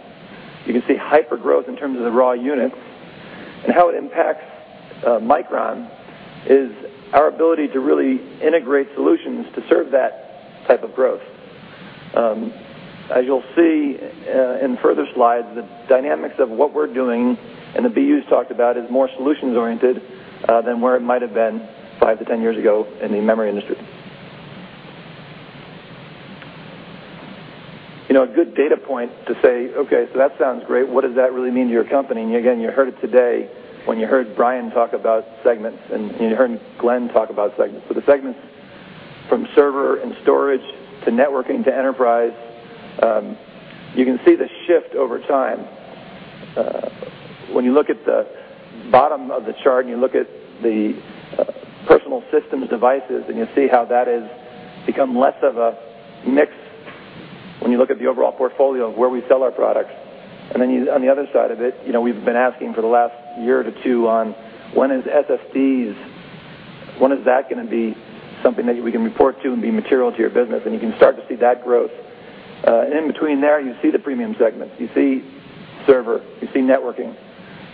Speaker 19: You can see hyper growth in terms of the raw units. How it impacts Micron is our ability to really integrate solutions to serve that type of growth. As you'll see in further slides, the dynamics of what we're doing and the BUs talked about is more solutions-oriented than where it might have been five to ten years ago in the memory industry. A good data point to say, okay, so that sounds great. What does that really mean to your company? Again, you heard it today when you heard Brian talk about segments and you heard Glen talk about segments. The segments from server and storage to networking to enterprise, you can see the shift over time. When you look at the bottom of the chart and you look at the personal systems devices, you'll see how that has become less of a mix when you look at the overall portfolio of where we sell our products. On the other side of it, we've been asking for the last year to two on when is SSDs, when is that going to be something that we can report to and be material to your business? You can start to see that growth. In between there, you see the premium segment. You see server, you see networking.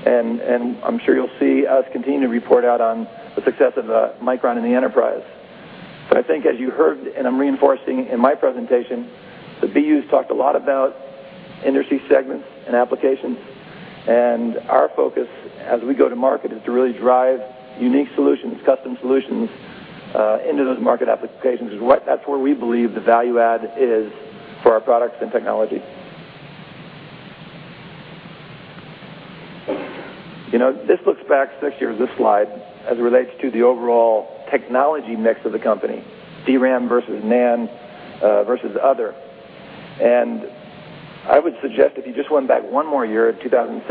Speaker 19: I'm sure you'll see us continue to report out on the success of Micron in the enterprise. I think as you heard, and I'm reinforcing in my presentation, the BUs talked a lot about industry segments and applications. Our focus as we go to market is to really drive unique solutions, custom solutions into those market applications because that's where we believe the value add is for our products and technologies. This looks back six years, this slide as it relates to the overall technology mix of the company, DRAM versus NAND versus other. I would suggest if you just went back one more year to 2007,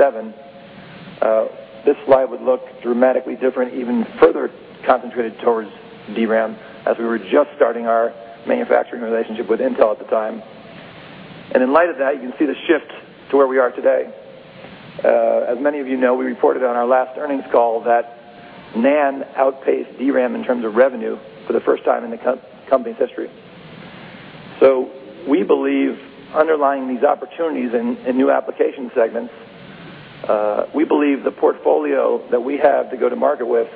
Speaker 19: this slide would look dramatically different, even further concentrated towards DRAM as we were just starting our manufacturing relationship with Intel at the time. In light of that, you can see the shift to where we are today. As many of you know, we reported on our last earnings call that NAND outpaced DRAM in terms of revenue for the first time in the company's history. We believe underlying these opportunities in new application segments, we believe the portfolio that we have to go to market with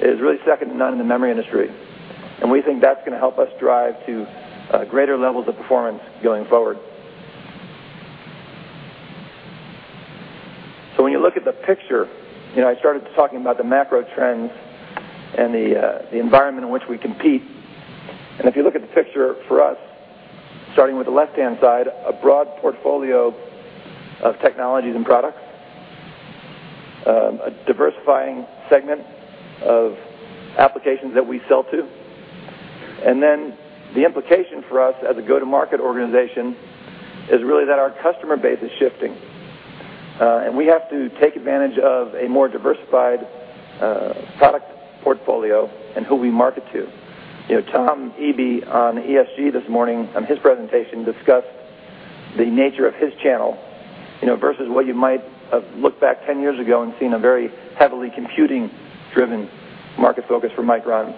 Speaker 19: is really second to none in the memory industry. We think that's going to help us drive to greater levels of performance going forward. When you look at the picture, I started talking about the macro trends and the environment in which we compete. If you look at the picture for us, starting with the left-hand side, a broad portfolio of technologies and products, a diversifying segment of applications that we sell to. The implication for us as a go-to-market organization is really that our customer base is shifting. We have to take advantage of a more diversified product portfolio and who we market to. Tom Eby on ESG this morning in his presentation discussed the nature of his channel, versus what you might have looked back 10 years ago and seen a very heavily computing-driven market focus for Micron.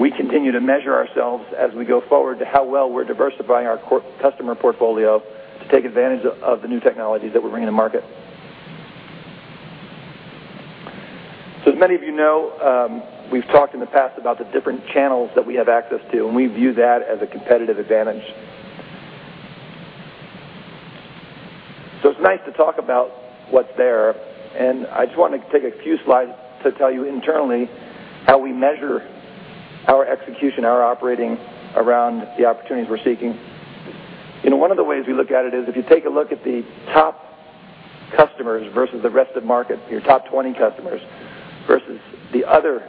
Speaker 19: We continue to measure ourselves as we go forward to how well we're diversifying our customer portfolio to take advantage of the new technologies that we're bringing to market. As many of you know, we've talked in the past about the different channels that we have access to, and we view that as a competitive advantage. It's nice to talk about what's there. I just want to take a few slides to tell you internally how we measure our execution, our operating around the opportunities we're seeking. One of the ways we look at it is if you take a look at the top customers versus the rest of the market, your top 20 customers versus the other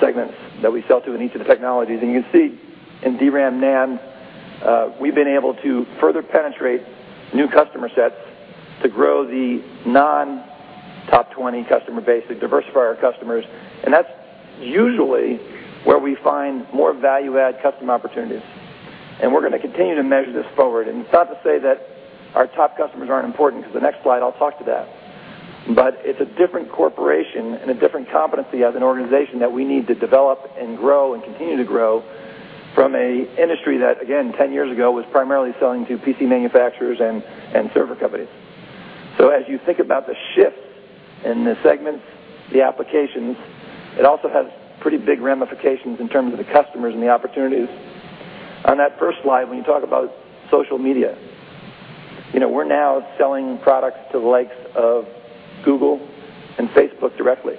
Speaker 19: segments that we sell to in each of the technologies. You can see in DRAM, NAND, we've been able to further penetrate new customer sets to grow the non-top 20 customer base, to diversify our customers. That's usually where we find more value-add customer opportunities. We're going to continue to measure this forward. Not to say that our top customers aren't important because the next slide I'll talk to that. It's a different corporation and a different competency as an organization that we need to develop and grow and continue to grow from an industry that, again, 10 years ago was primarily selling to PC manufacturers and server companies. As you think about the shifts in the segments, the applications, it also has pretty big ramifications in terms of the customers and the opportunities. On that first slide, when you talk about social media, we're now selling products to the likes of Google and Facebook directly,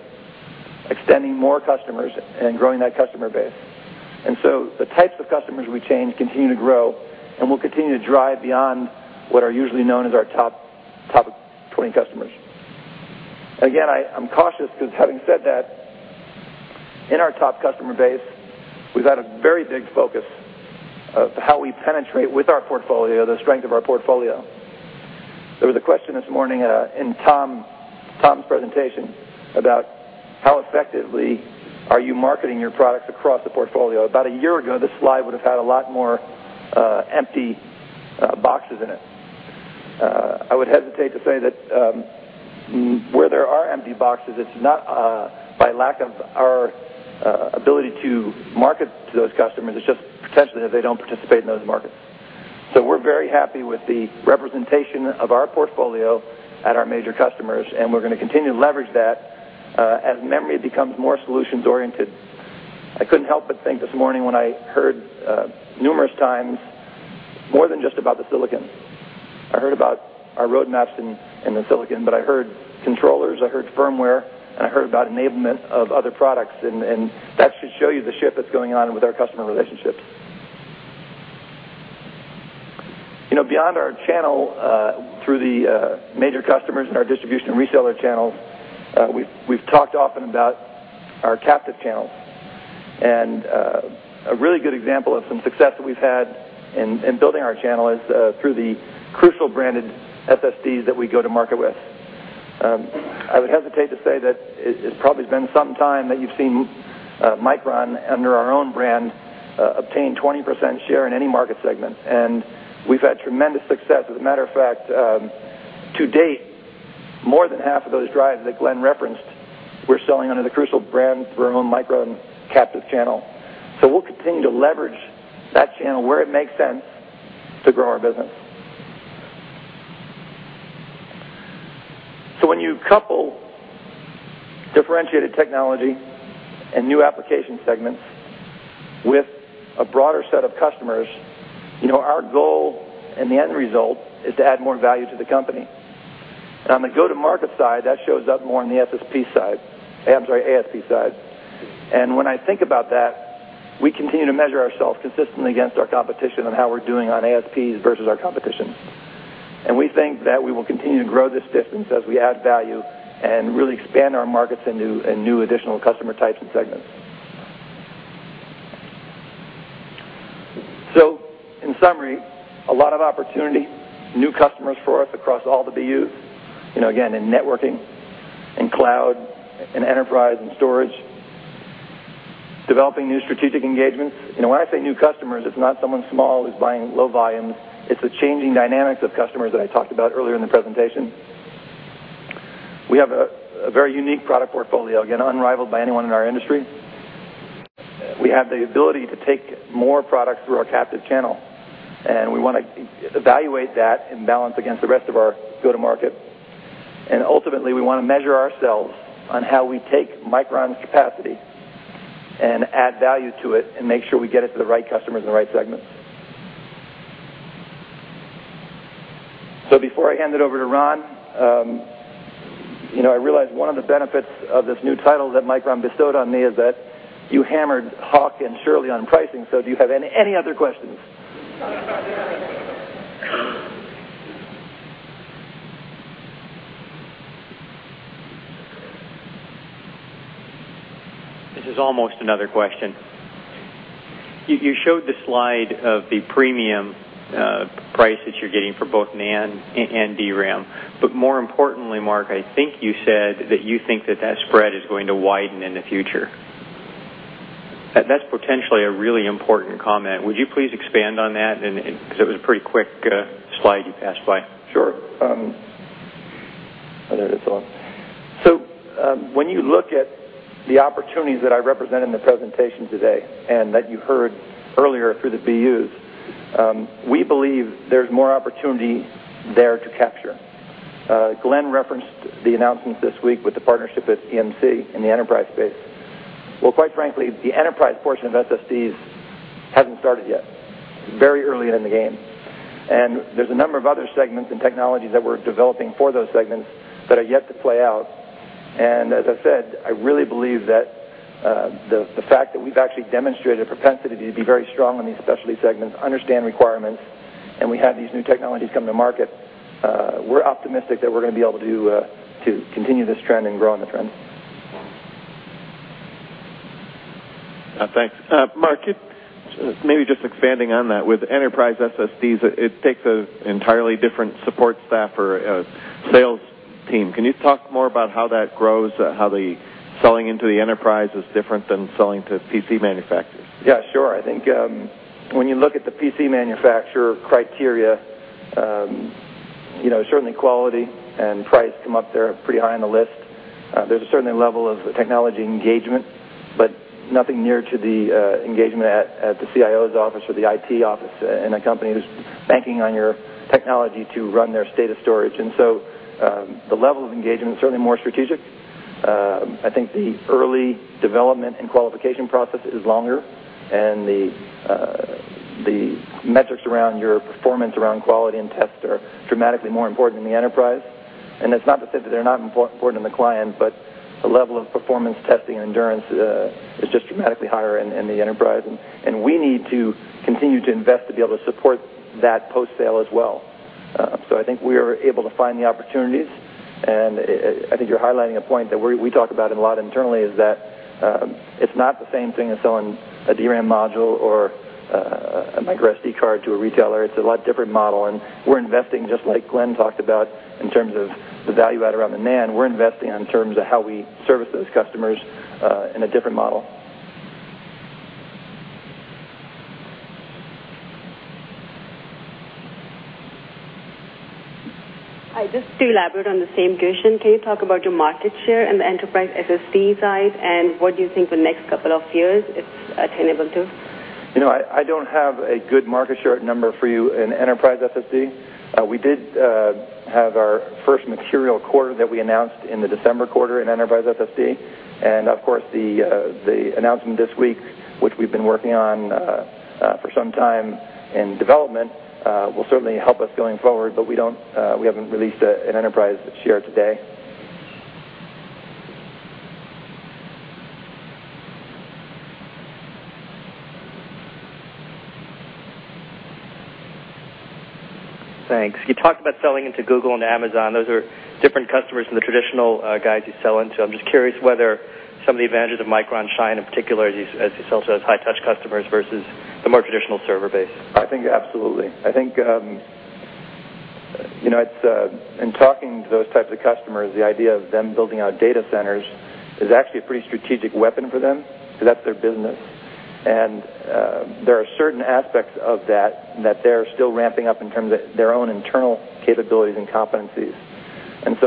Speaker 19: extending more customers and growing that customer base. The types of customers we change continue to grow and will continue to drive beyond what are usually known as our top 20 customers. I am cautious because having said that, in our top customer base, we've had a very big focus on how we penetrate with our portfolio, the strength of our portfolio. There was a question this morning in Tom's presentation about how effectively you are marketing your products across the portfolio. About a year ago, this slide would have had a lot more empty boxes in it. I would hesitate to say that where there are empty boxes, it's not by lack of our ability to market to those customers. It's just potentially that they don't participate in those markets. We are very happy with the representation of our portfolio at our major customers, and we are going to continue to leverage that as memory becomes more solutions-oriented. I couldn't help but think this morning when I heard numerous times more than just about the silicon. I heard about our roadmaps in the silicon, but I heard controllers, I heard firmware, and I heard about enablement of other products. That should show you the shift that's going on with our customer relationships. Beyond our channel through the major customers and our distribution and reseller channels, we've talked often about our captive channel. A really good example of some success that we've had in building our channel is through the Crucial branded SSDs that we go to market with. I would hesitate to say that it probably has been some time that you've seen Micron under our own brand obtain 20% share in any market segment. We've had tremendous success. As a matter of fact, to date, more than half of those drives that Glen referenced were selling under the Crucial brand through our own Micron captive channel. We will continue to leverage that channel where it makes sense to grow our business. When you couple differentiated technology and new application segments with a broader set of customers, our goal and the end result is to add more value to the company. On the go-to-market side, that shows up more on the ASP side. When I think about that, we continue to measure ourselves consistently against our competition on how we're doing on ASPs versus our competition. We think that we will continue to grow this distance as we add value and really expand our markets into new additional customer types and segments. In summary, a lot of opportunity, new customers for us across all the BU, you know, again, in networking and cloud and enterprise and storage, developing new strategic engagements. When I say new customers, it's not someone small who's buying low volume. It's the changing dynamics of customers that I talked about earlier in the presentation. We have a very unique product portfolio, again, unrivaled by anyone in our industry. We have the ability to take more products through our captive channel. We want to evaluate that and balance against the rest of our go-to-market. Ultimately, we want to measure ourselves on how we take Micron's capacity and add value to it and make sure we get it to the right customers in the right segments. Before I hand it over to Ron, I realized one of the benefits of this new title that Micron bestowed on me is that you hammered Hawk and Shirley on pricing. Do you have any other questions?
Speaker 20: Sorry, I thought I didn't have anything.
Speaker 10: This is almost another question. You showed the slide of the premium price that you're getting for both NAND and DRAM. More importantly, Mark, I think you said that you think that that spread is going to widen in the future. That's potentially a really important comment. Would you please expand on that? It was a pretty quick slide you passed by.
Speaker 19: Sure. I thought it's a lot. When you look at the opportunities that I represent in the presentation today and that you heard earlier through the BUs, we believe there's more opportunity there to capture. Glen referenced the announcements this week with the partnership with EMC in the enterprise space. Quite frankly, the enterprise portion of SSDs hasn't started yet. It's very early in the game. There's a number of other segments and technologies that we're developing for those segments that are yet to play out. As I said, I really believe that the fact that we've actually demonstrated a propensity to be very strong in these specialty segments, understand requirements, and we have these new technologies come to market, we're optimistic that we're going to be able to continue this trend and grow on the trend.
Speaker 4: Thanks. Mark, maybe just expanding on that, with enterprise SSDs, it takes an entirely different support staff or a sales team. Can you talk more about how that grows, how the selling into the enterprise is different than selling to PC manufacturers?
Speaker 19: Yeah, sure. I think when you look at the PC manufacturer criteria, you know, certainly quality and price come up there pretty high on the list. There's a certain level of technology engagement, but nothing near to the engagement at the CIO's office or the IT office in a company that's banking on your technology to run their state of storage. The level of engagement is certainly more strategic. I think the early development and qualification process is longer, and the metrics around your performance, around quality and tests are dramatically more important in the enterprise. It's not to say that they're not important in the client, but the level of performance testing and endurance is just dramatically higher in the enterprise. We need to continue to invest to be able to support that post-sale as well. I think we are able to find the opportunities, and I think you're highlighting a point that we talk about a lot internally, that it's not the same thing as selling a DRAM module or a micro SD card to a retailer. It's a lot different model. We're investing, just like Glen talked about, in terms of the value add around the NAND. We're investing in terms of how we service those customers in a different model.
Speaker 8: I just elaborate on the same question. Can you talk about your market share in the enterprise SSD space, and what do you think the next couple of years it's attainable to?
Speaker 19: You know, I don't have a good market share number for you in enterprise SSD. We did have our first material quarter that we announced in the December quarter in enterprise SSD. The announcement this week, which we've been working on for some time in development, will certainly help us going forward, but we don't, we haven't released an enterprise share today.
Speaker 14: Thanks. You talked about selling into Google and Amazon. Those are different customers than the traditional guys you sell into. I'm just curious whether some of the advantages of Micron shine in particular as you sell to those high-touch customers versus the more traditional server base.
Speaker 19: I think absolutely. I think it's in talking to those types of customers, the idea of them building out data centers is actually a pretty strategic weapon for them because that's their business. There are certain aspects of that that they're still ramping up in terms of their own internal capabilities and competencies.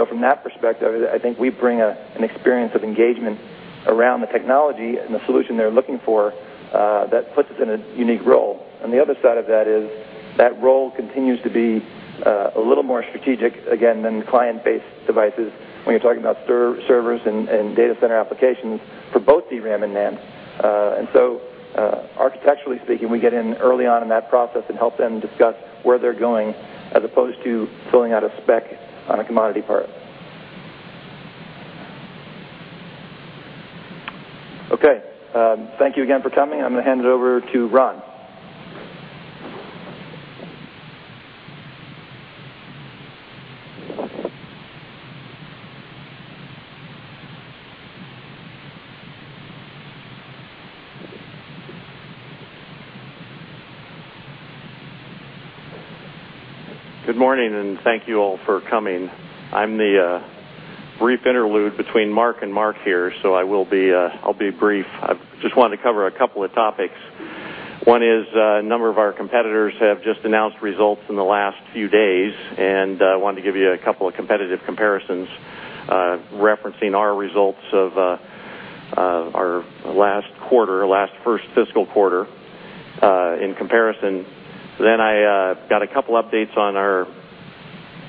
Speaker 19: From that perspective, I think we bring an experience of engagement around the technology and the solution they're looking for that puts us in a unique role. The other side of that is that role continues to be a little more strategic, again, than client-based devices when you're talking about servers and data center applications for both DRAM and NAND. Architecturally speaking, we get in early on in that process and help them discuss where they're going as opposed to filling out a spec on a commodity part.
Speaker 14: Okay.
Speaker 19: Thank you again for coming. I'm going to hand it over to Ron.
Speaker 21: Good morning and thank you all for coming. I'm the brief interlude between Mark and Mark here, so I'll be brief. I just wanted to cover a couple of topics. One is a number of our competitors have just announced results in the last few days, and I wanted to give you a couple of competitive comparisons referencing our results of our last quarter, last first fiscal quarter in comparison. I got a couple of updates on our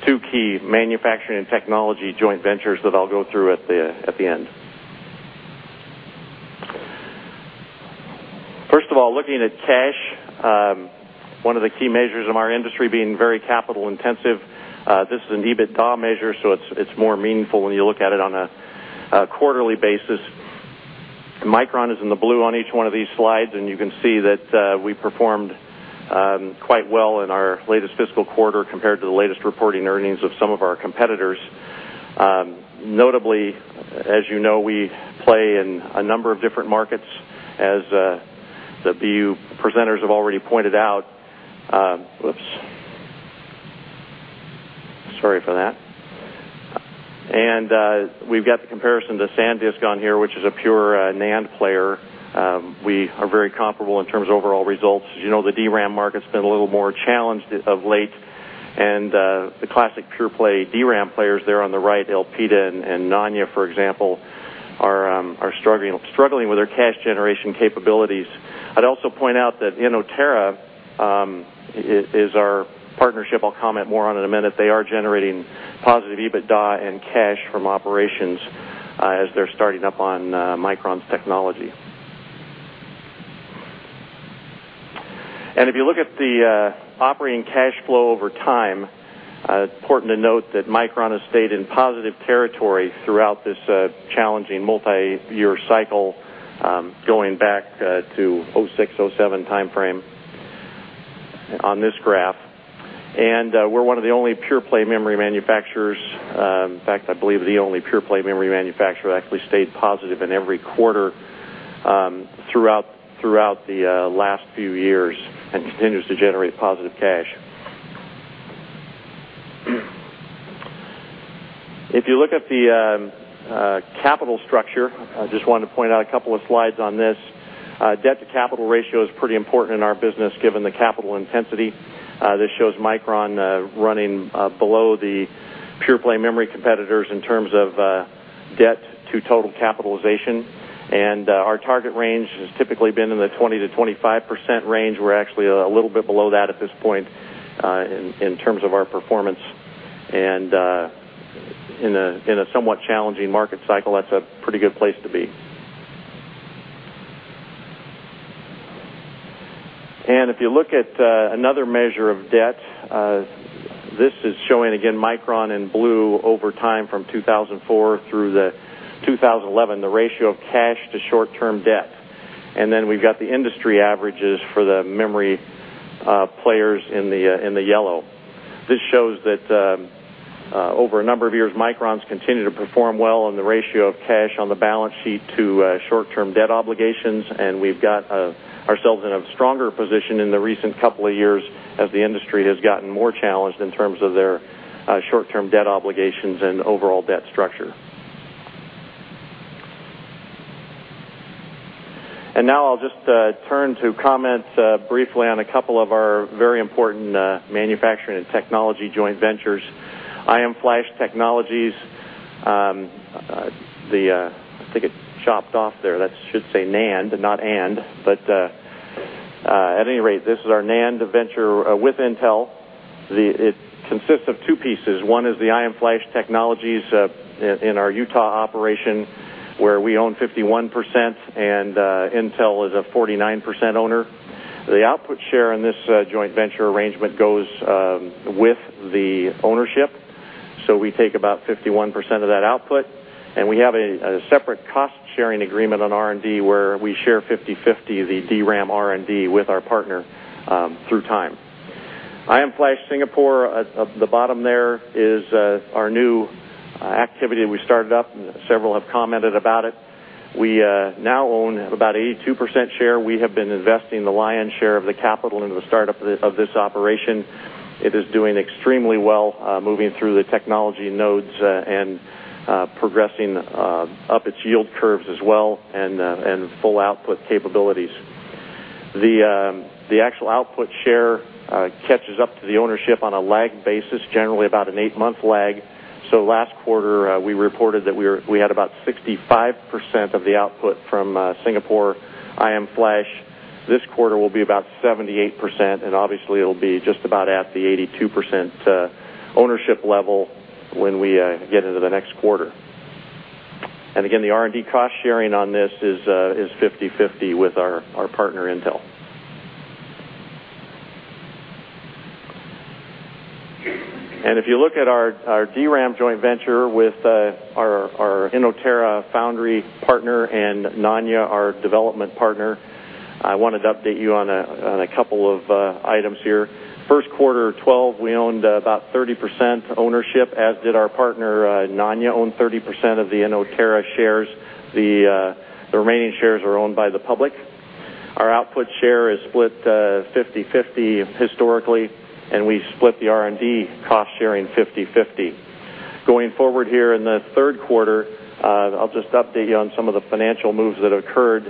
Speaker 21: two key manufacturing and technology joint ventures that I'll go through at the end. First of all, looking at cash, one of the key measures of our industry being very capital intensive, this is an EBITDA measure, so it's more meaningful when you look at it on a quarterly basis. Micron is in the blue on each one of these slides, and you can see that we performed quite well in our latest fiscal quarter compared to the latest reporting earnings of some of our competitors. Notably, as you know, we play in a number of different markets, as the BU presenters have already pointed out. Sorry for that. We've got the comparison to Sandisk on here, which is a pure NAND player. We are very comparable in terms of overall results. As you know, the DRAM market's been a little more challenged of late, and the classic pure play DRAM players there on the right, Elpida and Nanya, for example, are struggling with their cash generation capabilities. I'd also point out that Inotera is our partnership. I'll comment more on it in a minute. They are generating positive EBITDA and cash from operations as they're starting up on Micron's technology. If you look at the operating cash flow over time, it's important to note that Micron has stayed in positive territory throughout this challenging multi-year cycle, going back to 2006, 2007 timeframe on this graph. We're one of the only pure play memory manufacturers. In fact, I believe the only pure play memory manufacturer that actually stayed positive in every quarter throughout the last few years and continues to generate positive cash. If you look at the capital structure, I just wanted to point out a couple of slides on this. Debt to capital ratio is pretty important in our business given the capital intensity. This shows Micron running below the pure play memory competitors in terms of debt to total capitalization. Our target range has typically been in the 20%-25% range. We're actually a little bit below that at this point in terms of our performance. In a somewhat challenging market cycle, that's a pretty good place to be. If you look at another measure of debt, this is showing again Micron in blue over time from 2004 through 2011, the ratio of cash to short-term debt. We've got the industry averages for the memory players in the yellow. This shows that over a number of years, Micron's continued to perform well on the ratio of cash on the balance sheet to short-term debt obligations. We've got ourselves in a stronger position in the recent couple of years as the industry has gotten more challenged in terms of their short-term debt obligations and overall debt structure. Now I'll just turn to comment briefly on a couple of our very important manufacturing and technology joint ventures. IM Flash Technologies—I think it's chopped off there. That should say NAND and not AND. At any rate, this is our NAND venture with Intel. It consists of two pieces. One is the IM Flash Technologies in our Utah operation where we own 51% and Intel is a 49% owner. The output share in this joint venture arrangement goes with the ownership, so we take about 51% of that output. We have a separate cost-sharing agreement on R&D where we share 50/50 the DRAM R&D with our partner through time. IM Flash Singapore at the bottom there is our new activity that we started up. Several have commented about it. We now own about 82% share. We have been investing the lion's share of the capital into the startup of this operation. It is doing extremely well, moving through the technology nodes and progressing up its yield curves as well and full output capabilities. The actual output share catches up to the ownership on a lag basis, generally about an eight-month lag. Last quarter, we reported that we had about 65% of the output from Singapore IM Flash. This quarter will be about 78%, and obviously, it'll be just about at the 82% ownership level when we get into the next quarter. Again, the R&D cost sharing on this is 50/50 with our partner, Intel. If you look at our DRAM joint venture with our Inotera foundry partner and Nanya, our development partner, I wanted to update you on a couple of items here. First quarter, 2012, we owned about 30% ownership, as did our partner Nanya, owned 30% of the Inotera shares. The remaining shares are owned by the public. Our output share is split 50/50 historically, and we split the R&D cost sharing 50/50. Going forward here in the third quarter, I'll just update you on some of the financial moves that occurred.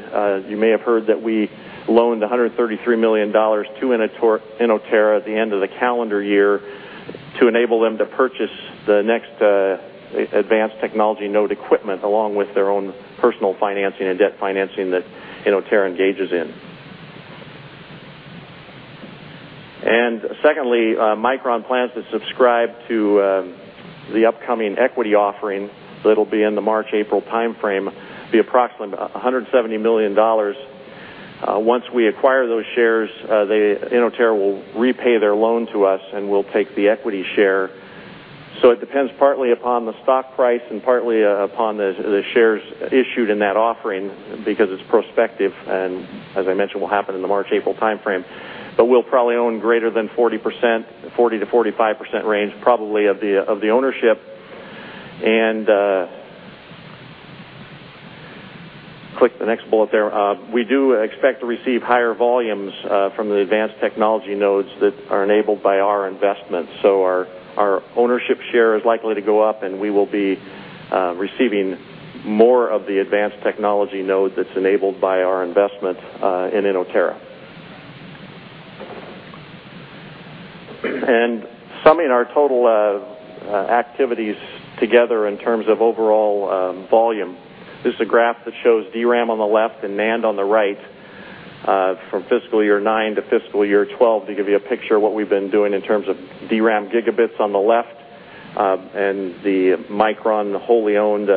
Speaker 21: You may have heard that we loaned $133 million to Inotera at the end of the calendar year to enable them to purchase the next advanced technology node equipment along with their own personal financing and debt financing that Inotera engages in. Secondly, Micron plans to subscribe to the upcoming equity offering that'll be in the March-April timeframe, be approximately $170 million. Once we acquire those shares, Inotera will repay their loan to us and we'll take the equity share. It depends partly upon the stock price and partly upon the shares issued in that offering because it's prospective. As I mentioned, it will happen in the March-April timeframe. We'll probably own greater than 40%, 40%-45% range probably of the ownership. Click the next bullet there. We do expect to receive higher volumes from the advanced technology nodes that are enabled by our investments. Our ownership share is likely to go up and we will be receiving more of the advanced technology node that's enabled by our investment in Inotera. Summing our total activities together in terms of overall volume, this is a graph that shows DRAM on the left and NAND on the right from fiscal year 2009 to fiscal year 2012 to give you a picture of what we've been doing in terms of DRAM gigabits on the left. The Micron wholly owned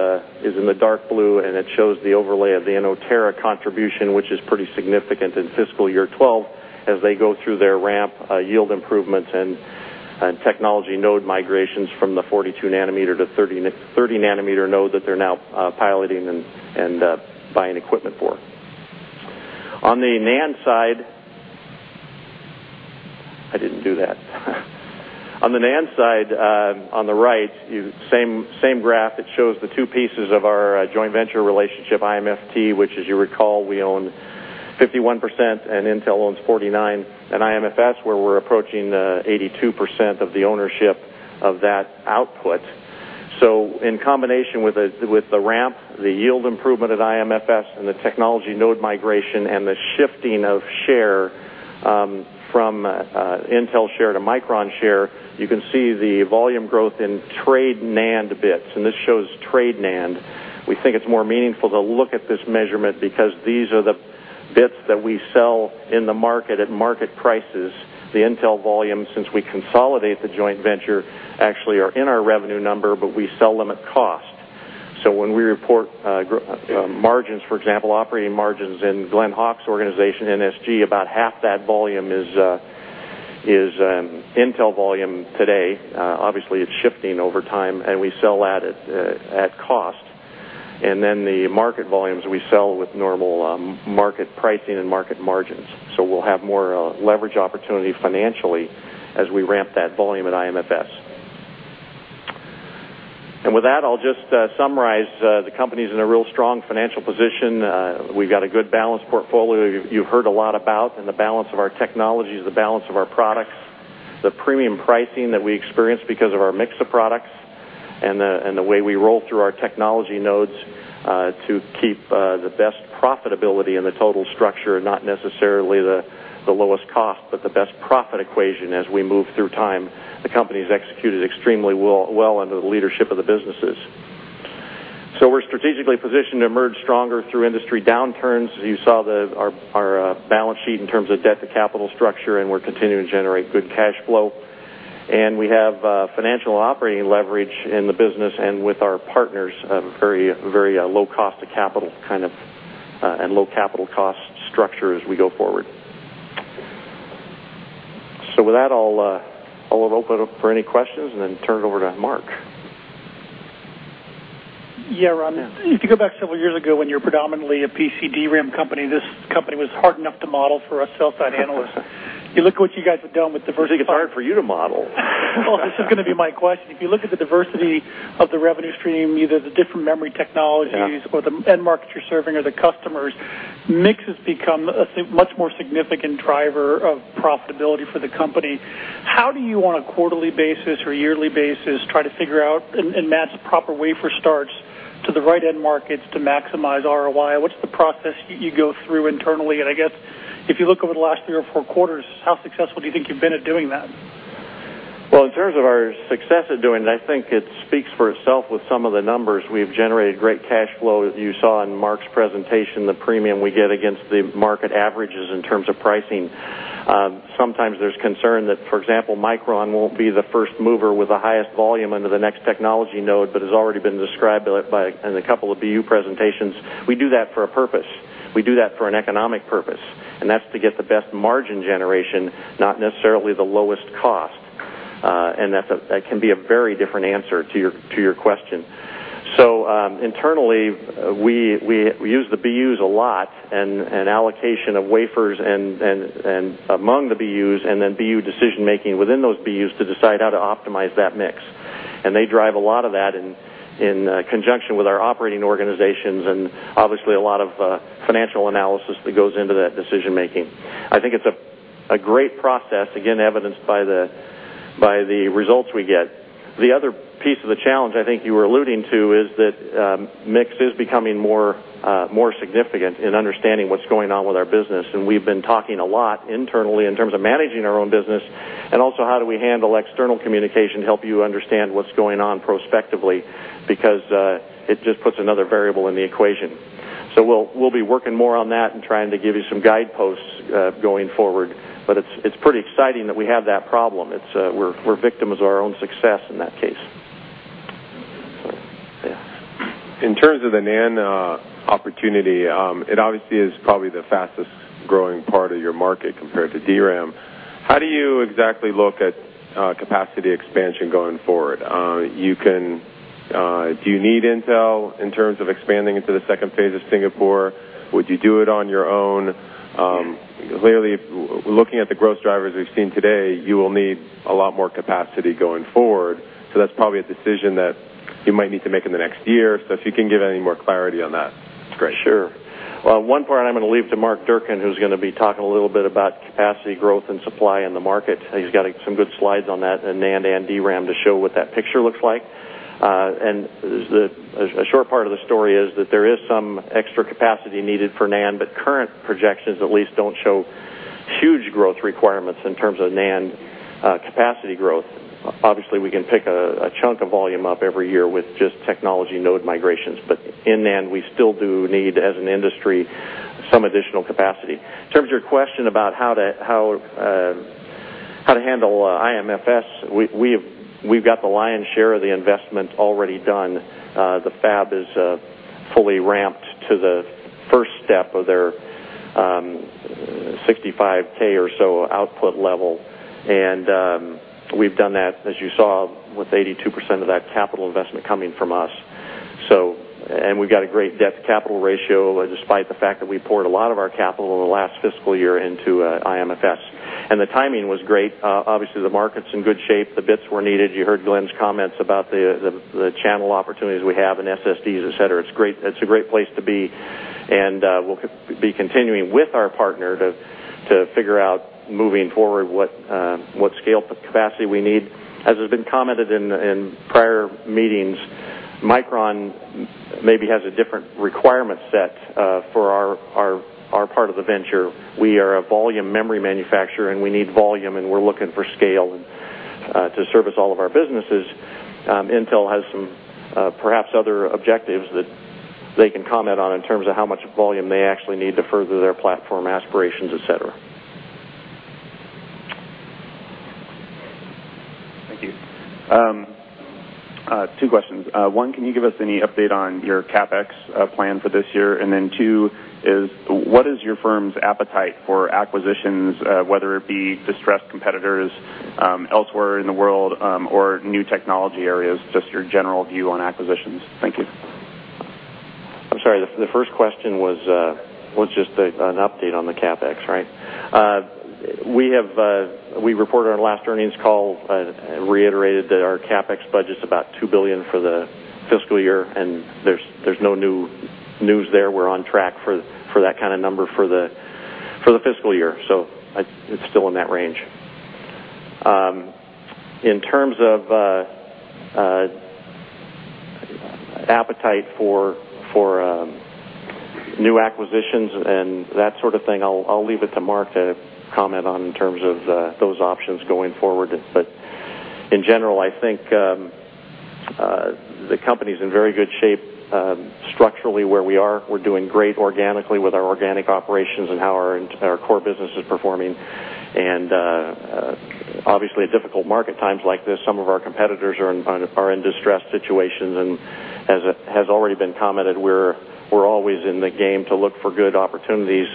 Speaker 21: is in the dark blue, and it shows the overlay of the Inotera contribution, which is pretty significant in fiscal year 2012 as they go through their ramp yield improvements and technology node migrations from the 42 nm to 30 nm node that they're now piloting and buying equipment for. On the NAND side, on the right, same graph, it shows the two pieces of our joint venture relationship IMFT, which as you recall, we own 51% and Intel owns 49%, and IMFS, where we're approaching 82% of the ownership of that output. In combination with the ramp, the yield improvement at IMFS, and the technology node migration, and the shifting of share from Intel share to Micron share, you can see the volume growth in trade NAND bits. This shows trade NAND. We think it's more meaningful to look at this measurement because these are the bits that we sell in the market at market prices. The Intel volumes, since we consolidate the joint venture, actually are in our revenue number, but we sell them at cost. When we report margins, for example, operating margins in Glen Hawk's organization, NSG, about half that volume is Intel volume today. Obviously, it's shifting over time, and we sell that at cost. The market volumes we sell with normal market pricing and market margins. We will have more leverage opportunity financially as we ramp that volume at IMFS. I'll summarize the company's in a real strong financial position. We've got a good balanced portfolio you've heard a lot about, and the balance of our technologies, the balance of our products, the premium pricing that we experienced because of our mix of products, and the way we roll through our technology nodes to keep the best profitability in the total structure, not necessarily the lowest cost, but the best profit equation as we move through time. The company's executed extremely well under the leadership of the businesses. We are strategically positioned to emerge stronger through industry downturns. As you saw, our balance sheet in terms of debt to capital structure, we're continuing to generate good cash flow. We have financial and operating leverage in the business and with our partners, a very, very low cost of capital and low capital cost structure as we go forward. I'll open it up for any questions and then turn it over to Mark.
Speaker 22: Yeah, Ron, if you go back several years ago when you were predominantly a PC DRAM company, this company was hard enough to model for us self-taught analysts. You look at what you guys have done with diversity.
Speaker 21: It's hard for you to model.
Speaker 22: This is going to be my question. If you look at the diversity of the revenue stream, either the different memory technologies or the end market you're serving or the customers, mix has become a much more significant driver of profitability for the company. How do you on a quarterly basis or yearly basis try to figure out and match the proper way for starts to the right end markets to maximize ROI? What's the process you go through internally? If you look over the last three or four quarters, how successful do you think you've been at doing that?
Speaker 21: In terms of our success at doing it, I think it speaks for itself with some of the numbers. We've generated great cash flow. You saw in Mark's presentation the premium we get against the market averages in terms of pricing. Sometimes there's concern that, for example, Micron Technology won't be the first mover with the highest volume under the next technology node, but as already described in a couple of BU presentations, we do that for a purpose. We do that for an economic purpose, and that's to get the best margin generation, not necessarily the lowest cost. That can be a very different answer to your question. Internally, we use the BUs a lot and allocation of wafers among the BUs and then BU decision-making within those BUs to decide how to optimize that mix. They drive a lot of that in conjunction with our operating organizations and obviously a lot of financial analysis that goes into that decision-making. I think it's a great process, again, evidenced by the results we get. The other piece of the challenge I think you were alluding to is that mix is becoming more significant in understanding what's going on with our business. We've been talking a lot internally in terms of managing our own business and also how we handle external communication to help you understand what's going on prospectively because it just puts another variable in the equation. We'll be working more on that and trying to give you some guideposts going forward. It's pretty exciting that we have that problem. We're victims of our own success in that case.
Speaker 5: In terms of the NAND opportunity, it obviously is probably the fastest growing part of your market compared to DRAM. How do you exactly look at capacity expansion going forward? Do you need Intel in terms of expanding into the second phase of Singapore? Would you do it on your own? Clearly, looking at the growth drivers we've seen today, you will need a lot more capacity going forward. That is probably a decision that you might need to make in the next year. If you can give any more clarity on that, it's great.
Speaker 21: Sure. One part I'm going to leave to Mark Durkin, who's going to be talking a little bit about capacity growth and supply in the market. He's got some good slides on that, NAND and DRAM, to show what that picture looks like. A short part of the story is that there is some extra capacity needed for NAND, but current projections at least don't show huge growth requirements in terms of NAND capacity growth. Obviously, we can pick a chunk of volume up every year with just technology node migrations. In NAND, we still do need, as an industry, some additional capacity. In terms of your question about how to handle IMFS, we've got the lion's share of the investment already done. The fab is fully ramped to the first step of their 65,000 or so output level. We've done that, as you saw, with 82% of that capital investment coming from us. We've got a great debt to capital ratio despite the fact that we poured a lot of our capital in the last fiscal year into IMFS. The timing was great. Obviously, the market's in good shape. The bits were needed. You heard Glen's comments about the channel opportunities we have in SSDs, etc. It's a great place to be. We'll be continuing with our partner to figure out moving forward what scale capacity we need. As has been commented in prior meetings, Micron maybe has a different requirement set for our part of the venture. We are a volume memory manufacturer, and we need volume, and we're looking for scale to service all of our businesses. Intel has some perhaps other objectives that they can comment on in terms of how much volume they actually need to further their platform aspirations, etc.
Speaker 3: Thank you. Two questions. One, can you give us any update on your CapEx plan for this year? Two, what is your firm's appetite for acquisitions, whether it be distressed competitors elsewhere in the world or new technology areas, just your general view on acquisitions? Thank you.
Speaker 21: I'm sorry. The first question was just an update on the CapEx, right? We have reported on our last earnings call, reiterated that our CapEx budget's about $2 billion for the fiscal year, and there's no new news there. We're on track for that kind of number for the fiscal year. It's still in that range. In terms of appetite for new acquisitions and that sort of thing, I'll leave it to Mark to comment on in terms of those options going forward. In general, I think the company's in very good shape structurally where we are. We're doing great organically with our organic operations and how our core business is performing. Obviously, at difficult market times like this, some of our competitors are in distressed situations. As has already been commented, we're always in the game to look for good opportunities.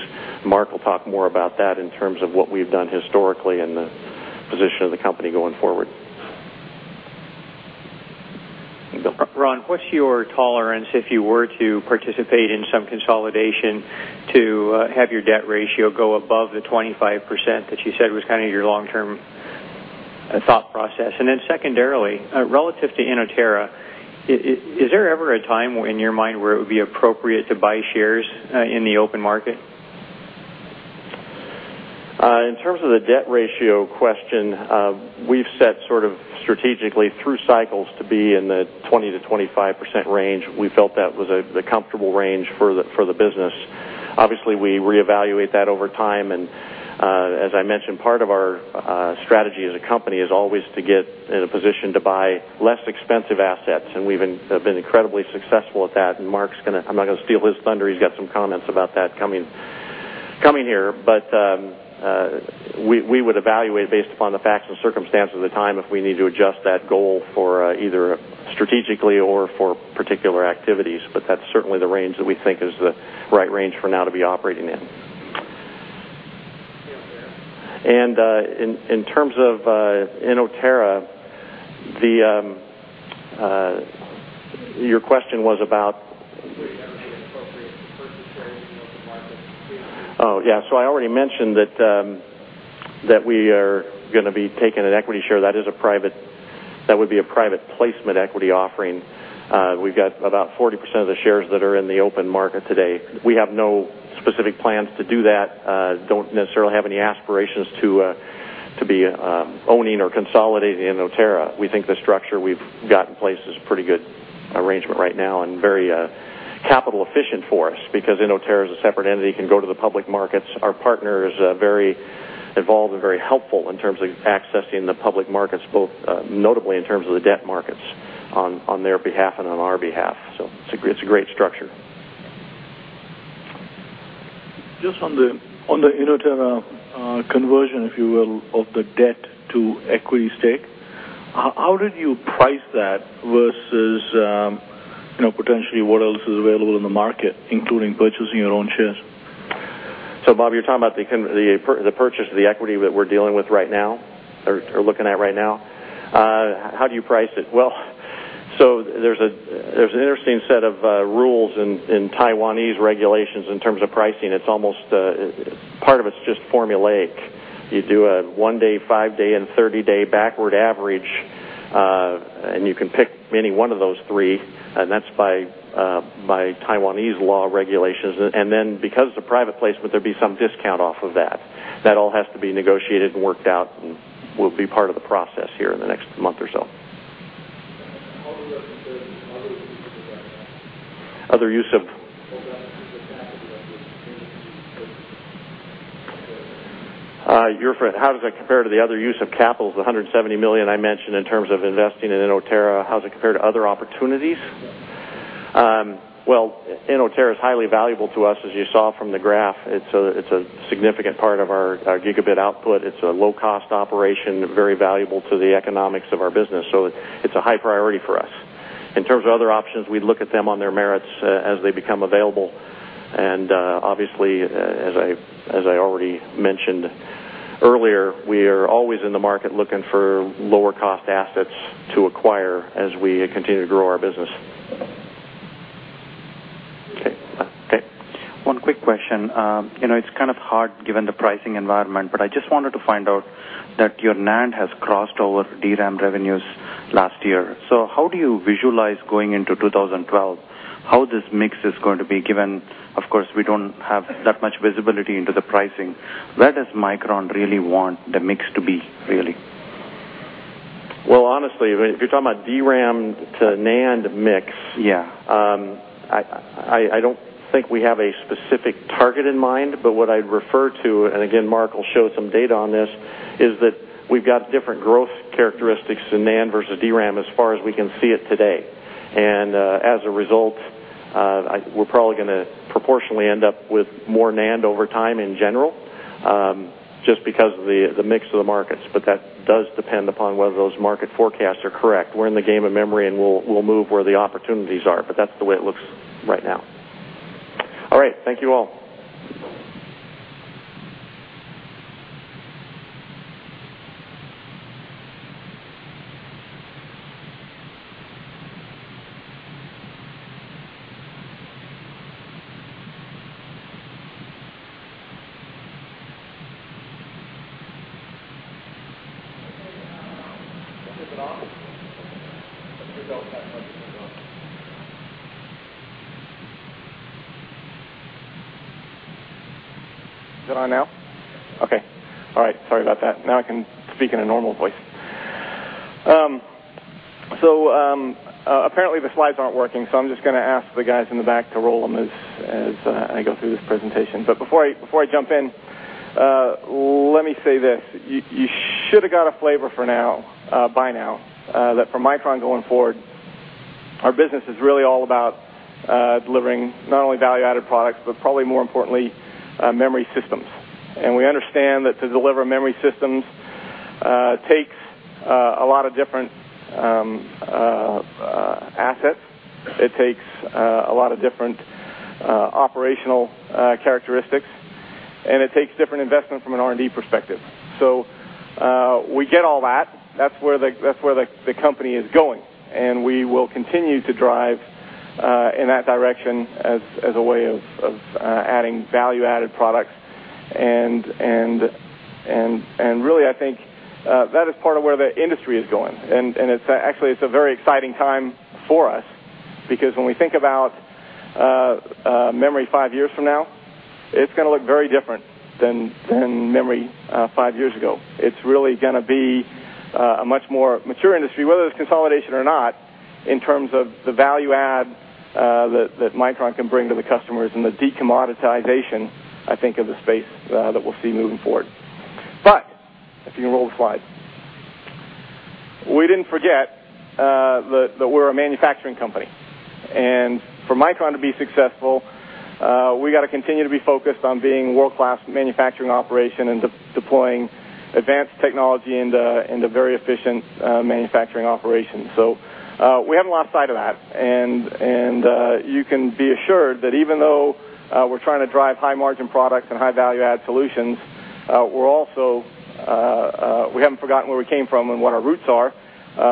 Speaker 21: Mark will talk more about that in terms of what we've done historically and the position of the company going forward.
Speaker 10: Ron, what's your tolerance if you were to participate in some consolidation to have your debt ratio go above the 25% that you said was kind of your long-term thought process? Secondarily, relative to Inotera, is there ever a time in your mind where it would be appropriate to buy shares in the open market?
Speaker 21: In terms of the debt ratio question, we've set sort of strategically through cycles to be in the 20%-25% range. We felt that was the comfortable range for the business. Obviously, we reevaluate that over time. As I mentioned, part of our strategy as a company is always to get in a position to buy less expensive assets. We've been incredibly successful at that. Mark's going to, I'm not going to steal his thunder. He's got some comments about that coming here. We would evaluate based upon the facts and circumstances of the time if we need to adjust that goal for either strategically or for particular activities. That's certainly the range that we think is the right range for now to be operating in. In terms of Inotera, your question was about, oh, yeah. I already mentioned that we are going to be taking an equity share. That would be a private placement equity offering. We've got about 40% of the shares that are in the open market today. We have no specific plans to do that. Don't necessarily have any aspirations to be owning or consolidating Inotera. We think the structure we've got in place is a pretty good arrangement right now and very capital efficient for us because Inotera is a separate entity, can go to the public markets. Our partner is very involved and very helpful in terms of accessing the public markets, both notably in terms of the debt markets on their behalf and on our behalf. It's a great structure.
Speaker 6: Just on the Inotera conversion, if you will, of the debt to equity stake, how did you price that versus, you know, potentially what else is available in the market, including purchasing your own shares?
Speaker 21: You're talking about the purchase of the equity that we're dealing with right now or looking at right now. How do you price it? There's an interesting set of rules in Taiwanese regulations in terms of pricing. Part of it's just formulaic. You do a one-day, five-day, and 30-day backward average, and you can pick any one of those three. That's by Taiwanese law regulations. Because it's a private placement, there'd be some discount off of that. That all has to be negotiated and worked out and will be part of the process here in the next month or so. How does it compare to the other use of capital, the $170 million I mentioned in terms of investing in Inotera? How does it compare to other opportunities? Inotera is highly valuable to us, as you saw from the graph. It's a significant part of our gigabit output. It's a low-cost operation, very valuable to the economics of our business. It's a high priority for us. In terms of other options, we'd look at them on their merits as they become available. Obviously, as I already mentioned earlier, we are always in the market looking for lower-cost assets to acquire as we continue to grow our business.
Speaker 18: Okay. One quick question. You know, it's kind of hard given the pricing environment, but I just wanted to find out that your NAND has crossed over DRAM revenues last year. How do you visualize going into 2012 how this mix is going to be given, of course, we don't have that much visibility into the pricing? Where does Micron really want the mix to be, really?
Speaker 21: Honestly, if you're talking about DRAM to NAND mix, yeah, I don't think we have a specific target in mind. What I'd refer to, and again, Mark will show some data on this, is that we've got different growth characteristics in NAND versus DRAM as far as we can see it today. As a result, we're probably going to proportionally end up with more NAND over time in general just because of the mix of the markets. That does depend upon whether those market forecasts are correct. We're in the game of memory, and we'll move where the opportunities are. That's the way it looks right now. All right. Thank you all.
Speaker 1: You on now? Okay. All right. Sorry about that. Now I can speak in a normal voice. Apparently, the slides aren't working. I'm just going to ask the guys in the back to roll them as I go through this presentation. Before I jump in, let me say this. You should have got a flavor by now that for Micron Technology going forward, our business is really all about delivering not only value-added products, but probably more importantly, memory systems. We understand that to deliver memory systems takes a lot of different assets. It takes a lot of different operational characteristics, and it takes different investment from an R&D perspective. We get all that. That's where the company is going, and we will continue to drive in that direction as a way of adding value-added products. I think that is part of where the industry is going. Actually, it's a very exciting time for us because when we think about memory five years from now, it's going to look very different than memory five years ago. It's really going to be a much more mature industry, whether there's consolidation or not, in terms of the value add that Micron can bring to the customers and the decommoditization, I think, of the space that we'll see moving forward. If you can roll the slide, we didn't forget that we're a manufacturing company. For Micron to be successful, we got to continue to be focused on being a world-class manufacturing operation and deploying advanced technology into very efficient manufacturing operations. We have a lot of sight of that, and you can be assured that even though we're trying to drive high-margin products and high-value-add solutions, we haven't forgotten where we came from and what our roots are,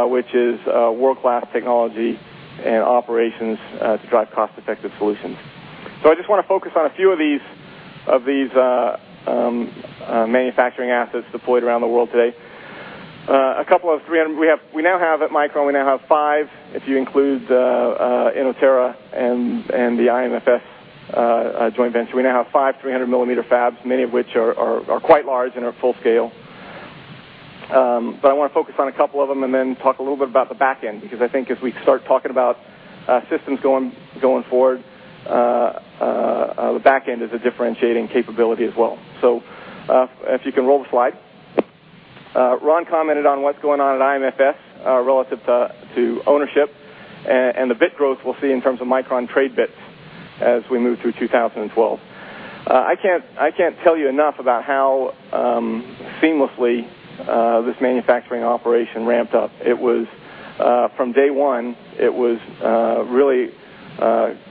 Speaker 1: which is world-class technology and operations to drive cost-effective solutions. I just want to focus on a few of these manufacturing assets deployed around the world today. A couple of 300, we now have at Micron, we now have five, if you include Inotera and the IM Flash Technologies joint venture. We now have five 300 mm fabs, many of which are quite large and are at full scale. I want to focus on a couple of them and then talk a little bit about the backend because I think as we start talking about systems going forward, the backend is a differentiating capability as well. If you can roll the slide, Ron commented on what's going on at IMFS relative to ownership and the bit growth we'll see in terms of Micron trade bits as we move through 2012. I can't tell you enough about how seamlessly this manufacturing operation ramped up. From day one, it was really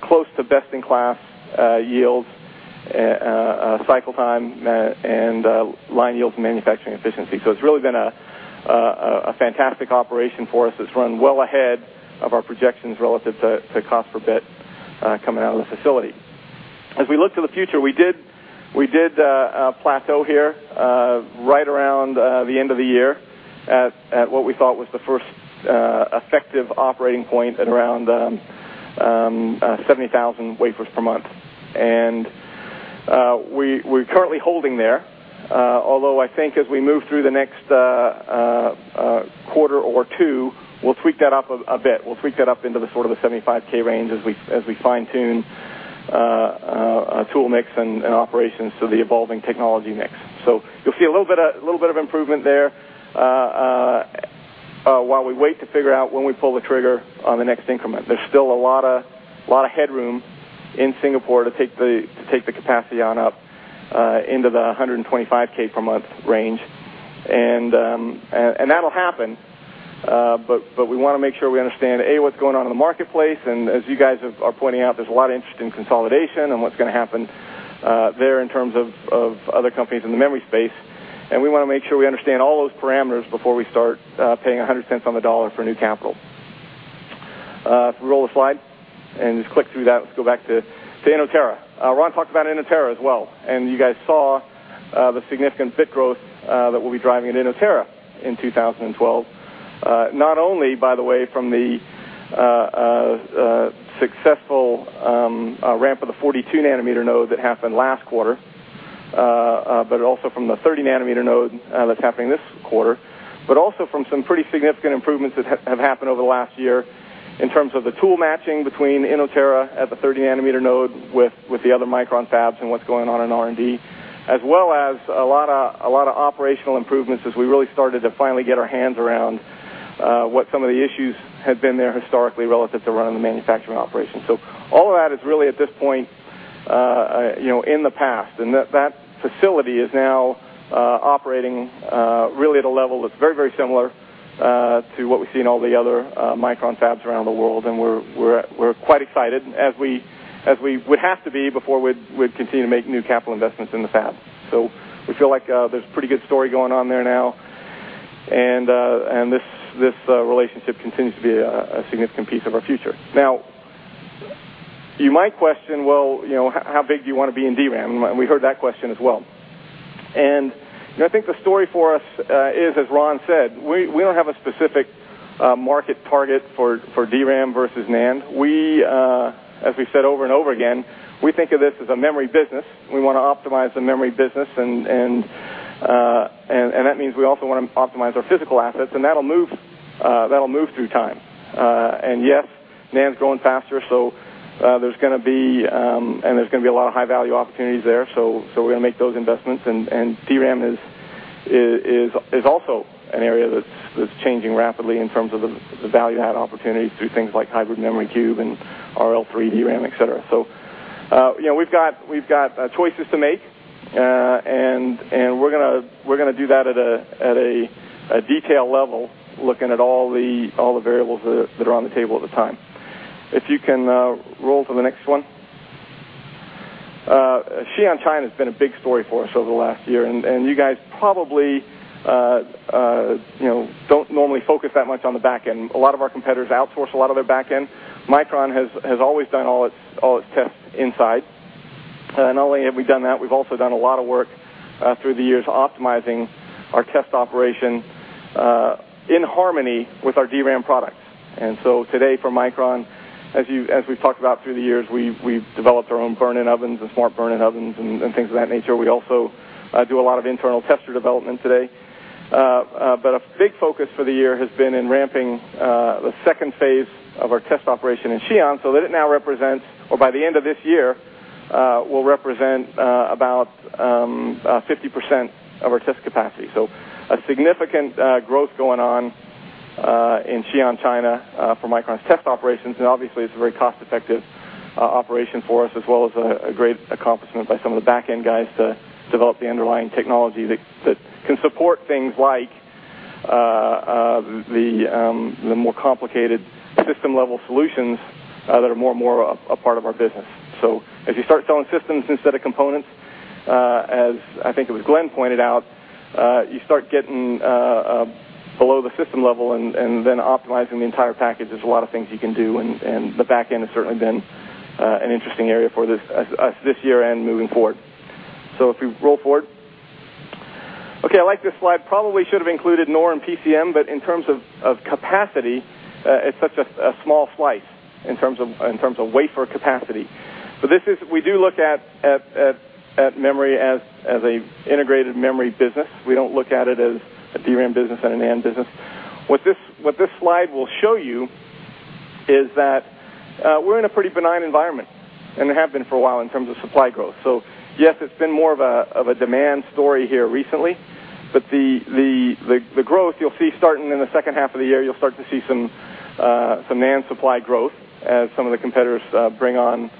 Speaker 1: close to best-in-class yields, cycle time, and line yield manufacturing efficiency. It's really been a fantastic operation for us. It's run well ahead of our projections relative to cost per bit coming out of the facility. As we look to the future, we did plateau here right around the end of the year at what we thought was the first effective operating point at around 70,000 wafers per month. We're currently holding there, although I think as we move through the next quarter or two, we'll tweak that up a bit. We'll tweak that up into the sort of the 75,000 range as we fine-tune tool mix and operations to the evolving technology mix. You'll see a little bit of improvement there while we wait to figure out when we pull the trigger on the next increment. There's still a lot of headroom in Singapore to take the capacity on up into the 125,000 per month range. That'll happen, but we want to make sure we understand, A, what's going on in the marketplace. As you guys are pointing out, there's a lot of interest in consolidation and what's going to happen there in terms of other companies in the memory space. We want to make sure we understand all those parameters before we start paying $1.00 on the dollar for new capital. If we roll the slide and just click through that, let's go back to Inotera. Ron talked about Inotera as well. You guys saw the significant bit growth that we'll be driving at Inotera in 2012. Not only, by the way, from the successful ramp of the 42 nm node that happened last quarter, but also from the 30 nm node that's happening this quarter, but also from some pretty significant improvements that have happened over the last year in terms of the tool matching between Inotera at the 30 nm node with the other Micron fabs and what's going on in R&D, as well as a lot of operational improvements as we really started to finally get our hands around what some of the issues had been there historically relative to running the manufacturing operation. All of that is really at this point, you know, in the past. That facility is now operating really at a level that's very, very similar to what we see in all the other Micron fabs around the world. We're quite excited, as we would have to be before we'd continue to make new capital investments in the fab. We feel like there's a pretty good story going on there now. This relationship continues to be a significant piece of our future. You might question, you know, how big do you want to be in DRAM? We heard that question as well. I think the story for us is, as Ron said, we don't have a specific market target for DRAM versus NAND. As we said over and over again, we think of this as a memory business. We want to optimize the memory business. That means we also want to optimize our physical assets. That'll move through time. Yes, NAND's growing faster. There's going to be a lot of high-value opportunities there. We're going to make those investments. DRAM is also an area that's changing rapidly in terms of the value-add opportunities through things like Hybrid Memory Cube and RL3 DRAM, etc. We've got choices to make. We're going to do that at a detailed level, looking at all the variables that are on the table at the time. If you can roll to the next one, Xi'an, China has been a big story for us over the last year. You guys probably don't normally focus that much on the backend. A lot of our competitors outsource a lot of their backend. Micron has always done all its tests inside. Not only have we done that, we've also done a lot of work through the years optimizing our test operation in harmony with our DRAM products. Today for Micron, as we've talked about through the years, we've developed our own burn-in ovens and smart burn-in ovens and things of that nature. We also do a lot of internal tester development today. A big focus for the year has been in ramping the second phase of our test operation in Xi'an so that it now represents, or by the end of this year, will represent about 50% of our test capacity. A significant growth is going on in Xi'an, China for Micron's test operations. Obviously, it's a very cost-effective operation for us, as well as a great accomplishment by some of the backend guys to develop the underlying technology that can support things like the more complicated system-level solutions that are more and more a part of our business. As you start selling systems instead of components, as I think it was Glen pointed out, you start getting below the system level and then optimizing the entire package. There's a lot of things you can do. The backend has certainly been an interesting area for us this year and moving forward. If we roll forward, I like this slide. Probably should have included NOR and PCM, but in terms of capacity, it's such a small slice in terms of wafer capacity. We do look at memory as an integrated memory business. We don't look at it as a DRAM business and a NAND business. What this slide will show you is that we're in a pretty benign environment and have been for a while in terms of supply growth. Yes, it's been more of a demand story here recently. The growth you'll see starting in the second half of the year, you'll start to see some NAND supply growth as some of the competitors bring on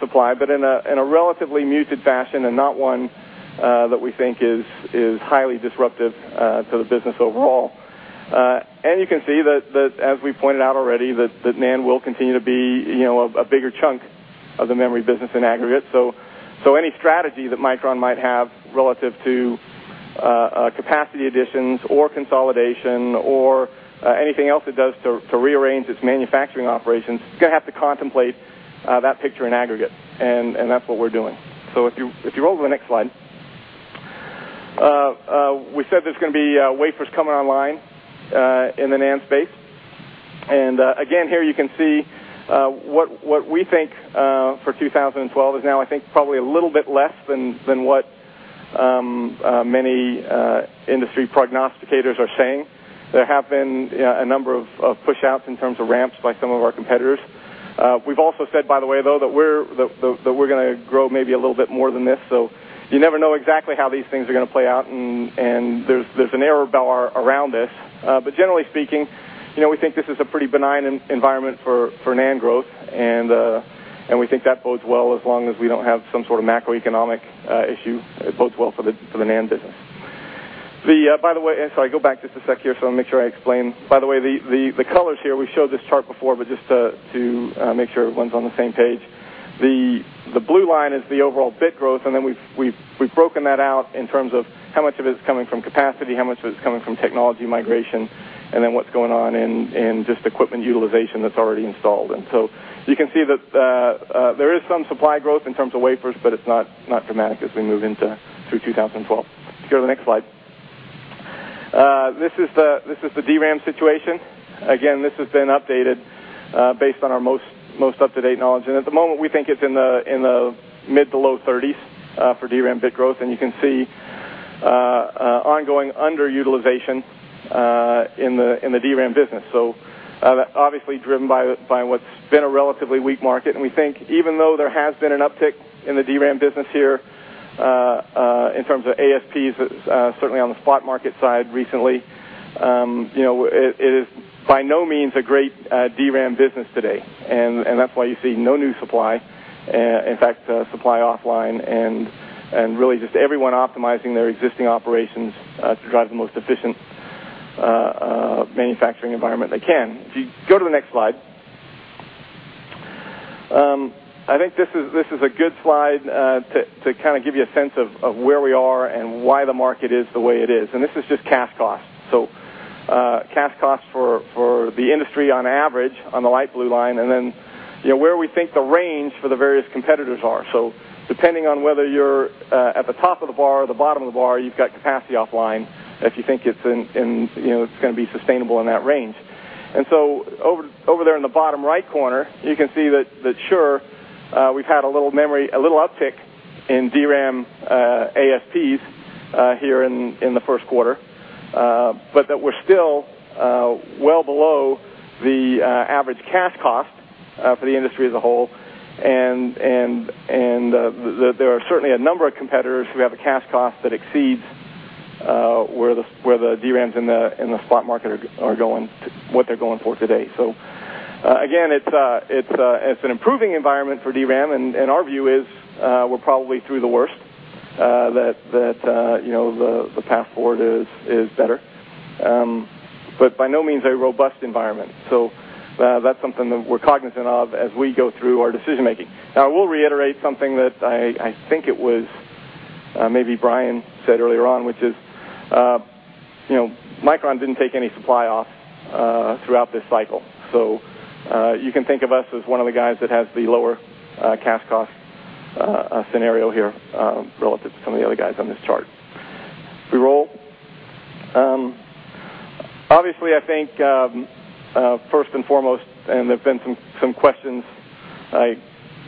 Speaker 1: supply, but in a relatively muted fashion and not one that we think is highly disruptive to the business overall. You can see that, as we pointed out already, NAND will continue to be a bigger chunk of the memory business in aggregate. Any strategy that Micron Technology might have relative to capacity additions or consolidation or anything else it does to rearrange its manufacturing operations, it's going to have to contemplate that picture in aggregate. That's what we're doing. If you roll to the next slide, we said there's going to be wafers coming online in the NAND space. Again, here you can see what we think for 2012 is now, I think, probably a little bit less than what many industry prognosticators are saying. There have been a number of push-outs in terms of ramps by some of our competitors. We've also said, by the way, that we're going to grow maybe a little bit more than this. You never know exactly how these things are going to play out. There's an error bell around this. Generally speaking, we think this is a pretty benign environment for NAND growth. We think that bodes well as long as we don't have some sort of macroeconomic issue. It bodes well for the NAND business. By the way, I go back just a sec here, I want to make sure I explain. By the way, the colors here, we showed this chart before, but just to make sure everyone's on the same page. The blue line is the overall bit growth. We have broken that out in terms of how much of it is coming from capacity, how much of it is coming from technology migration, and then what is going on in just equipment utilization that is already installed. You can see that there is some supply growth in terms of wafers, but it is not dramatic as we move into 2012. Go to the next slide. This is the DRAM situation. This has been updated based on our most up-to-date knowledge. At the moment, we think it is in the mid to low 30% for DRAM bit growth. You can see ongoing underutilization in the DRAM business, obviously driven by what has been a relatively weak market. We think even though there has been an uptick in the DRAM business here in terms of ASPs, certainly on the spot market side recently, it is by no means a great DRAM business today. That is why you see no new supply. In fact, so. and really just everyone optimizing their existing operations to drive the most efficient manufacturing environment they can. If you go to the next slide, I think this is a good slide to kind of give you a sense of where we are and why the market is the way it is. This is just cash cost. Cash cost for the industry on average on the light blue line, and then where we think the range for the various competitors are. Depending on whether you're at the top of the bar or the bottom of the bar, you've got capacity offline if you think it's going to be sustainable in that range. Over there in the bottom right corner, you can see that sure, we've had a little uptick in DRAM ASPs here in the first quarter, but we're still well below the average cash cost for the industry as a whole. There are certainly a number of competitors who have a cash cost that exceeds where the DRAMs in the spot market are going, what they're going for today. Again, it's an improving environment for DRAM, and our view is we're probably through the worst, that the path forward is better, but by no means a robust environment. That's something that we're cognizant of as we go through our decision-making. Now, I will reiterate something that I think it was maybe Brian said earlier on, which is, you know, Micron didn't take any supply off throughout this cycle. You can think of us as one of the guys that has the lower cash cost scenario here relative to some of the other guys on this chart. If we roll. Obviously, I think first and foremost, and there have been some questions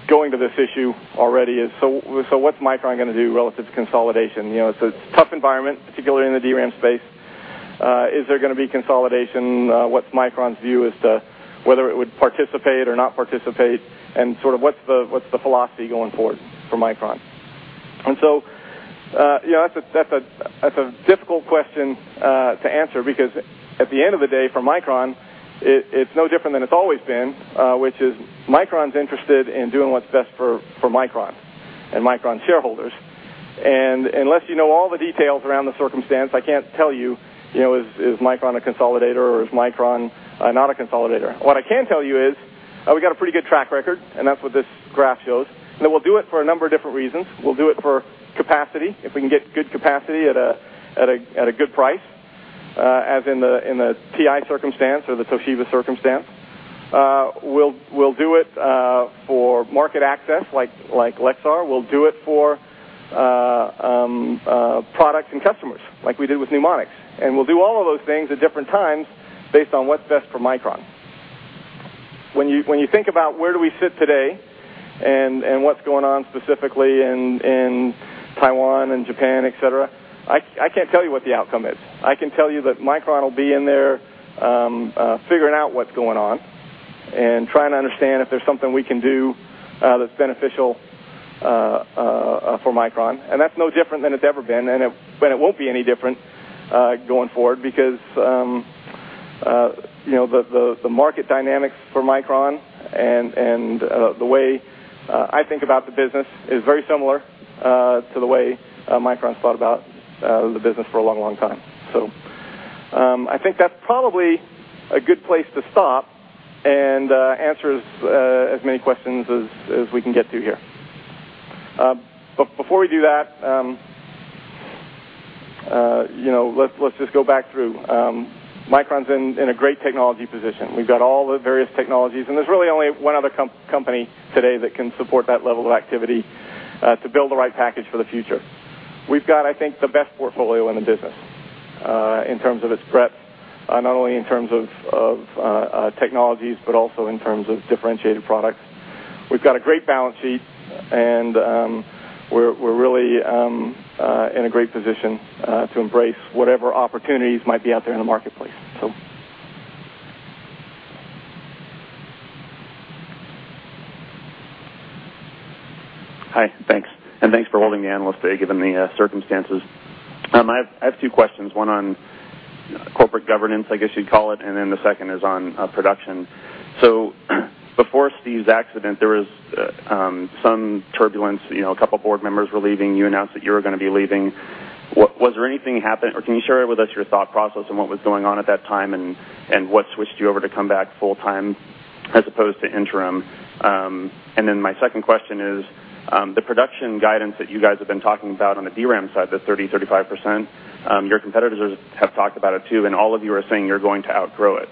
Speaker 1: going to this issue already, is, so what's Micron going to do relative to consolidation? You know, it's a tough environment, particularly in the DRAM space. Is there going to be consolidation? What's Micron's view as to whether it would participate or not participate? And sort of what's the philosophy going forward for Micron? That's a difficult question to answer because at the end of the day, for Micron, it's no different than it's always been, which is, Micron's interested in doing what's best for Micron and Micron's shareholders. Unless you know all the details around the circumstance, I can't tell you, you know, is Micron a consolidator or is Micron not a consolidator. What I can tell you is, we've got a pretty good track record, and that's what this graph shows. We'll do it for a number of different reasons. We'll do it for capacity, if we can get good capacity at a good price, as in the TI circumstance or the Toshiba circumstance. We'll do it for market access like Lexar. We'll do it for products and customers like we did with Numonyx. We'll do all of those things at different times based on what's best for Micron. When you think about where do we sit today and what's going on specifically in Taiwan and Japan, et cetera, I can't tell you what the outcome is. I can tell you that Micron will be in there figuring out what's going on and trying to understand if there's something we can do that's beneficial for Micron. That's no different than it's ever been, and it won't be any different going forward because, you know, the market dynamics for Micron and the way I think about the business is very similar to the way Micron thought about the business for a long, long time. I think that's probably a good place to stop and answer as many questions as we can get to here. Before we do that, you know, let's just go back through. Micron's in a great technology position. We've got all the various technologies, and there's really only one other company today that can support that level of activity to build the right package for the future. We've got, I think, the best portfolio in the business in terms of its breadth, not only in terms of technologies but also in terms of differentiated products. We've got a great balance sheet, and we're really in a great position to embrace whatever opportunities might be out there in the marketplace.
Speaker 23: Hi, thanks. Thanks for holding the analyst today given the circumstances. I have two questions, one on corporate governance, I guess you'd call it, and the second is on production. Before Steve's accident, there was some turbulence. A couple of board members were leaving. You announced that you were going to be leaving. Was there anything happening, or can you share with us your thought process and what was going on at that time and what switched you over to come back full-time as opposed to interim? My second question is, the production guidance that you guys have been talking about on the DRAM side, the 30%-35%, your competitors have talked about it too, and all of you are saying you're going to outgrow it.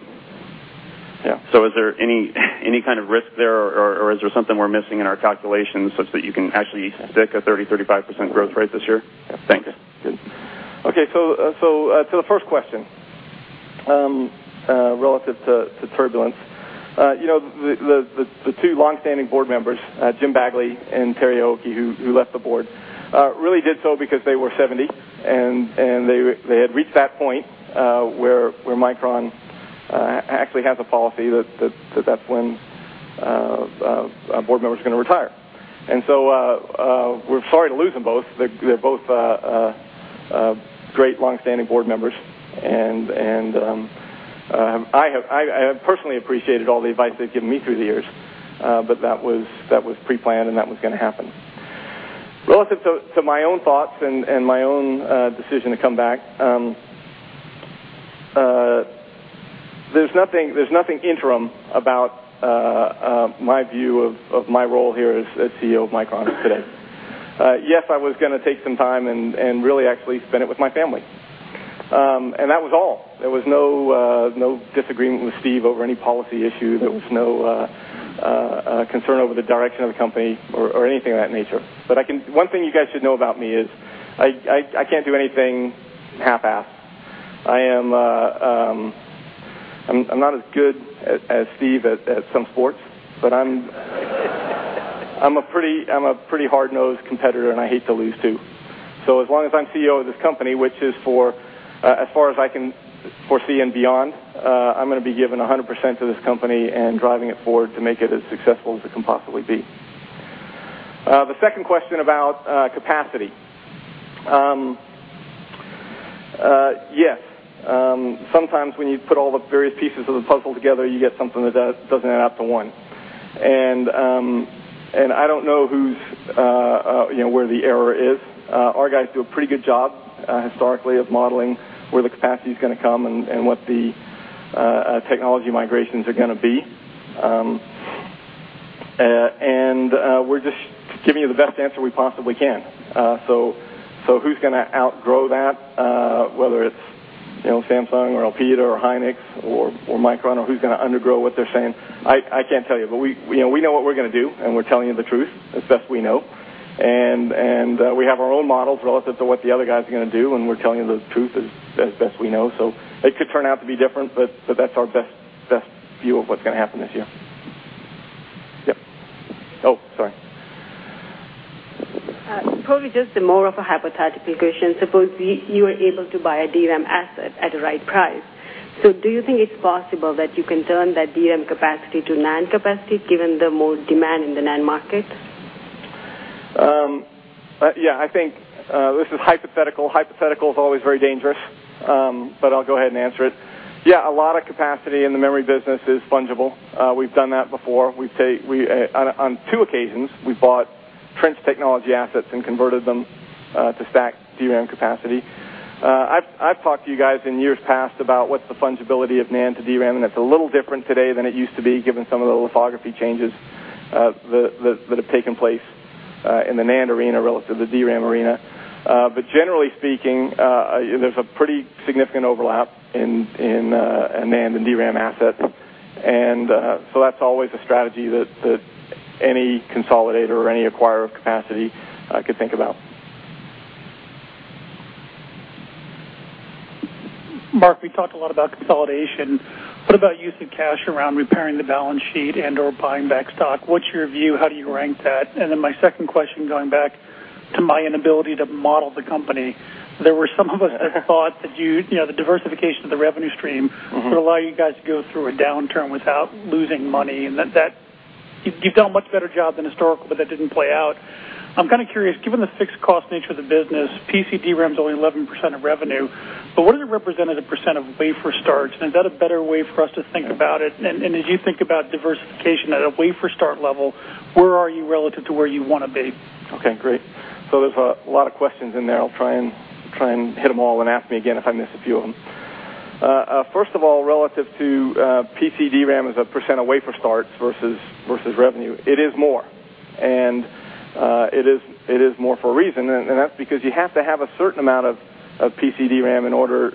Speaker 23: Is there any kind of risk there, or is there something we're missing in our calculations such that you can actually stick a 30%-35% growth rate this year?
Speaker 1: Yeah, thanks. Okay, to the first question relative to turbulence, the two longstanding board members, Jim Bagley and Terry Aoki, who left the board, really did so because they were 70, and they had reached that point where Micron actually has a policy that that's when board members are going to retire. We're sorry to lose them both. They're both great longstanding board members, and I have personally appreciated all the advice they've given me through the years, but that was pre-planned, and that was going to happen. Relative to my own thoughts and my own decision to come back, there's nothing interim about my view of my role here as CEO of Micron today. Yes, I was going to take some time and really actually spend it with my family, and that was all. There was no disagreement with Steve over any policy issue. There was no concern over the direction of the company or anything of that nature. One thing you guys should know about me is I can't do anything half-assed. I am not as good as Steve at some sports, but I'm a pretty hard-nosed competitor, and I hate to lose too. As long as I'm CEO of this company, which is for as far as I can foresee and beyond, I'm going to be giving 100% to this company and driving it forward to make it as successful as it can possibly be. The second question about capacity, yes, sometimes when you put all the various pieces of the puzzle together, you get something that doesn't add up to one. I don't know where the error is. Our guys do a pretty good job historically of modeling where the capacity is going to come and what the technology migrations are going to be. We're just giving you the best answer we possibly can. Who's going to outgrow that, whether it's Samsung or Elpida or Hynix or Micron, or who's going to undergrow what they're saying? I can't tell you, but we know what we're going to do, and we're telling you the truth as best we know. We have our own models relative to what the other guys are going to do, and we're telling you the truth as best we know. It could turn out to be different, but that's our best view of what's going to happen this year. Yeah. Oh, sorry.
Speaker 8: Probably just more of a hypothetical question. Suppose you were able to buy a DRAM asset at the right price. Do you think it's possible that you can turn that DRAM capacity to NAND capacity given the more demand in the NAND market?
Speaker 1: Yeah, I think this is hypothetical. Hypothetical is always very dangerous, but I'll go ahead and answer it. A lot of capacity in the memory business is fungible. We've done that before. On two occasions, we bought trench technology assets and converted them to stack DRAM capacity. I've talked to you guys in years past about what's the fungibility of NAND to DRAM, and it's a little different today than it used to be given some of the lithography changes that have taken place in the NAND arena relative to the DRAM arena. Generally speaking, there's a pretty significant overlap in NAND and DRAM assets. That's always a strategy that any consolidator or any acquirer of capacity could think about.
Speaker 22: Mark, we talked a lot about consolidation. What about using cash around repairing the balance sheet and/or buying back stock? What's your view? How do you rank that? My second question, going back to my inability to model the company, there were some of us that thought that the diversification of the revenue stream would allow you guys to go through a downturn without losing money. You've done a much better job than historical, but that didn't play out. I'm kind of curious, given the fixed cost nature of the business, PC DRAM is only 11% of revenue, but what does it represent as a percent of wafer starts? Is that a better way for us to think about it? As you think about diversification at a wafer start level, where are you relative to where you want to be?
Speaker 1: Okay, great. There's a lot of questions in there. I'll try and hit them all, and ask me again if I miss a few of them. First of all, relative to PC DRAM as a percent of wafer starts versus revenue, it is more. It is more for a reason, and that's because you have to have a certain amount of PC DRAM in order,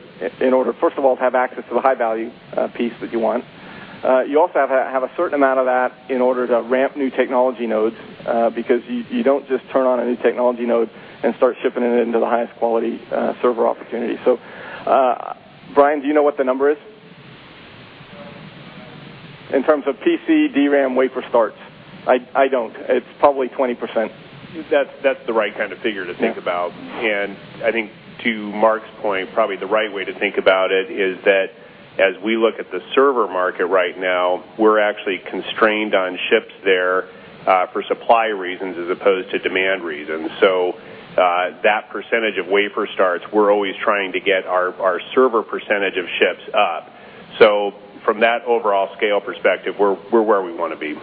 Speaker 1: first of all, to have access to the high-value piece that you want. You also have to have a certain amount of that in order to ramp new technology nodes because you don't just turn on a new technology node and start shipping it into the highest quality server opportunity. Brian, do you know what the number is in terms of PC DRAM wafer starts? I don't. It's probably 20%.
Speaker 13: That's the right kind of figure to think about. I think to Mark's point, probably the right way to think about it is that as we look at the server market right now, we're actually constrained on ships there for supply reasons as opposed to demand reasons. That percentage of wafer starts, we're always trying to get our server percentage of ships up. From that overall scale perspective, we're where we want to be.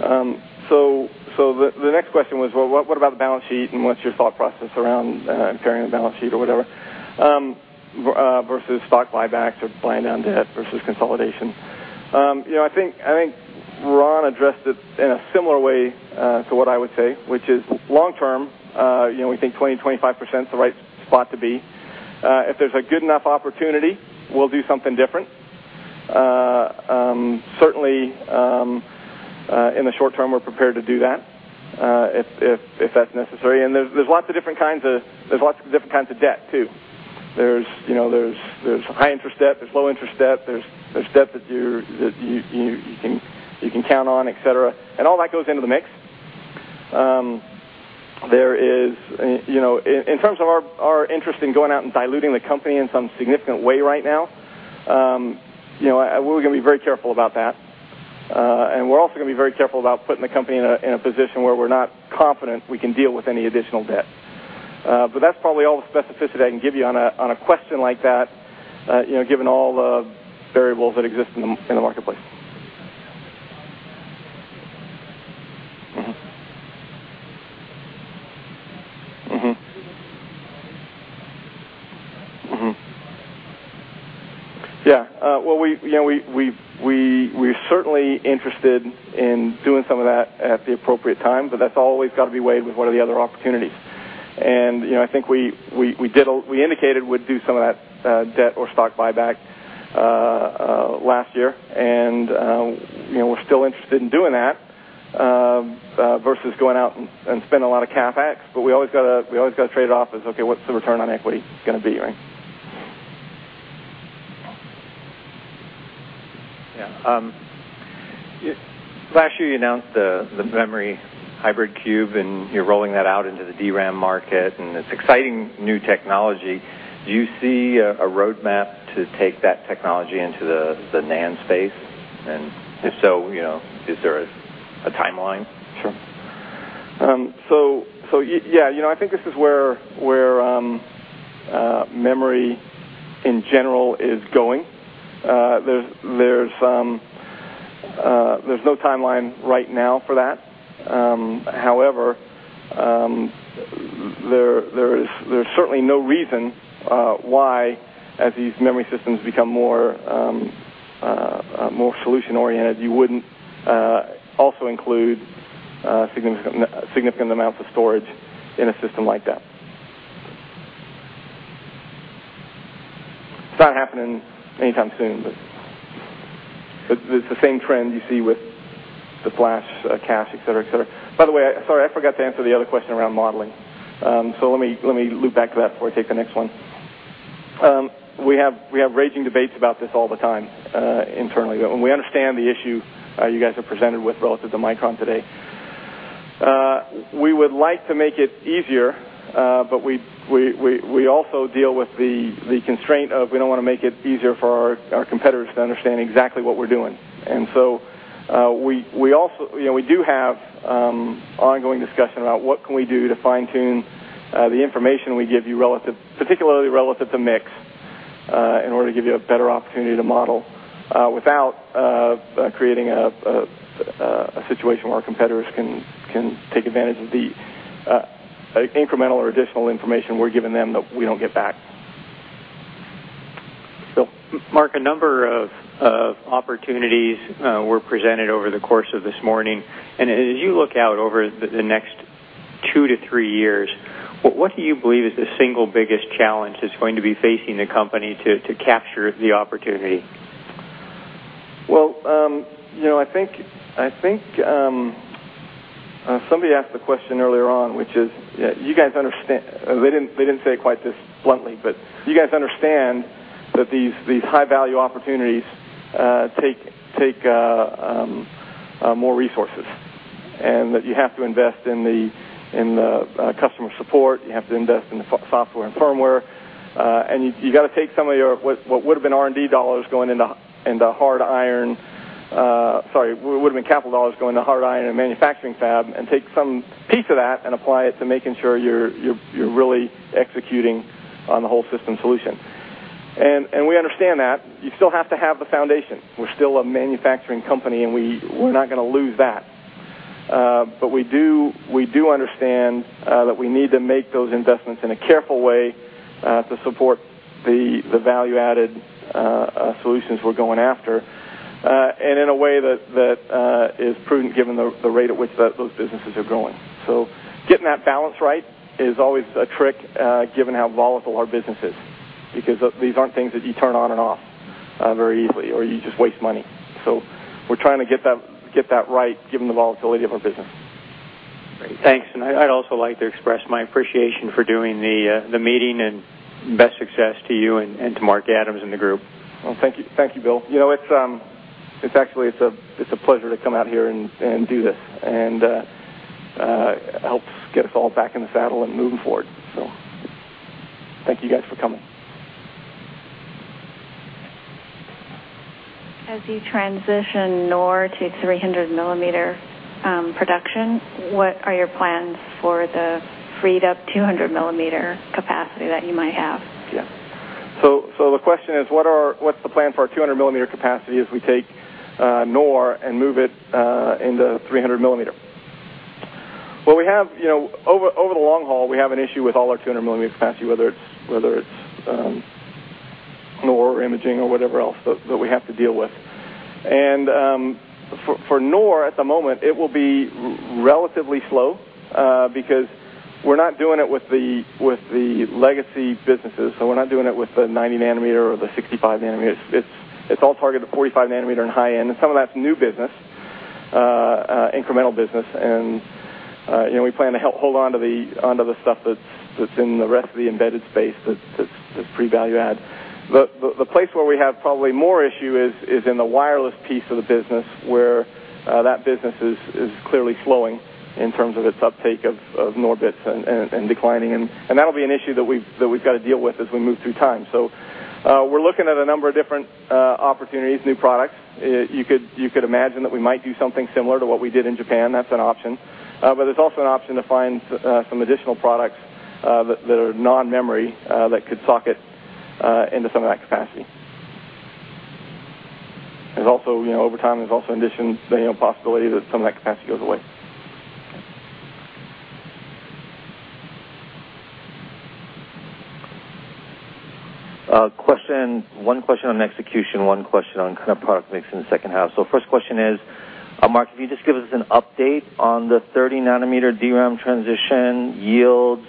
Speaker 1: Yeah. The next question was, what about the balance sheet and what's your thought process around impairing the balance sheet or whatever versus stock buybacks or buying down debt versus consolidation? I think Ron addressed it in a similar way to what I would say, which is long-term, we think 20%-25% is the right spot to be. If there's a good enough opportunity, we'll do something different. Certainly, in the short-term, we're prepared to do that if that's necessary. There are lots of different kinds of debt too. There's high-interest debt, there's low-interest debt, there's debt that you can count on, et cetera, and all that goes into the mix. In terms of our interest in going out and diluting the company in some significant way right now, we're going to be very careful about that. We're also going to be very careful about putting the company in a position where we're not confident we can deal with any additional debt. That's probably all the specificity I can give you on a question like that, given all the variables that exist in the marketplace. We're certainly interested in doing some of that at the appropriate time, but that's always got to be weighed with what are the other opportunities. I think we indicated we'd do some of that debt or stock buyback last year, and we're still interested in doing that versus going out and spending a lot of CapEx, but we always got to trade it off as, okay, what's the return on equity going to be, right?
Speaker 10: Yeah. Last year, you announced the Hybrid Memory Cube, and you're rolling that out into the DRAM market, and it's exciting new technology. Do you see a roadmap to take that technology into the NAND space? If so, you know, is there a timeline?
Speaker 1: Sure. I think this is where memory in general is going. There's no timeline right now for that. However, there's certainly no reason why, as these memory systems become more solution-oriented, you wouldn't also include significant amounts of storage in a system like that. It's not happening anytime soon, but it's the same trend you see with the flash cache, et cetera, et cetera. By the way, sorry, I forgot to answer the other question around modeling. Let me loop back to that before I take the next one. We have raging debates about this all the time internally, but when we understand the issue you guys have presented with relative to Micron today, we would like to make it easier, but we also deal with the constraint of we don't want to make it easier for our competitors to understand exactly what we're doing. We do have ongoing discussion about what can we do to fine-tune the information we give you, particularly relative to mix, in order to give you a better opportunity to model without creating a situation where our competitors can take advantage of the incremental or additional information we're giving them that we don't get back.
Speaker 24: Mark, a number of opportunities were presented over the course of this morning. As you look out over the next two to three years, what do you believe is the single biggest challenge that's going to be facing the company to capture the opportunity?
Speaker 1: I think somebody asked the question earlier on, which is, you guys understand, they didn't say it quite this bluntly, but you guys understand that these high-value opportunities take more resources and that you have to invest in the customer support, you have to invest in the software and firmware, and you've got to take some of your, what would have been R&D dollars going into hard iron, sorry, what would have been capital dollars going into hard iron and manufacturing fab and take some piece of that and apply it to making sure you're really executing on the whole system solution. We understand that. You still have to have the foundation. We're still a manufacturing company, and we're not going to lose that. We do understand that we need to make those investments in a careful way to support the value-added solutions we're going after and in a way that is prudent given the rate at which those businesses are growing. Getting that balance right is always a trick given how volatile our business is because these aren't things that you turn on and off very easily, or you just waste money. We're trying to get that right given the volatility of our business.
Speaker 24: Great. Thanks. I'd also like to express my appreciation for doing the meeting and best success to you and to Mark Adams and the group.
Speaker 1: Thank you, Bill. It's actually a pleasure to come out here and do this. It helps get us all back in the saddle and moving forward. Thank you guys for coming.
Speaker 25: As you transition NOR to 300 mm production, what are your plans for the freed-up 200 mm capacity that you might have?
Speaker 1: Yeah. The question is, what's the plan for our 200 mm capacity as we take NOR and move it into 300 mm? We have, over the long haul, an issue with all our 200 mm capacity, whether it's NOR or imaging or whatever else that we have to deal with. For NOR at the moment, it will be relatively slow because we're not doing it with the legacy businesses. We're not doing it with the 90 nm or the 65 nm, It's all targeted at 45 nm and high end. Some of that's new business, incremental business. We plan to hold on to the stuff that's in the rest of the embedded space that's pre-value add. The place where we have probably more issue is in the wireless piece of the business where that business is clearly slowing in terms of its uptake of NOR bits and declining. That'll be an issue that we've got to deal with as we move through time. We're looking at a number of different opportunities, new products. You could imagine that we might do something similar to what we did in Japan. That's an option. It's also an option to find some additional products that are non-memory that could socket into some of that capacity. There's also, over time, the possibility that some of that capacity goes away.
Speaker 26: Question, one question on execution, one question on kind of product mix in the second half. First question is, Mark, if you just give us an update on the 30 nm DRAM transition, yields,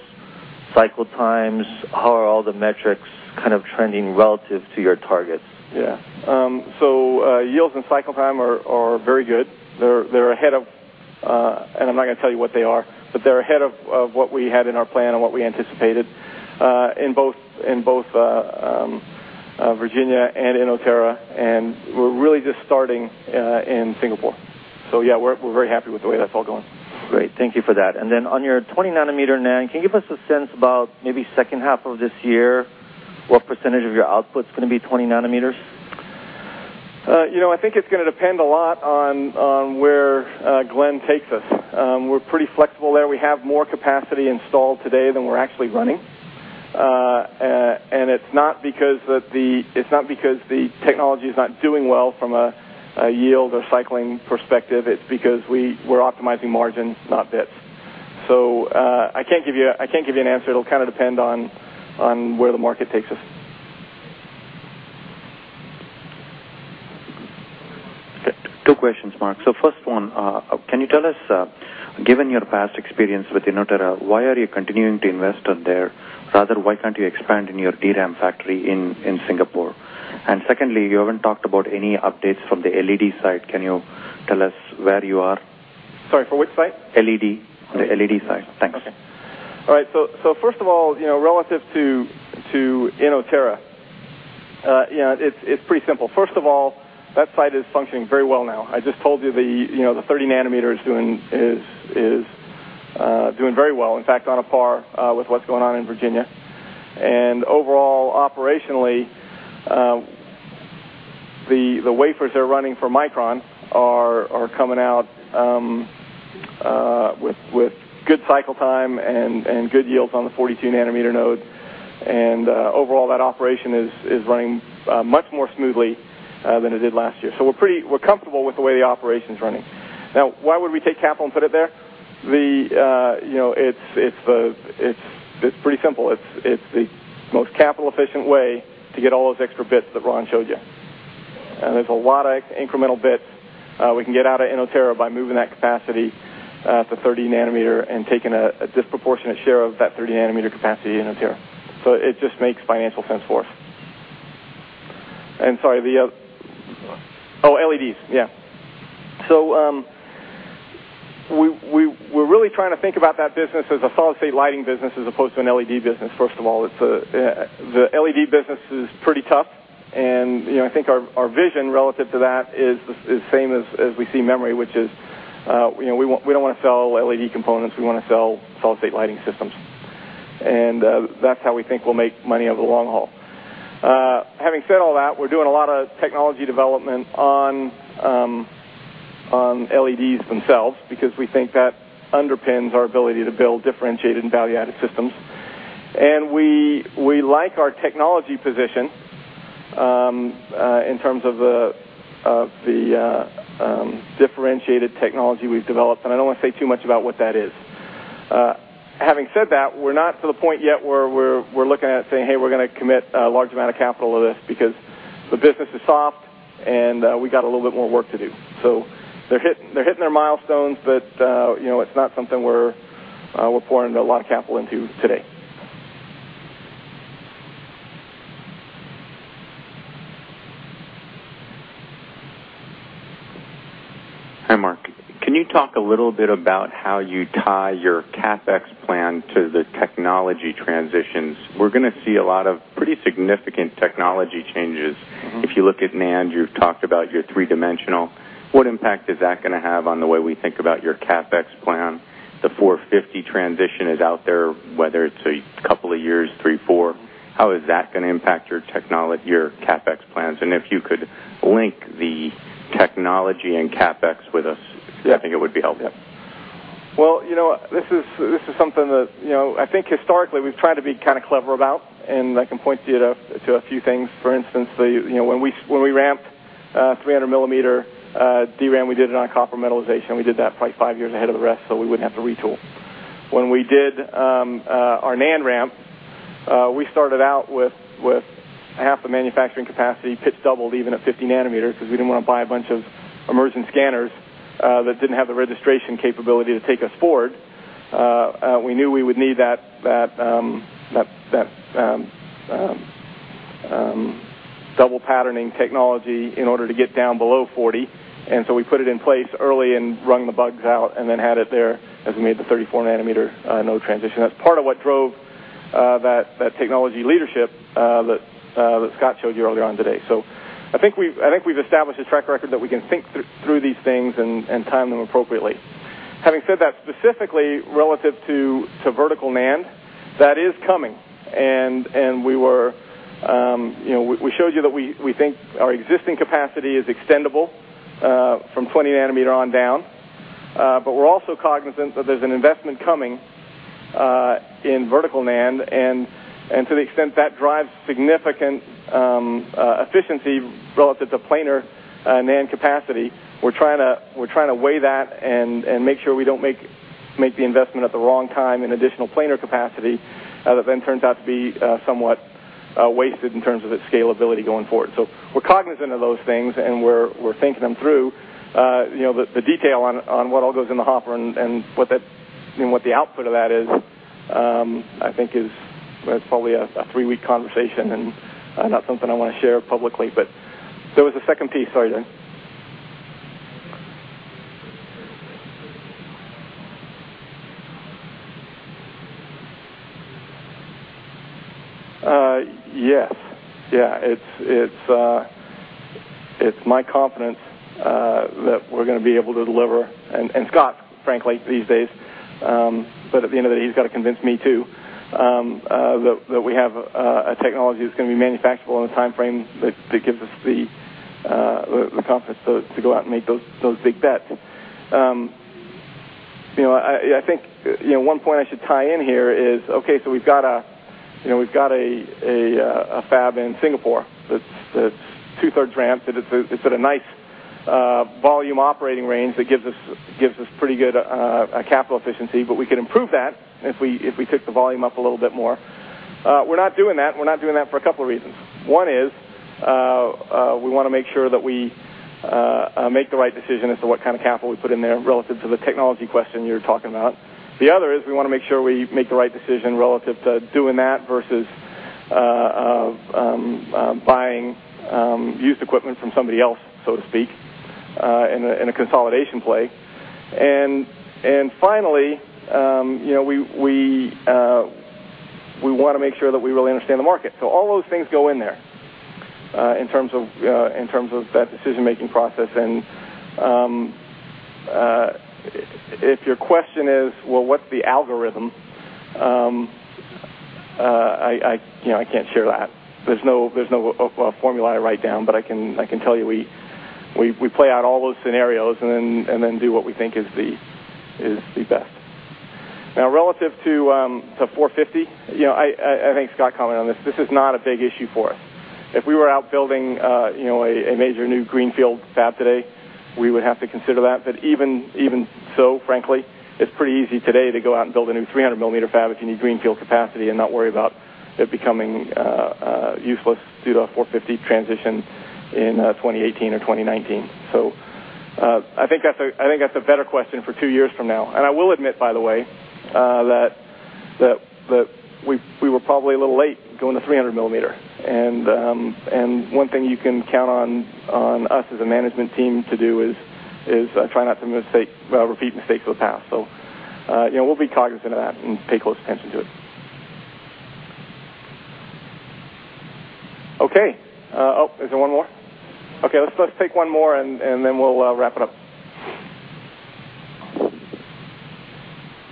Speaker 26: cycle times, how are all the metrics kind of trending relative to your targets?
Speaker 1: Yeah. Yields and cycle time are very good. They're ahead of, and I'm not going to tell you what they are, but they're ahead of what we had in our plan and what we anticipated in both Virginia and Inotera. We're really just starting in Singapore. We're very happy with the way that's all going.
Speaker 26: Great. Thank you for that. On your 20 nm NAND, can you give us a sense about maybe second half of this year, what percentage of your output's going to be 20 nm?
Speaker 1: I think it's going to depend a lot on where Glen takes us. We're pretty flexible there. We have more capacity installed today than we're actually running. It's not because the technology is not doing well from a yield or cycling perspective. It's because we're optimizing margins, not bits. I can't give you an answer. It'll kind of depend on where the market takes us.
Speaker 18: Two questions, Mark. First one, can you tell us, given your past experience with Inotera, why are you continuing to invest in there? Rather, why can't you expand in your DRAM factory in Singapore? Secondly, you haven't talked about any updates from the LED side. Can you tell us where you are?
Speaker 1: Sorry, from which side?
Speaker 18: LED, the LED side. Thanks.
Speaker 1: Okay. All right. First of all, relative to Inotera, it's pretty simple. That site is functioning very well now. I just told you the 30 nm is doing very well, in fact, on a par with what's going on in Virginia. Overall, operationally, the wafers that are running for Micron are coming out with good cycle time and good yields on the 42 nm node. Overall, that operation is running much more smoothly than it did last year. We're comfortable with the way the operation's running. Now, why would we take capital and put it there? It's pretty simple. It's the most capital-efficient way to get all those extra bits that Ron showed you. There's a lot of incremental bits we can get out of Inotera by moving that capacity to 30 nm and taking a disproportionate share of that 30 nm capacity in Inotera. It just makes financial sense for us. Sorry, the LEDs, yeah. We're really trying to think about that business as a solid-state lighting business as opposed to an LED business. The LED business is pretty tough. I think our vision relative to that is the same as we see memory, which is, we don't want to sell LED components. We want to sell solid-state lighting systems. That's how we think we'll make money over the long haul. Having said all that, we're doing a lot of technology development on LEDs themselves because we think that underpins our ability to build differentiated and value-added systems. We like our technology position in terms of the differentiated technology we've developed. I don't want to say too much about what that is. Having said that, we're not to the point yet where we're looking at saying, hey, we're going to commit a large amount of capital to this because the business is soft and we got a little bit more work to do. They're hitting their milestones, but it's not something we're pouring a lot of capital into today.
Speaker 3: Hi, Mark. Can you talk a little bit about how you tie your CapEx plan to the technology transitions? We're going to see a lot of pretty significant technology changes. If you look at NAND, you've talked about your three-dimensional. What impact is that going to have on the way we think about your CapEx plan? The 450mm transition is out there, whether it's a couple of years, three, four. How is that going to impact your CapEx plans? If you could link the technology and CapEx with us, I think it would be helpful.
Speaker 1: This is something that, I think historically we've tried to be kind of clever about. I can point you to a few things. For instance, when we ramped 300 mm DRAM, we did it on copper metalization. We did that probably five years ahead of the rest, so we wouldn't have to retool. When we did our NAND ramp, we started out with half the manufacturing capacity, pitch doubled even at 50 nm because we didn't want to buy a bunch of emergent scanners that didn't have the registration capability to take us forward. We knew we would need that double patterning technology in order to get down below 40. We put it in place early and wrung the bugs out and then had it there as we made the 34 nm node transition. That's part of what drove that technology leadership that Scott showed you earlier on today. I think we've established a track record that we can think through these things and time them appropriately. Having said that, specifically relative to vertical NAND, that is coming. We showed you that we think our existing capacity is extendable from 20 nm on down. We're also cognizant that there's an investment coming in vertical NAND. To the extent that drives significant efficiency relative to planar NAND capacity, we're trying to weigh that and make sure we don't make the investment at the wrong time in additional planar capacity that then turns out to be somewhat wasted in terms of its scalability going forward. We're cognizant of those things and we're thinking them through. The detail on what all goes in the hopper and what the output of that is, I think is probably a three-week conversation and not something I want to share publicly. There was a second piece, sorry. Yes, it's my confidence that we're going to be able to deliver. Scott, frankly, these days, but at the end of the day, he's got to convince me too that we have a technology that's going to be manufacturable in a timeframe that gives us the confidence to go out and make those big bets. I think one point I should tie in here is, okay, we've got a fab in Singapore that's two-thirds ramped. It's at a nice volume operating range that gives us pretty good capital efficiency, but we could improve that if we took the volume up a little bit more. We're not doing that. We're not doing that for a couple of reasons. One is we want to make sure that we make the right decision as to what kind of capital we put in there relative to the technology question you're talking about. The other is we want to make sure we make the right decision relative to doing that versus buying used equipment from somebody else, so to speak, in a consolidation play. Finally, you know, we want to make sure that we really understand the market. All those things go in there in terms of that decision-making process. If your question is, what's the algorithm? You know, I can't share that. There's no formula I write down, but I can tell you we play out all those scenarios and then do what we think is the best. Now, relative to 450 mm, I think Scott commented on this. This is not a big issue for us. If we were out building a major new greenfield fab today, we would have to consider that. Even so, frankly, it's pretty easy today to go out and build a new 300mm fab if you need greenfield capacity and not worry about it becoming useless due to a 450mm transition in 2018 or 2019. I think that's a better question for two years from now. I will admit, by the way, that we were probably a little late going to 300mm. One thing you can count on us as a management team to do is try not to make repeat mistakes of the past. We'll be cognizant of that and pay close attention to it. Okay. Oh, is there one more? Okay, let's take one more and then we'll wrap it up.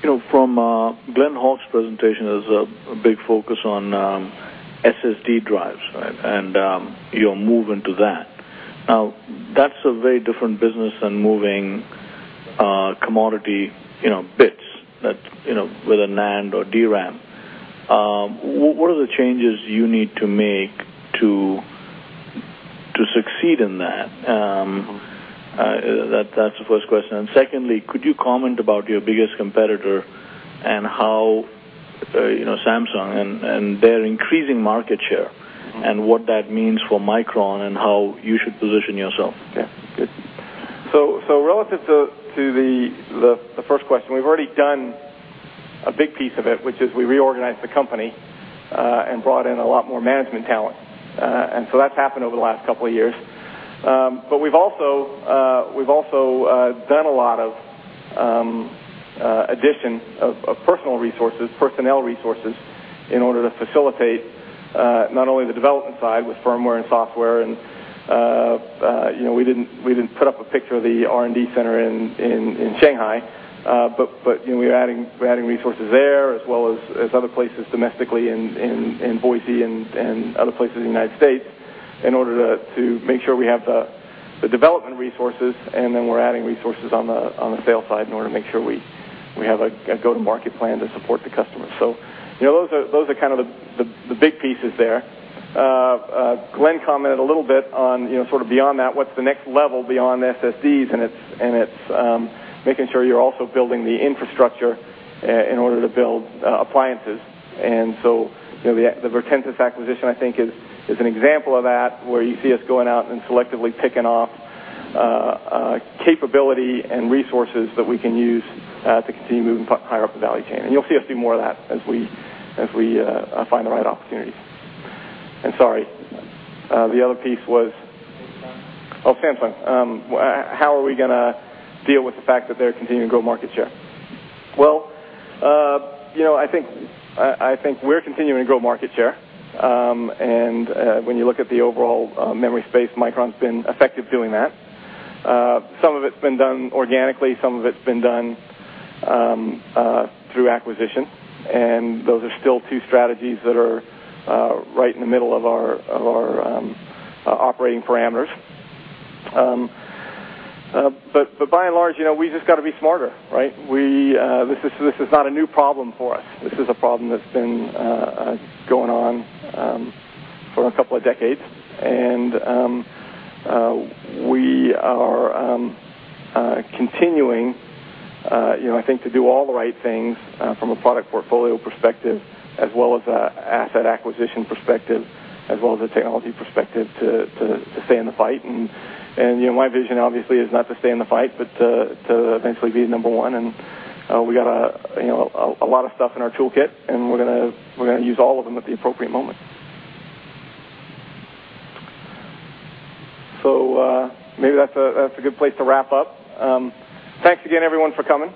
Speaker 27: You know, from Glen Hawk's presentation, there's a big focus on SSD drives, right? You'll move into that. Now, that's a very different business than moving commodity, you know, bits with a NAND or DRAM. What are the changes you need to make to succeed in that? That's the first question. Secondly, could you comment about your biggest competitor and how, you know, Samsung and their increasing market share and what that means for Micron Technology and how you should position yourself?
Speaker 1: Okay, good. Relative to the first question, we've already done a big piece of it, which is we reorganized the company and brought in a lot more management talent. That's happened over the last couple of years. We've also done a lot of addition of personnel resources in order to facilitate not only the development side with firmware and software. We didn't put up a picture of the R&D center in Shanghai, but we're adding resources there as well as other places domestically in Boise and other places in the United States in order to make sure we have the development resources. We're adding resources on the sales side in order to make sure we have a go-to-market plan to support the customers. Those are kind of the big pieces there. Glen commented a little bit on, sort of beyond that, what's the next level beyond SSDs. It's making sure you're also building the infrastructure in order to build appliances. The Virtensys acquisition, I think, is an example of that where you see us going out and selectively picking off capability and resources that we can use to continue moving higher up the value chain. You'll see us do more of that as we find the right opportunities. Sorry, the other piece was, oh, Samsung. How are we going to deal with the fact that they're continuing to grow market share? I think we're continuing to grow market share. When you look at the overall memory space, Micron's been effective doing that. Some of it's been done organically. Some of it's been done through acquisition. Those are still two strategies that are right in the middle of our operating parameters. By and large, we just got to be smarter, right? This is not a new problem for us. This is a problem that's been going on for a couple of decades. We are continuing, I think, to do all the right things from a product portfolio perspective, as well as an asset acquisition perspective, as well as a technology perspective to stay in the fight. My vision obviously is not to stay in the fight, but to eventually be the number one. We got a lot of stuff in our toolkit, and we're going to use all of them at the appropriate moment. Maybe that's a good place to wrap up. Thanks again, everyone, for coming.